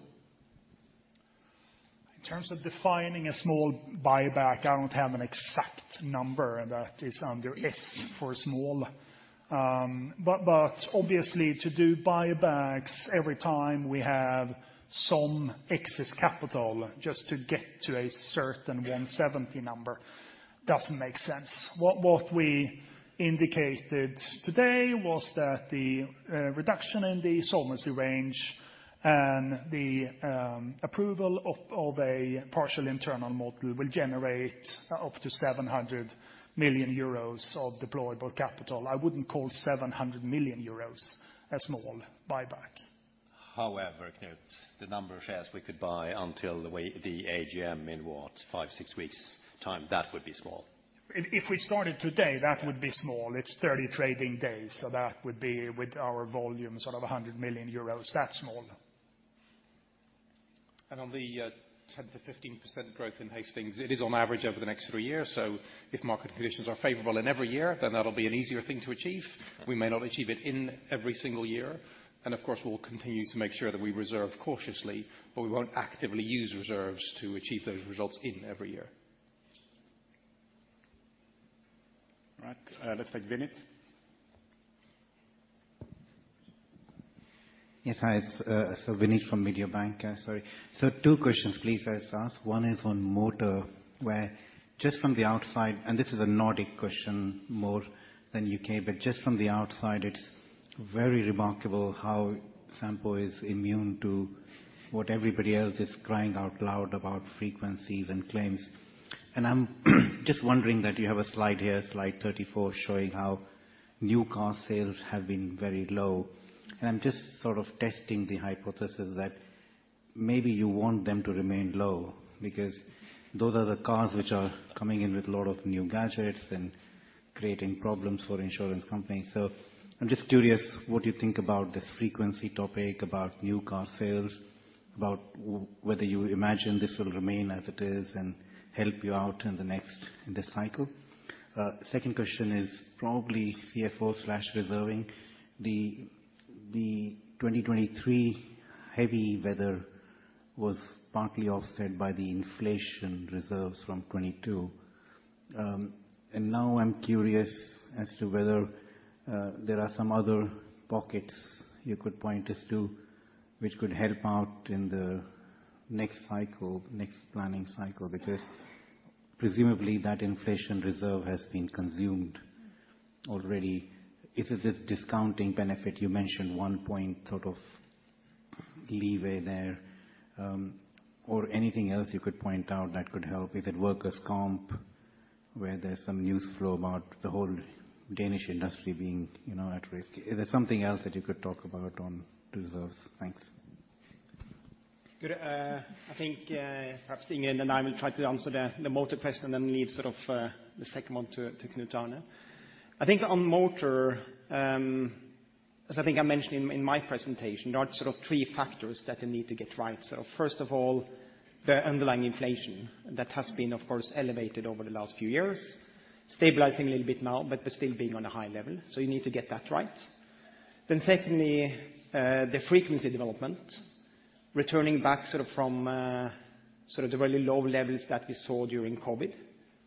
Speaker 8: In terms of defining a small buyback, I don't have an exact number, and that is under S for small. But obviously, to do buybacks every time we have some excess capital just to get to a certain 170 number doesn't make sense. What we indicated today was that the reduction in the solvency range and the approval of a partial internal model will generate up to 700 million euros of deployable capital. I wouldn't call 700 million euros a small buyback.
Speaker 2: However, Knut, the number of shares we could buy until the AGM in, what, five, six weeks' time, that would be small.
Speaker 8: If we started today, that would be small. It's 30 trading days, so that would be, with our volume sort of 100 million euros, that small.
Speaker 2: On the 10% to 15% growth in Hastings, it is on average over the next three years. So if market conditions are favorable in every year, then that'll be an easier thing to achieve. We may not achieve it in every single year. And of course, we'll continue to make sure that we reserve cautiously, but we won't actively use reserves to achieve those results in every year.
Speaker 1: All right. Let's take Vinit.
Speaker 14: Yes, hi. So Vinit from Mediobanca. Sorry. So two questions, please, I just asked. One is on motor, where just from the outside and this is a Nordic question more than UK, but just from the outside, it's very remarkable how Sampo is immune to what everybody else is crying out loud about frequencies and claims. And I'm just wondering that you have a slide here, slide 34, showing how new car sales have been very low. And I'm just sort of testing the hypothesis that maybe you want them to remain low because those are the cars which are coming in with a lot of new gadgets and creating problems for insurance companies. So I'm just curious what you think about this frequency topic, about new car sales, about whether you imagine this will remain as it is and help you out in the cycle. Second question is probably CFO/reserving. The 2023 heavy weather was partly offset by the inflation reserves from 2022. Now I'm curious as to whether there are some other pockets you could point us to which could help out in the next cycle, next planning cycle, because presumably, that inflation reserve has been consumed already. Is it this discounting benefit you mentioned, 1 point sort of leeway there, or anything else you could point out that could help? Is it workers' comp where there's some news flow about the whole Danish industry being at risk? Is there something else that you could talk about on reserves? Thanks.
Speaker 8: Good. I think perhaps Ingrid and I will try to answer the motor question and then leave sort of the second one to Knut Alsaker. I think on motor, as I think I mentioned in my presentation, there are sort of three factors that you need to get right. So first of all, the underlying inflation that has been, of course, elevated over the last few years, stabilizing a little bit now, but still being on a high level. So you need to get that right. Then secondly, the frequency development, returning back sort of from sort of the very low levels that we saw during COVID.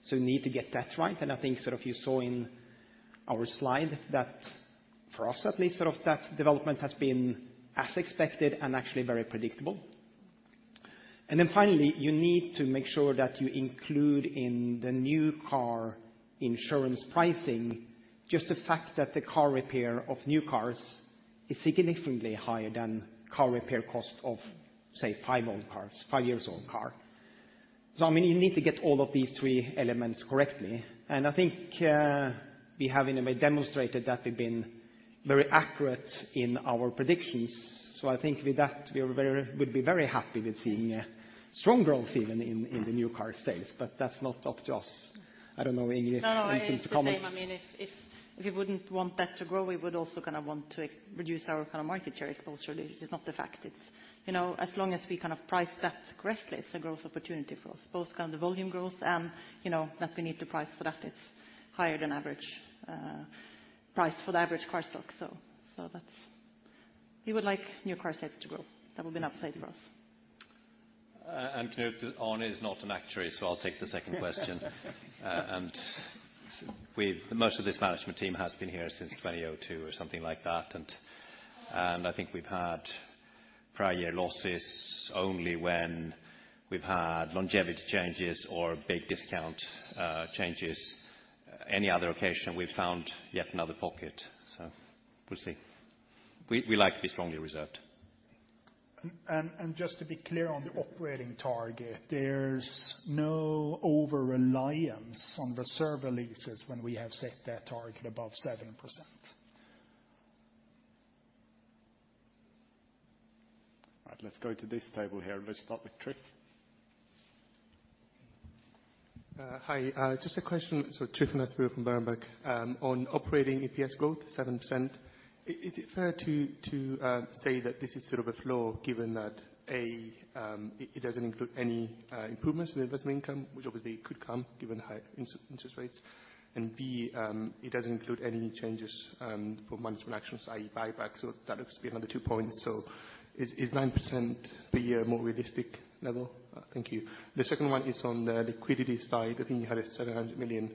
Speaker 8: So you need to get that right. And I think sort of you saw in our slide that, for us at least, sort of that development has been as expected and actually very predictable. And then finally, you need to make sure that you include in the new car insurance pricing just the fact that the car repair of new cars is significantly higher than car repair cost of, say, five-year-old cars, five-year-old car. So I mean, you need to get all of these three elements correctly. And I think we have, in a way, demonstrated that we've been very accurate in our predictions. So I think with that, we would be very happy with seeing strong growth even in the new car sales. But that's not up to us. I don't know if Ingrid wants him to comment.
Speaker 10: No, no, Ingrid. I mean, if we wouldn't want that to grow, we would also kind of want to reduce our kind of market share exposure. It's not the fact. As long as we kind of price that correctly, it's a growth opportunity for us, both kind of the volume growth and that we need to price for that it's higher than average price for the average car stock. So we would like new car sales to grow. That would be an upside for us.
Speaker 8: Knut Arne is not an actuary, so I'll take the second question. Most of this management team has been here since 2002 or something like that. I think we've had prior year losses only when we've had longevity changes or big discount changes. Any other occasion, we've found yet another pocket. So we'll see. We like to be strongly reserved.
Speaker 2: Just to be clear on the operating target, there's no over-reliance on reserve releases when we have set that target above 7%.
Speaker 1: All right. Let's go to this table here. Let's start with Tryfonas.
Speaker 15: Hi. Just a question. So Tryfonas Spyrou from Berenberg. On operating EPS growth, 7%, is it fair to say that this is sort of a flaw given that, A, it doesn't include any improvements in investment income, which obviously could come given high interest rates, and, B, it doesn't include any changes for management actions, i.e., buybacks? So that looks to be another two points. So is 9% per year a more realistic level? Thank you. The second one is on the liquidity side. I think you had a 700 million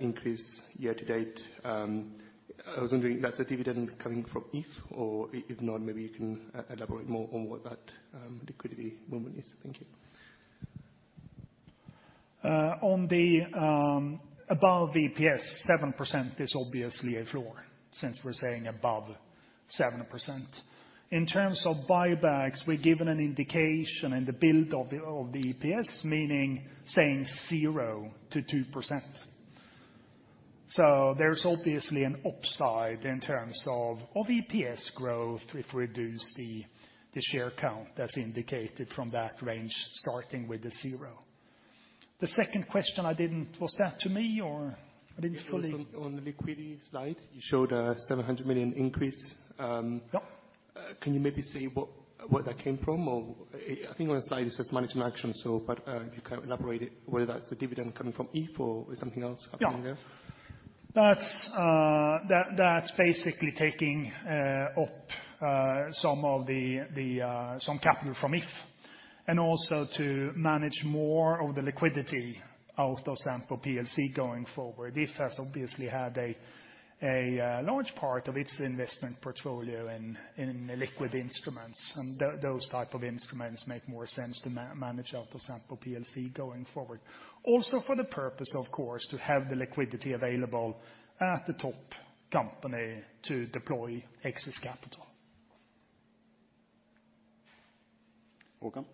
Speaker 15: increase year to date. I was wondering if that's a dividend coming from If, or if not, maybe you can elaborate more on what that liquidity movement is. Thank you.
Speaker 8: On the above EPS, 7%, it's obviously a flaw since we're saying above 7%. In terms of buybacks, we're given an indication in the build of the EPS, meaning saying 0% to 2%. So there's obviously an upside in terms of EPS growth if we reduce the share count that's indicated from that range starting with the 0. The second question I didn't was that to me, or I didn't fully.
Speaker 15: On the liquidity slide, you showed a 700 million increase. Can you maybe say what that came from? I think on the slide, it says management action, but if you can elaborate whether that's a dividend coming from If or is something else happening there?
Speaker 8: Yeah. That's basically taking up some capital from If and also to manage more of the liquidity out of Sampo PLC going forward. If has obviously had a large part of its investment portfolio in liquid instruments. Those type of instruments make more sense to manage out of Sampo PLC going forward, also for the purpose, of course, to have the liquidity available at the top company to deploy excess capital.
Speaker 1: Håkon.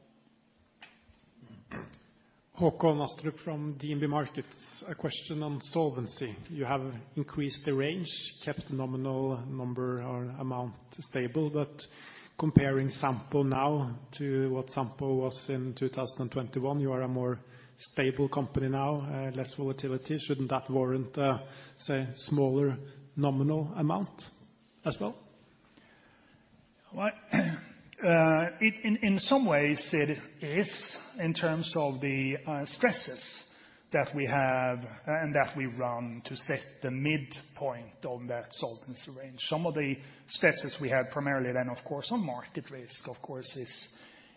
Speaker 16: Håkon Astrup from DNB Markets. A question on solvency. You have increased the range, kept the nominal number or amount stable, but comparing Sampo now to what Sampo was in 2021, you are a more stable company now, less volatility. Shouldn't that warrant, say, smaller nominal amount as well?
Speaker 8: In some ways, it is in terms of the stresses that we have and that we run to set the midpoint on that solvency range. Some of the stresses we had primarily then, of course, on market risk, of course,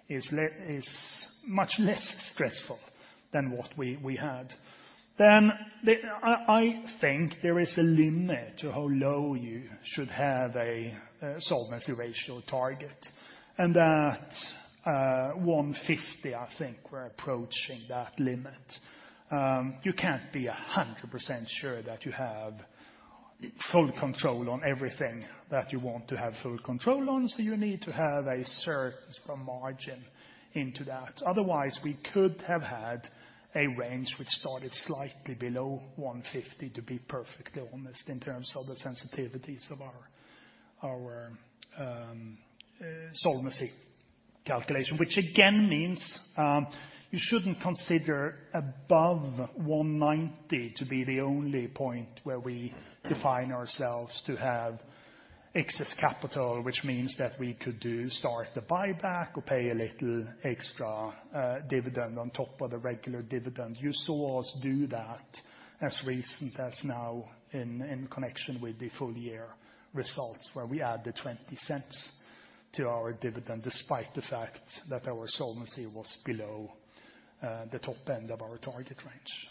Speaker 8: is much less stressful than what we had. Then I think there is a limit to how low you should have a solvency ratio target. And at 150, I think we're approaching that limit. You can't be 100% sure that you have full control on everything that you want to have full control on. So you need to have a certain sort of margin into that. Otherwise, we could have had a range which started slightly below 150, to be perfectly honest, in terms of the sensitivities of our solvency calculation, which again means you shouldn't consider above 190 to be the only point where we define ourselves to have excess capital, which means that we could start the buyback or pay a little extra dividend on top of the regular dividend. You saw us do that as recent as now in connection with the full year results where we added 0.20 to our dividend despite the fact that our solvency was below the top end of our target range.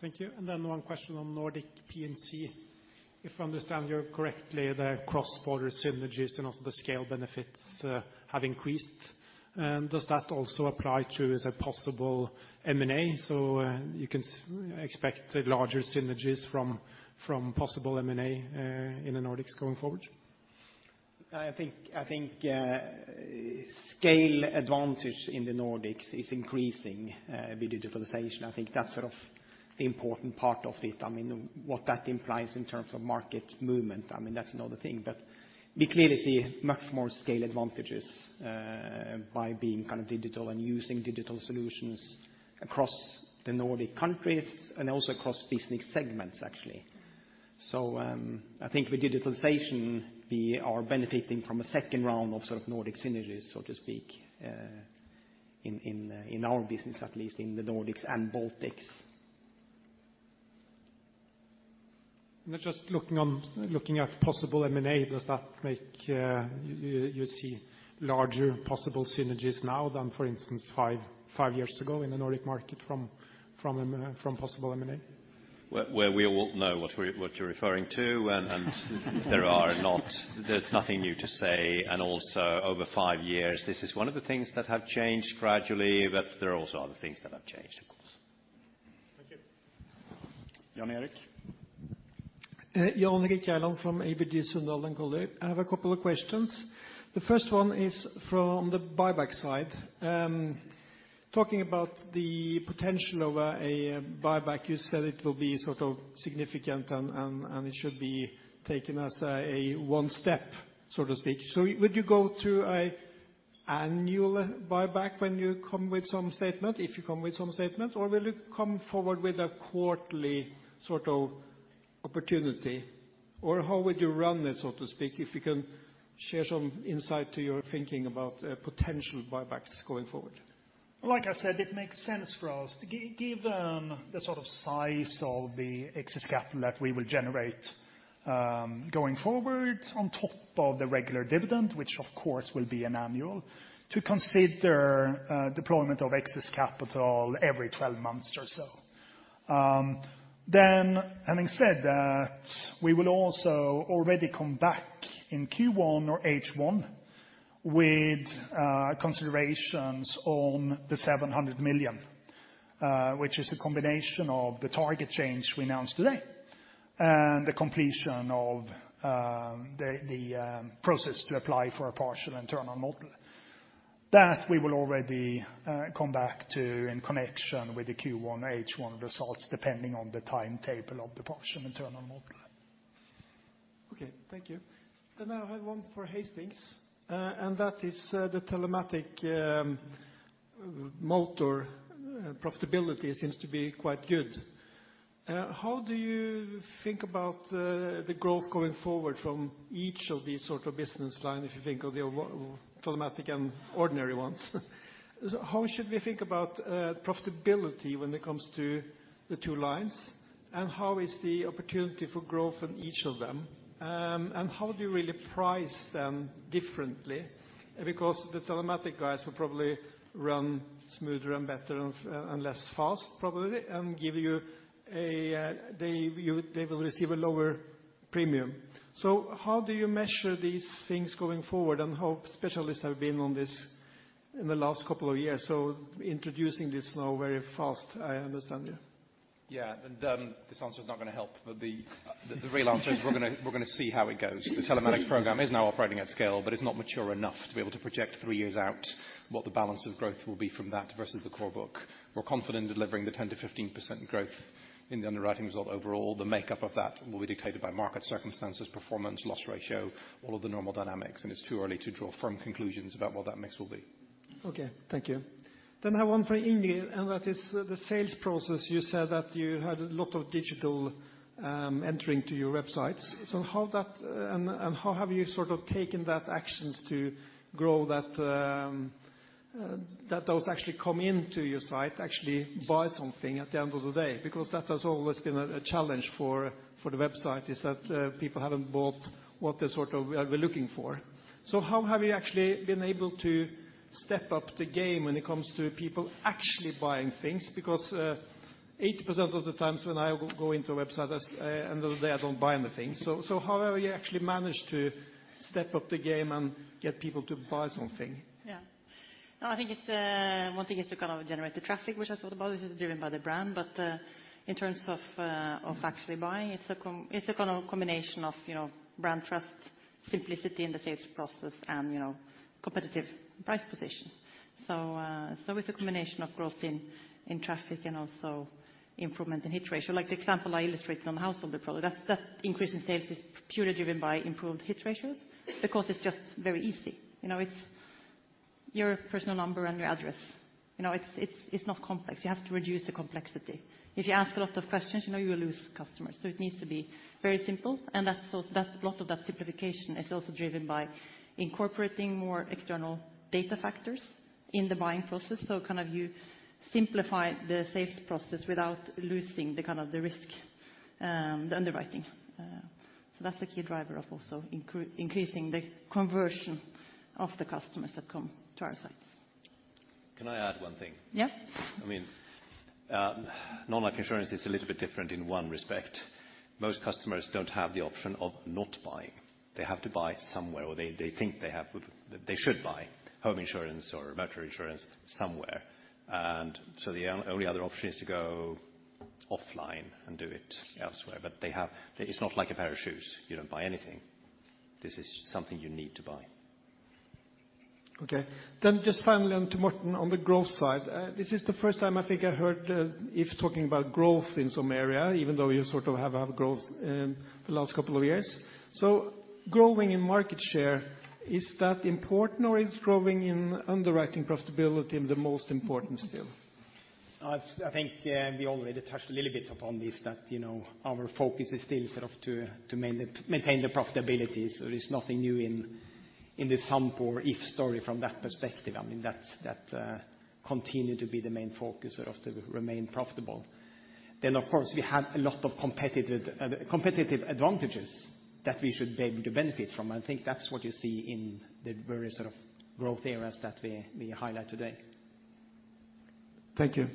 Speaker 16: Thank you. And then one question on Nordic P&C. If I understand you correctly, the cross-border synergies and also the scale benefits have increased. Does that also apply to, is it possible M&A? So you can expect larger synergies from possible M&A in the Nordics going forward?
Speaker 9: I think scale advantage in the Nordics is increasing with digitalization. I think that's sort of the important part of it. I mean, what that implies in terms of market movement, I mean, that's another thing. But we clearly see much more scale advantages by being kind of digital and using digital solutions across the Nordic countries and also across business segments, actually. So I think with digitalization, we are benefiting from a second round of sort of Nordic synergies, so to speak, in our business, at least in the Nordics and Baltics.
Speaker 16: Just looking at possible M&A, does that make you see larger possible synergies now than, for instance, five years ago in the Nordic market from possible M&A?
Speaker 2: Where we all know what you're referring to, and there's nothing new to say. Also over five years, this is one of the things that have changed gradually, but there are also other things that have changed, of course.
Speaker 1: Thank you, Jan Erik.
Speaker 5: Jan Erik Gjerland from ABG Sundal Collier. I have a couple of questions. The first one is from the buyback side. Talking about the potential of a buyback, you said it will be sort of significant and it should be taken as a one-step, so to speak. So would you go to an annual buyback when you come with some statement, if you come with some statement, or will you come forward with a quarterly sort of opportunity? Or how would you run it, so to speak, if you can share some insight to your thinking about potential buybacks going forward?
Speaker 8: Like I said, it makes sense for us, given the sort of size of the excess capital that we will generate going forward on top of the regular dividend, which, of course, will be an annual, to consider deployment of excess capital every 12 months or so. Then having said that, we will also already come back in Q1 or H1 with considerations on the 700 million, which is a combination of the target change we announced today and the completion of the process to apply for a partial internal model. That we will already come back to in connection with the Q1 or H1 results, depending on the timetable of the partial internal model.
Speaker 5: Okay. Thank you. And now I have one for Hastings. And that is the telematics motor. Profitability seems to be quite good. How do you think about the growth going forward from each of these sort of business lines, if you think of the telematics and ordinary ones? How should we think about profitability when it comes to the two lines, and how is the opportunity for growth in each of them? And how do you really price them differently? Because the telematics guys will probably run smoother and better and less fast, probably, and give you a they will receive a lower premium. So how do you measure these things going forward? And If specialists have been on this in the last couple of years. So introducing this now very fast, I understand you.
Speaker 11: Yeah. And this answer is not going to help. But the real answer is we're going to see how it goes. The telematics program is now operating at scale, but it's not mature enough to be able to project three years out what the balance of growth will be from that versus the core book. We're confident delivering the 10%-15% growth in the underwriting result overall. The makeup of that will be dictated by market circumstances, performance, loss ratio, all of the normal dynamics. And it's too early to draw firm conclusions about what that mix will be.
Speaker 5: Okay. Thank you. Then I have one for Ingrid. And that is the sales process. You said that you had a lot of digital entering to your websites. So how have you sort of taken that actions to grow that those actually come into your site, actually buy something at the end of the day? Because that has always been a challenge for the website, is that people haven't bought what they're sort of we're looking for. So how have you actually been able to step up the game when it comes to people actually buying things? Because 80% of the times when I go into a website at the end of the day, I don't buy anything. So how have you actually managed to step up the game and get people to buy something?
Speaker 10: Yeah. No, I think one thing is to kind of generate the traffic, which I thought about. This is driven by the brand. But in terms of actually buying, it's a kind of combination of brand trust, simplicity in the sales process, and competitive price position. So it's a combination of growth in traffic and also improvement in hit ratio. Like the example I illustrated on the household, the product, that increase in sales is purely driven by improved hit ratios because it's just very easy. It's your personal number and your address. It's not complex. You have to reduce the complexity. If you ask a lot of questions, you will lose customers. So it needs to be very simple. And a lot of that simplification is also driven by incorporating more external data factors in the buying process. So, kind of, to simplify the sales process without losing the kind of the risk, the underwriting. That's a key driver of also increasing the conversion of the customers that come to our sites.
Speaker 5: Can I add one thing? I mean, non-life insurance is a little bit different in one respect. Most customers don't have the option of not buying. They have to buy somewhere, or they think they should buy home insurance or motor insurance somewhere. And so the only other option is to go offline and do it elsewhere. But it's not like a pair of shoes. You don't buy anything. This is something you need to buy.
Speaker 2: Okay. Then just finally, on to Morten on the growth side. This is the first time, I think, I heard If talking about growth in some area, even though you sort of have growth the last couple of years. So growing in market share, is that important, or is growing in underwriting profitability the most important still?
Speaker 9: I think we already touched a little bit upon this, that our focus is still sort of to maintain the profitability. So there's nothing new in the Sampo or If story from that perspective. I mean, that continues to be the main focus sort of to remain profitable. Then, of course, we have a lot of competitive advantages that we should be able to benefit from. I think that's what you see in the various sort of growth areas that we highlight today.
Speaker 5: Thank you.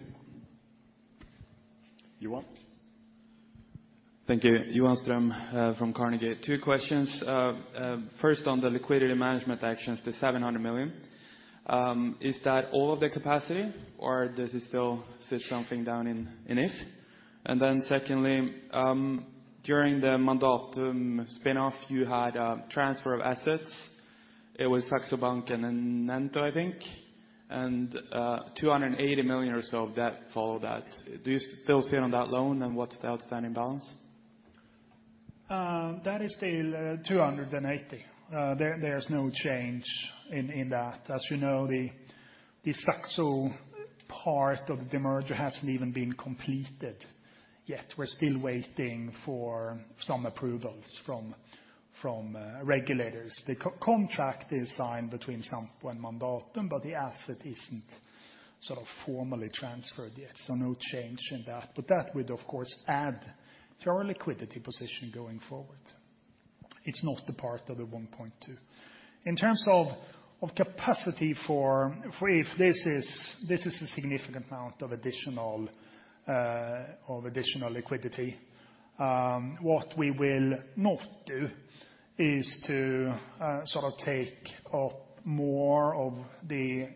Speaker 1: Johan?
Speaker 17: Thank you. Johan Ström from Carnegie. Two questions. First, on the liquidity management actions, the 700 million, is that all of the capacity, or does it still sit something down in If? And then secondly, during the Mandatum spinoff, you had a transfer of assets. It was Saxo Bank and Enento, I think. And 280 million or so of debt followed that. Do you still sit on that loan, and what's the outstanding balance?
Speaker 8: That is still 280. There's no change in that. As you know, the Saxo part of the merger hasn't even been completed yet. We're still waiting for some approvals from regulators. The contract is signed between Sampo and Mandatum, but the asset isn't sort of formally transferred yet. So no change in that. But that would, of course, add to our liquidity position going forward. It's not the part of the 1.2. In terms of capacity for If, this is a significant amount of additional liquidity. What we will not do is to sort of take up more of the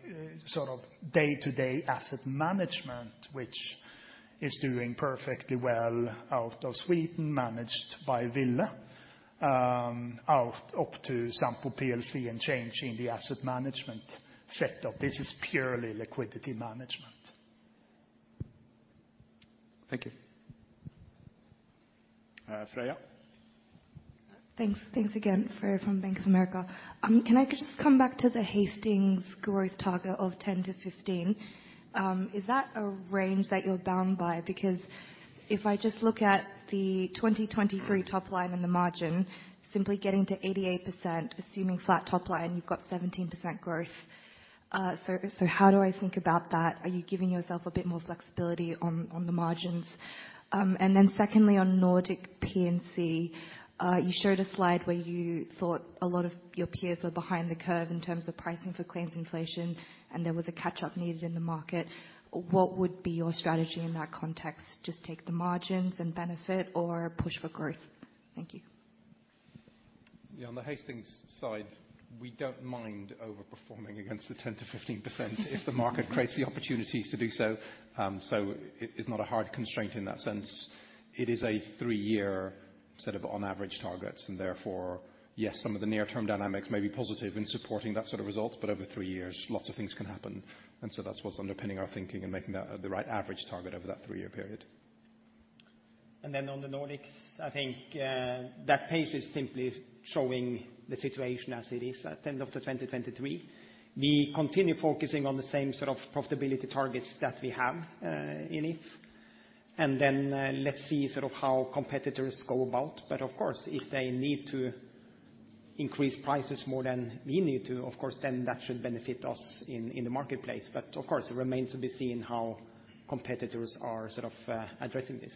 Speaker 8: sort of day-to-day asset management, which is doing perfectly well out of Sweden, managed by Ville, up to Sampo Oyj and change in the asset management setup. This is purely liquidity management.
Speaker 17: Thank you.
Speaker 1: Freya?
Speaker 12: Thanks again, Freya from Bank of America. Can I just come back to the Hastings growth target of 10-15? Is that a range that you're bound by? Because if I just look at the 2023 top line and the margin, simply getting to 88%, assuming flat top line, you've got 17% growth. So how do I think about that? Are you giving yourself a bit more flexibility on the margins? And then secondly, on Nordic P&C, you showed a slide where you thought a lot of your peers were behind the curve in terms of pricing for claims inflation, and there was a catch-up needed in the market. What would be your strategy in that context? Just take the margins and benefit, or push for growth? Thank you.
Speaker 11: Yeah. On the Hastings side, we don't mind overperforming against the 10%-15% if the market creates the opportunities to do so. So it's not a hard constraint in that sense. It is a three-year set of on-average targets. And therefore, yes, some of the near-term dynamics may be positive in supporting that sort of result, but over three years, lots of things can happen. And so that's what's underpinning our thinking and making the right average target over that three-year period.
Speaker 9: Then on the Nordics, I think that page is simply showing the situation as it is at the end of 2023. We continue focusing on the same sort of profitability targets that we have in If. Then let's see sort of how competitors go about. But of course, if they need to increase prices more than we need to, of course, then that should benefit us in the marketplace. But of course, it remains to be seen how competitors are sort of addressing this.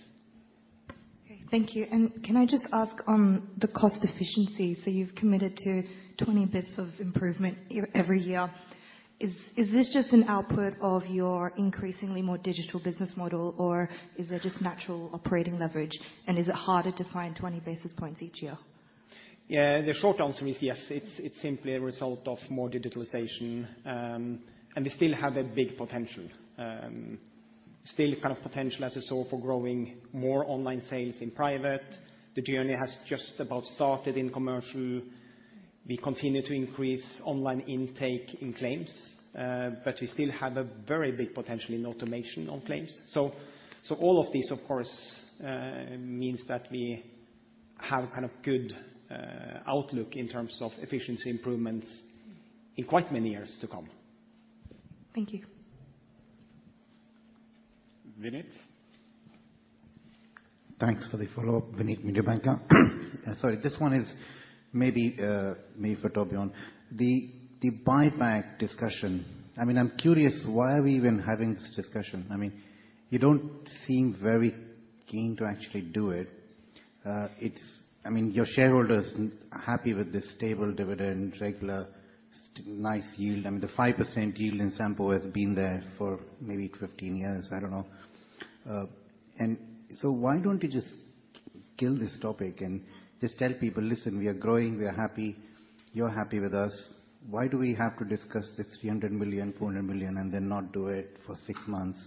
Speaker 12: Okay. Thank you. Can I just ask on the cost efficiency? So you've committed to 20 basis points of improvement every year. Is this just an output of your increasingly more digital business model, or is it just natural operating leverage? And is it harder to find 20 basis points each year?
Speaker 9: Yeah. The short answer is yes. It's simply a result of more digitalization. We still have a big potential, still kind of potential, as you saw, for growing more online sales in private. The journey has just about started in commercial. We continue to increase online intake in claims. But we still have a very big potential in automation on claims. All of this, of course, means that we have kind of good outlook in terms of efficiency improvements in quite many years to come.
Speaker 12: Thank you.
Speaker 1: Vinnit?
Speaker 14: Thanks for the follow-up, Vinit, Mediobanca. Sorry. This one is maybe for Torbjörn. The buyback discussion, I mean, I'm curious, why are we even having this discussion? I mean, you don't seem very keen to actually do it. I mean, your shareholders are happy with this stable dividend, regular, nice yield. I mean, the 5% yield in Sampo has been there for maybe 15 years. I don't know. And so why don't you just kill this topic and just tell people, "Listen, we are growing. We are happy. You're happy with us. Why do we have to discuss the 300 million, 400 million, and then not do it for six months,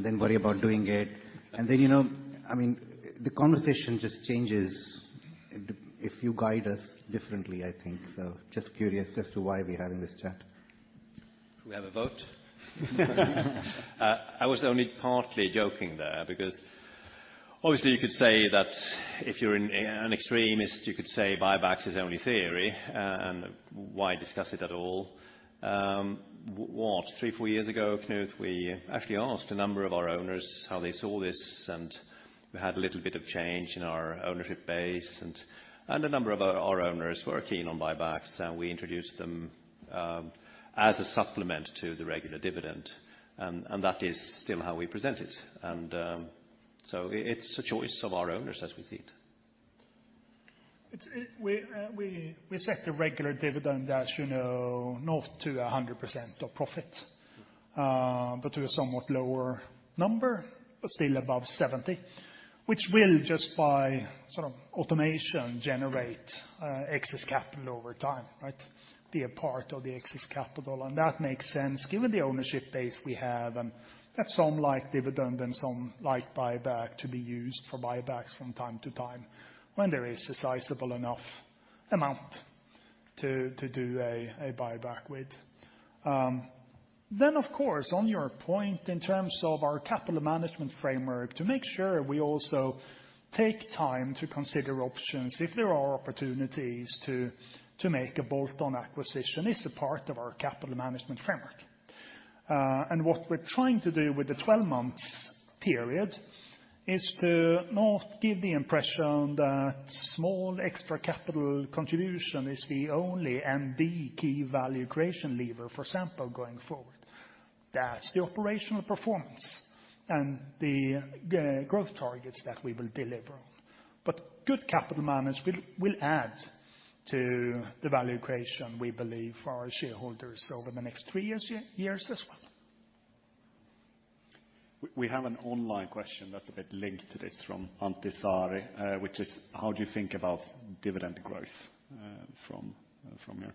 Speaker 14: then worry about doing it?" And then, I mean, the conversation just changes if you guide us differently, I think. So just curious as to why we're having this chat.
Speaker 2: Do we have a vote? I was only partly joking there because obviously, you could say that if you're an extremist, you could say buybacks is only theory. And why discuss it at all? three, four years ago, Knut, we actually asked a number of our owners how they saw this. And we had a little bit of change in our ownership base. And a number of our owners were keen on buybacks. And we introduced them as a supplement to the regular dividend. And that is still how we present it. And so it's a choice of our owners, as we see it.
Speaker 8: We set the regular dividend as not to 100% of profit, but to a somewhat lower number, but still above 70%, which will, just by sort of automation, generate excess capital over time, right, be a part of the excess capital. That makes sense, given the ownership base we have. That's some light dividend and some light buyback to be used for buybacks from time to time when there is a sizable enough amount to do a buyback with. Then, of course, on your point in terms of our capital management framework, to make sure we also take time to consider options if there are opportunities to make a bolt-on acquisition is a part of our capital management framework. What we're trying to do with the 12-month period is to not give the impression that small extra capital contribution is the only and the key value creation lever, for example, going forward. That's the operational performance and the growth targets that we will deliver on. Good capital management will add to the value creation, we believe, for our shareholders over the next three years as well.
Speaker 1: We have an online question that's a bit linked to this from Antti Saari, which is, how do you think about dividend growth from here?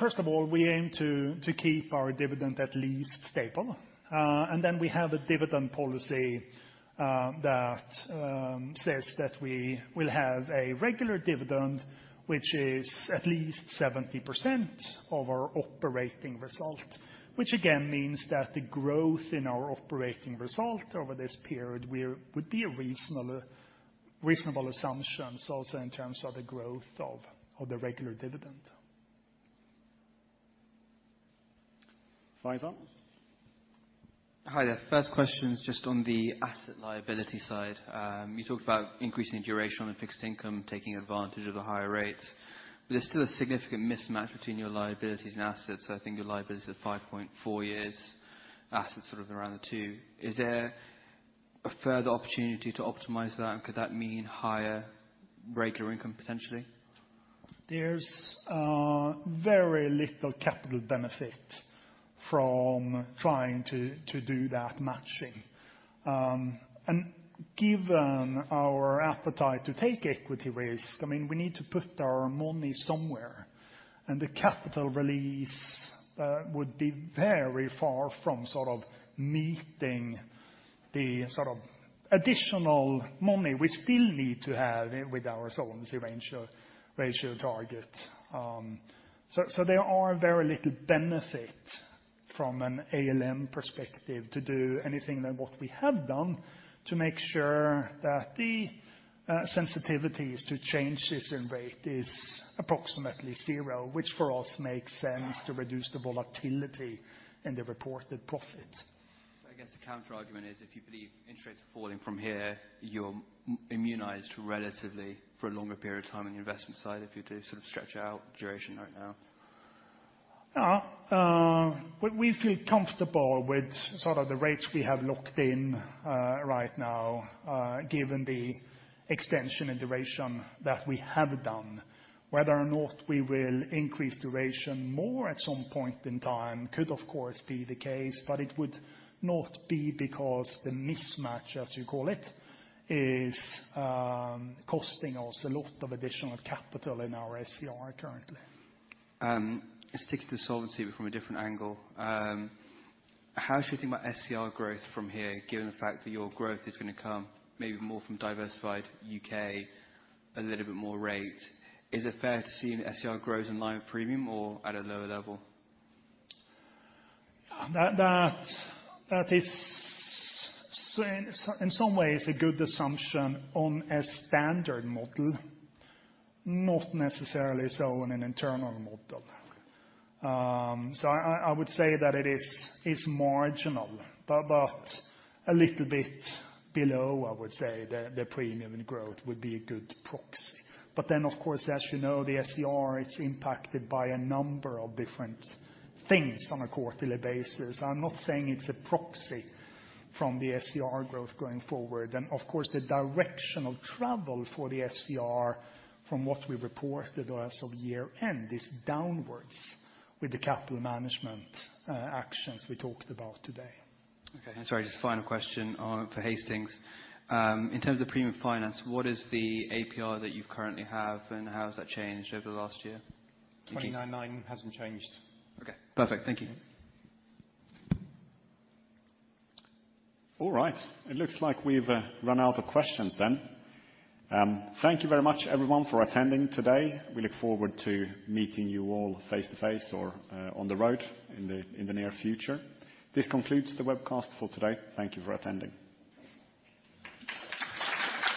Speaker 8: First of all, we aim to keep our dividend at least stable. And then we have a dividend policy that says that we will have a regular dividend, which is at least 70% of our operating result, which again means that the growth in our operating result over this period would be a reasonable assumption also in terms of the growth of the regular dividend.
Speaker 1: Faizan?
Speaker 6: Hi there. First question is just on the asset liability side. You talked about increasing duration on fixed income, taking advantage of the higher rates. But there's still a significant mismatch between your liabilities and assets. So I think your liabilities are 5.4 years, assets sort of around the two. Is there a further opportunity to optimize that? And could that mean higher regular income, potentially?
Speaker 8: There's very little capital benefit from trying to do that matching. And given our appetite to take equity risk, I mean, we need to put our money somewhere. And the capital release would be very far from sort of meeting the sort of additional money we still need to have with our solvency ratio target. So there are very little benefits from an ALM perspective to do anything than what we have done to make sure that the sensitivities to changes in rate is approximately zero, which for us makes sense to reduce the volatility in the reported profit.
Speaker 6: I guess the counterargument is, if you believe interest rates are falling from here, you're immunized relatively for a longer period of time on the investment side if you do sort of stretch out duration right now.
Speaker 8: We feel comfortable with sort of the rates we have locked in right now, given the extension and duration that we have done. Whether or not we will increase duration more at some point in time could, of course, be the case. But it would not be because the mismatch, as you call it, is costing us a lot of additional capital in our SCR currently.
Speaker 6: Let's take it to solvency from a different angle. How should we think about SCR growth from here, given the fact that your growth is going to come maybe more from diversified UK, a little bit more rate? Is it fair to see SCR grows in line with premium or at a lower level?
Speaker 8: That is, in some ways, a good assumption on a standard model, not necessarily so on an internal model. So I would say that it is marginal, but a little bit below, I would say, the premium and growth would be a good proxy. But then, of course, as you know, the SCR, it's impacted by a number of different things on a quarterly basis. I'm not saying it's a proxy from the SCR growth going forward. And of course, the direction of travel for the SCR from what we reported as of year-end is downwards with the capital management actions we talked about today.
Speaker 6: Okay. And sorry, just a final question for Hastings. In terms of premium finance, what is the APR that you currently have, and how has that changed over the last year? Thank you. 29.9% hasn't changed. Okay. Perfect. Thank you.
Speaker 1: All right. It looks like we've run out of questions then. Thank you very much, everyone, for attending today. We look forward to meeting you all face-to-face or on the road in the near future. This concludes the webcast for today. Thank you for attending.